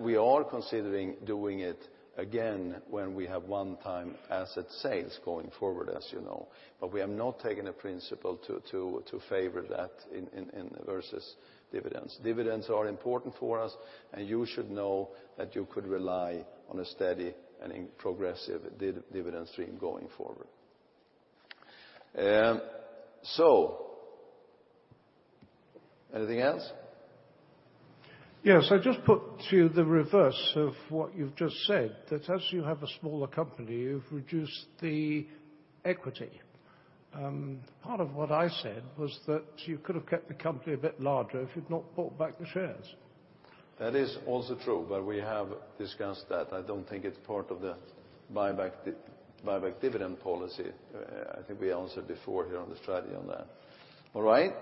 We are considering doing it again when we have one-time asset sales going forward, as you know. We have not taken a principle to favor that in versus dividends. Dividends are important for us, and you should know that you could rely on a steady and progressive dividend stream going forward. Anything else? Yes, I just put to the reverse of what you've just said, that as you have a smaller company, you've reduced the equity. Part of what I said was that you could have kept the company a bit larger if you'd not bought back the shares. We have discussed that. I don't think it's part of the buyback dividend policy. I think we answered before here on the strategy on that. All right.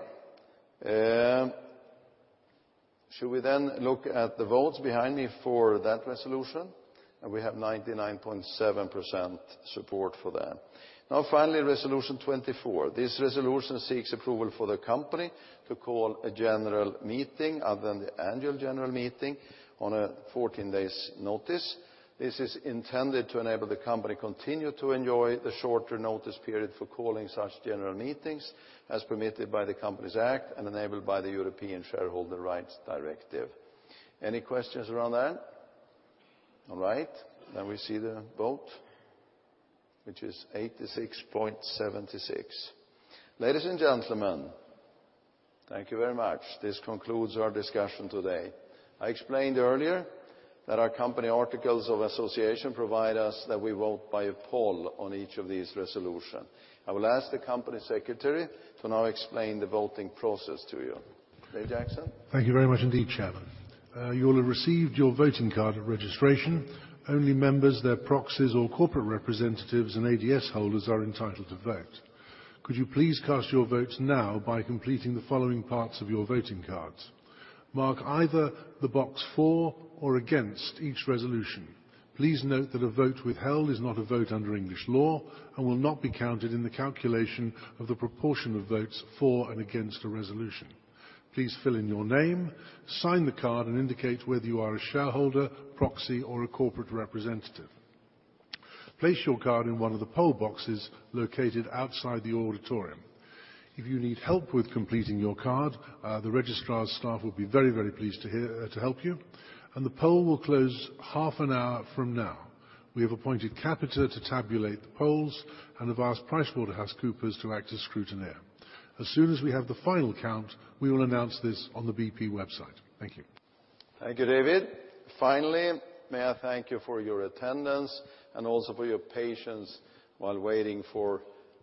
Should we look at the votes behind me for that resolution? We have 99.7% support for that. Finally, resolution 24. This resolution seeks approval for the company to call a general meeting other than the annual general meeting on a 14 days notice. This is intended to enable the company continue to enjoy the shorter notice period for calling such general meetings as permitted by the Companies Act and enabled by the European Shareholder Rights Directive. Any questions around that? All right. We see the vote, which is 86.76. Ladies and gentlemen, thank you very much. This concludes our discussion today. I explained earlier that our company articles of association provide us that we vote by a poll on each of these resolution. I will ask the Company Secretary to now explain the voting process to you. David Jackson? Thank you very much indeed, Chairman. You'll have received your voting card at registration. Only members, their proxies or corporate representatives and ADS holders are entitled to vote. Could you please cast your votes now by completing the following parts of your voting cards? Mark either the box for or against each resolution. Please note that a vote withheld is not a vote under English law and will not be counted in the calculation of the proportion of votes for and against a resolution. Please fill in your name, sign the card, and indicate whether you are a shareholder, proxy, or a corporate representative. Place your card in one of the poll boxes located outside the auditorium. If you need help with completing your card, the registrar's staff will be very pleased to help you. The poll will close half an hour from now. We have appointed Capita to tabulate the polls and have asked PricewaterhouseCoopers to act as scrutineer. As soon as we have the final count, we will announce this on the BP website. Thank you. Thank you, David. Finally, may I thank you for your attendance and also for your patience while waiting for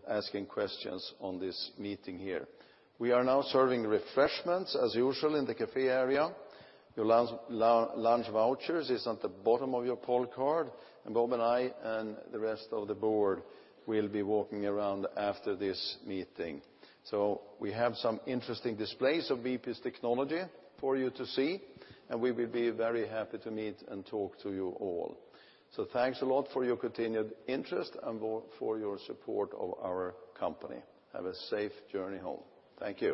asking questions on this meeting here. We are now serving refreshments, as usual, in the cafe area. Your lunch vouchers is on the bottom of your poll card, and Bob and I and the rest of the board will be walking around after this meeting. We have some interesting displays of BP's technology for you to see, and we will be very happy to meet and talk to you all. Thanks a lot for your continued interest and for your support of our company. Have a safe journey home. Thank you